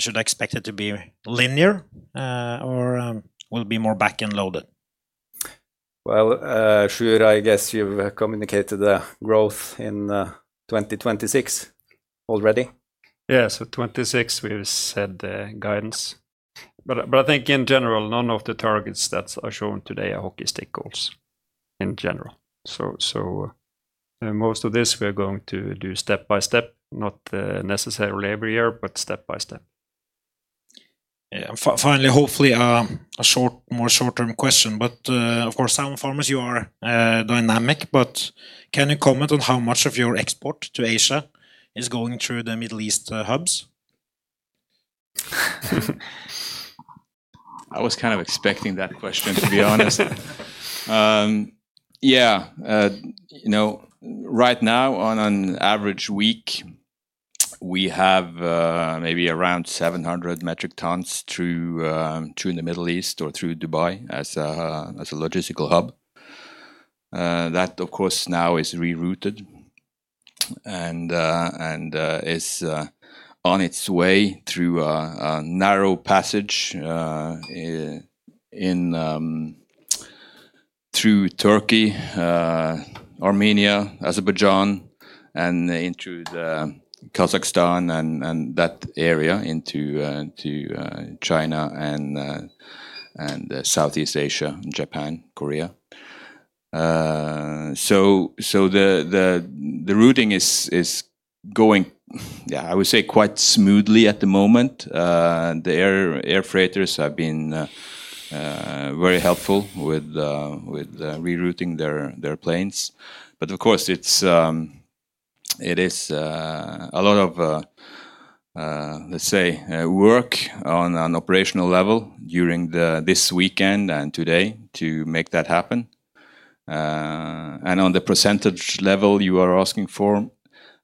Should I expect it to be linear, or will it be more back-end loaded? Well, Sjur, I guess you've communicated the growth in 2026 already. Yeah. 2026 we've set the guidance. But I think in general, none of the targets that are shown today are hockey stick goals, in general. So most of this we're going to do step-by-step, not necessarily every year, but step-by-step. Yeah. Finally, hopefully, more short-term question. Of course, SalMar farmers you are, dynamic, but can you comment on how much of your export to Asia is going through the Middle East hubs? I was kind of expecting that question, to be honest. Yeah. Right now on an average week, we have maybe around 700 metric tons through through the Middle East or through Dubai as a logistical hub. That of course now is rerouted and is on its way through a narrow passage in through Turkey, Armenia, Azerbaijan and into the Kazakhstan and that area into to China and Southeast Asia and Japan, Korea. The routing is going, yeah, I would say quite smoothly at the moment. The air freighters have been very helpful with rerouting their planes. Of course it is a lot of, let's say, work on an operational level during this weekend and today to make that happen. On the percentage level you are asking for,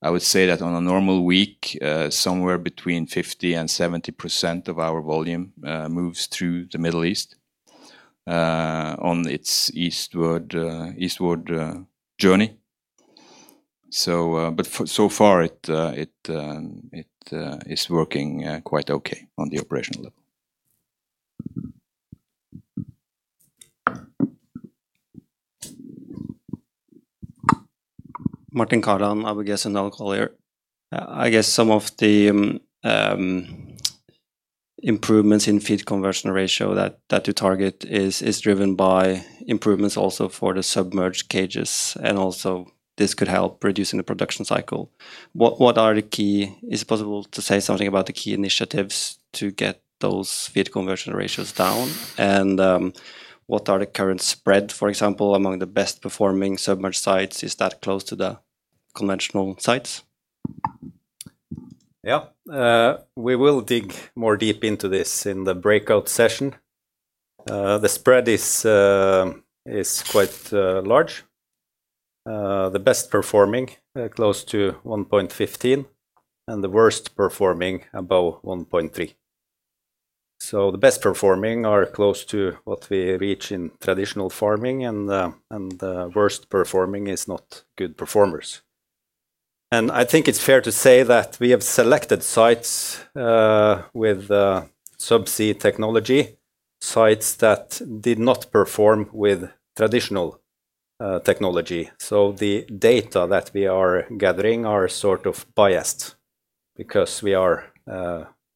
I would say that on a normal week, somewhere between 50% and 70% of our volume moves through the Middle East, on its eastward journey. But so far it is working quite okay on the operational level. Martin Kaland, ABG Sundal Collier. I guess some of the improvements in feed conversion ratio that you target is driven by improvements also for the submerged cages, and also this could help reducing the production cycle. What are the key initiatives to get those feed conversion ratios down? What are the current spread, for example, among the best performing submerged sites? Is that close to the Conventional sites? We will dig more deep into this in the breakout session. The spread is quite large. The best performing close to 1.15, and the worst performing above 1.3. The best performing are close to what we reach in traditional farming, and the worst performing is not good performers. I think it's fair to say that we have selected sites with subsea technology, sites that did not perform with traditional technology. The data that we are gathering are sort of biased because we are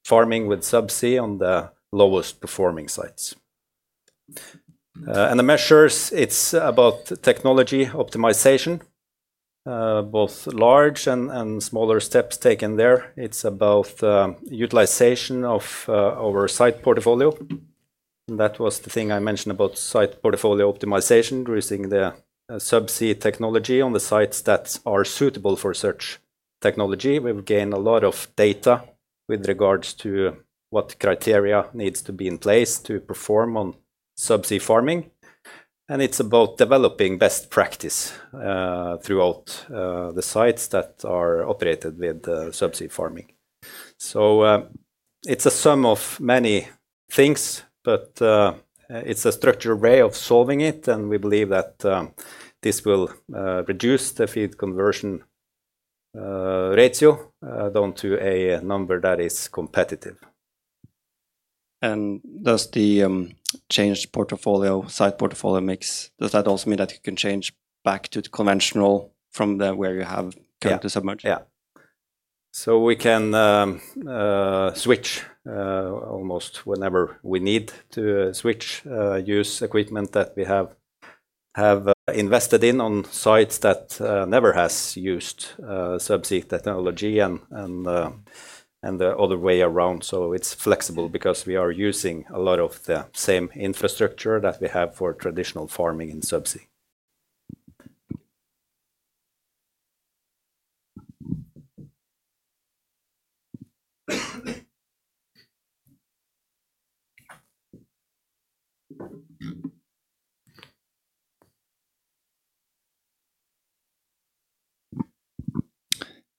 farming with subsea on the lowest performing sites. The measures, it's about technology optimization, both large and smaller steps taken there. It's about utilization of our site portfolio. That was the thing I mentioned about site portfolio optimization using the subsea technology on the sites that are suitable for such technology. We've gained a lot of data with regards to what criteria needs to be in place to perform on subsea farming. It's about developing best practice throughout the sites that are operated with subsea farming. It's a sum of many things, but it's a structured way of solving it, and we believe that this will reduce the feed conversion ratio down to a number that is competitive. Does the changed portfolio, site portfolio mix, does that also mean that you can change back to conventional from the where you have come to submerged? Yeah. Yeah. We can switch almost whenever we need to switch, use equipment that we have invested in on sites that never has used subsea technology and the other way around. It's flexible because we are using a lot of the same infrastructure that we have for traditional farming in subsea.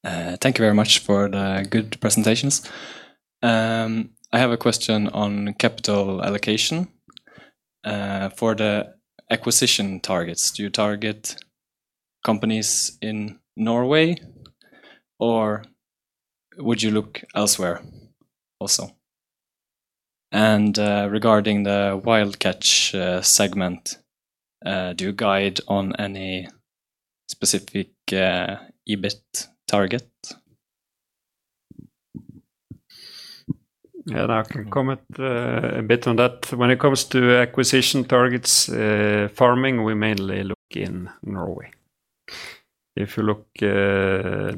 Thank you very much for the good presentations. I have a question on capital allocation. For the acquisition targets, do you target companies in Norway, or would you look elsewhere also? Regarding the wild catch segment, do you guide on any specific EBIT target? Yeah. I can comment a bit on that. When it comes to acquisition targets, farming, we mainly look in Norway. If you look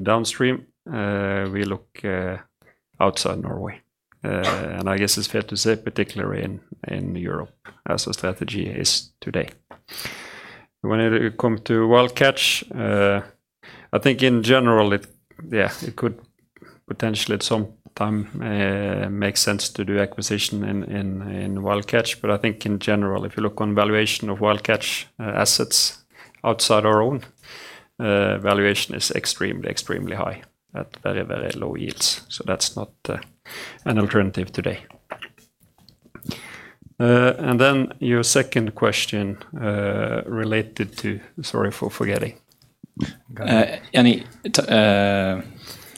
downstream, we look outside Norway. I guess it's fair to say particularly in Europe as our strategy is today. When it come to wild catch, I think in general it, yeah, it could potentially at some time make sense to do acquisition in wild catch. I think in general, if you look on valuation of wild catch assets outside our own, valuation is extremely high at very, very low yields. That's not an alternative today. Then your second question related to. Sorry for forgetting. Any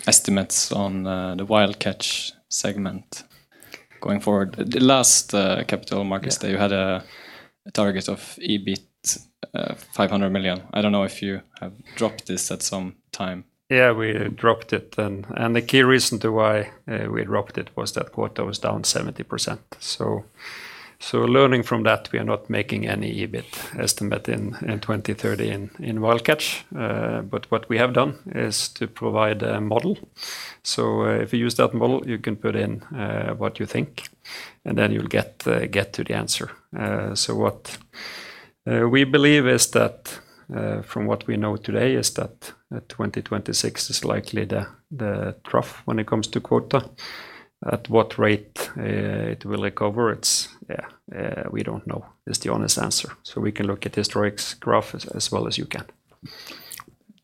estimates on the wild catch segment going forward? The last capital markets day. Yeah. You had a target of EBIT, 500 million. I don't know if you have dropped this at some time. Yeah, we dropped it. The key reason to why we dropped it was that quota was down 70%. Learning from that, we are not making any EBIT estimate in 2030 in wild catch. What we have done is to provide a model. If you use that model, you can put in what you think and then you'll get to the answer. What we believe is that from what we know today is that 2026 is likely the trough when it comes to quota. At what rate it will recover, it's... yeah, we don't know is the honest answer. We can look at historics graph as well as you can.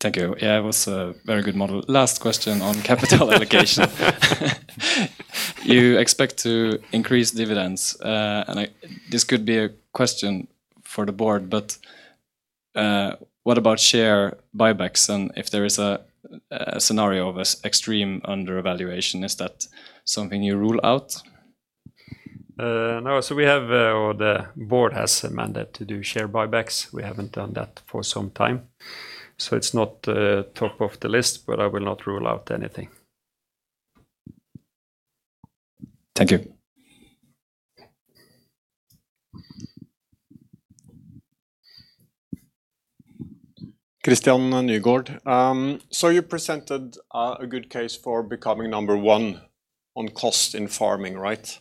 Thank you. Yeah, it was a very good model. Last question on capital allocation. You expect to increase dividends. This could be a question for the board, but what about share buybacks? If there is a scenario of extreme under evaluation, is that something you rule out? No. We have, or the board has a mandate to do share buybacks. We haven't done that for some time. It's not top of the list, but I will not rule out anything. Thank you. Christian Nygaard. You presented a good case for becoming number one on cost in farming, right?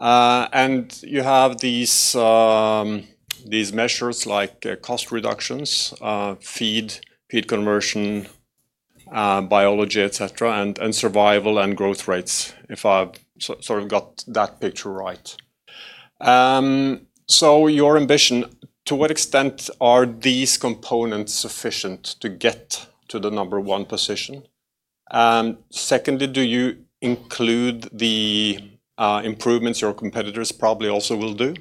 You have these measures like cost reductions, feed conversion, biology, et cetera, and survival and growth rates, if I've sort of got that picture right. Your ambition, to what extent are these components sufficient to get to the number one position? Secondly, do you include the improvements your competitors probably also will do?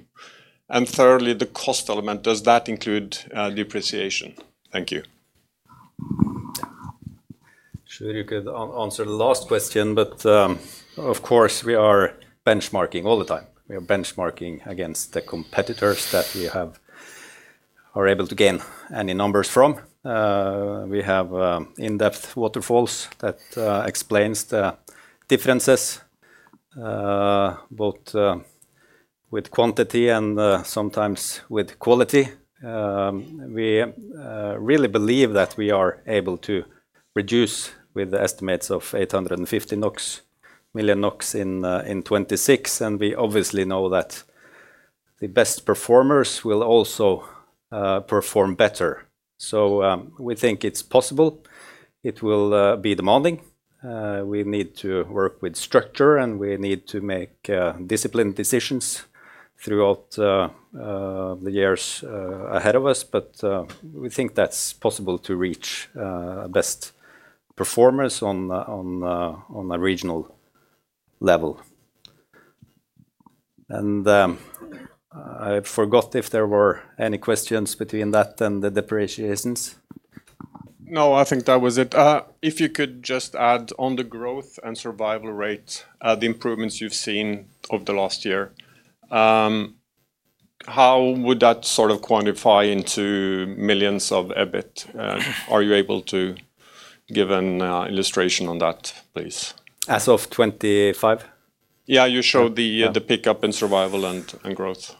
Thirdly, the cost element, does that include depreciation? Thank you. Sjur could answer the last question. Of course, we are benchmarking all the time. We are benchmarking against the competitors that we are able to gain any numbers from. We have in-depth waterfalls that explains the differences, both with quantity and sometimes with quality. We really believe that we are able to reduce with the estimates of 850 million NOK in 2026. We obviously know that the best performers will also perform better. We think it's possible. It will be demanding. We need to work with structure. We need to make disciplined decisions throughout the years ahead of us. We think that's possible to reach best performers on a regional level. I forgot if there were any questions between that and the depreciations. I think that was it. If you could just add on the growth and survival rate, the improvements you've seen over the last year, how would that sort of quantify into millions of EBIT? Are you able to give an illustration on that, please? As of 2025? Yeah. You showed. Yeah. the pickup in survival and growth.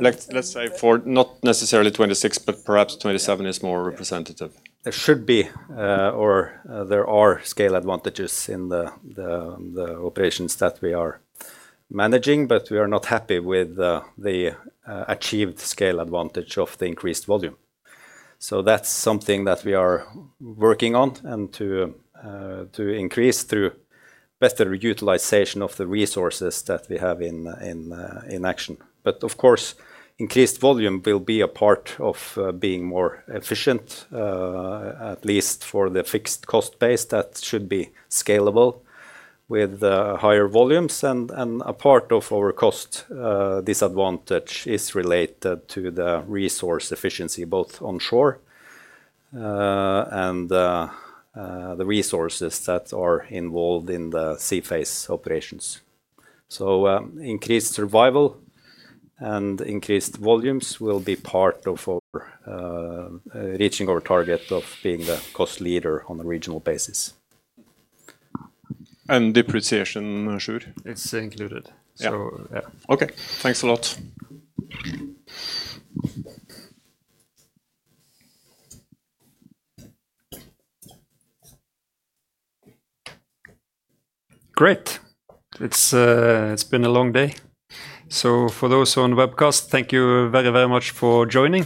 Let's say for not necessarily 2026, but perhaps 2027 is more representative. There should be, or there are scale advantages in the operations that we are managing. We are not happy with the achieved scale advantage of the increased volume. That's something that we are working on and to increase through better utilization of the resources that we have in action. Of course, increased volume will be a part of being more efficient, at least for the fixed cost base that should be scalable with higher volumes. And a part of our cost disadvantage is related to the resource efficiency, both onshore and the resources that are involved in the sea phase operations. Increased survival and increased volumes will be part of our reaching our target of being the cost leader on a regional basis. Depreciation, Sjur? It's included. Yeah. Yeah. Okay. Thanks a lot. Great. It's, it's been a long day. For those who are on the webcast, thank you very, very much for joining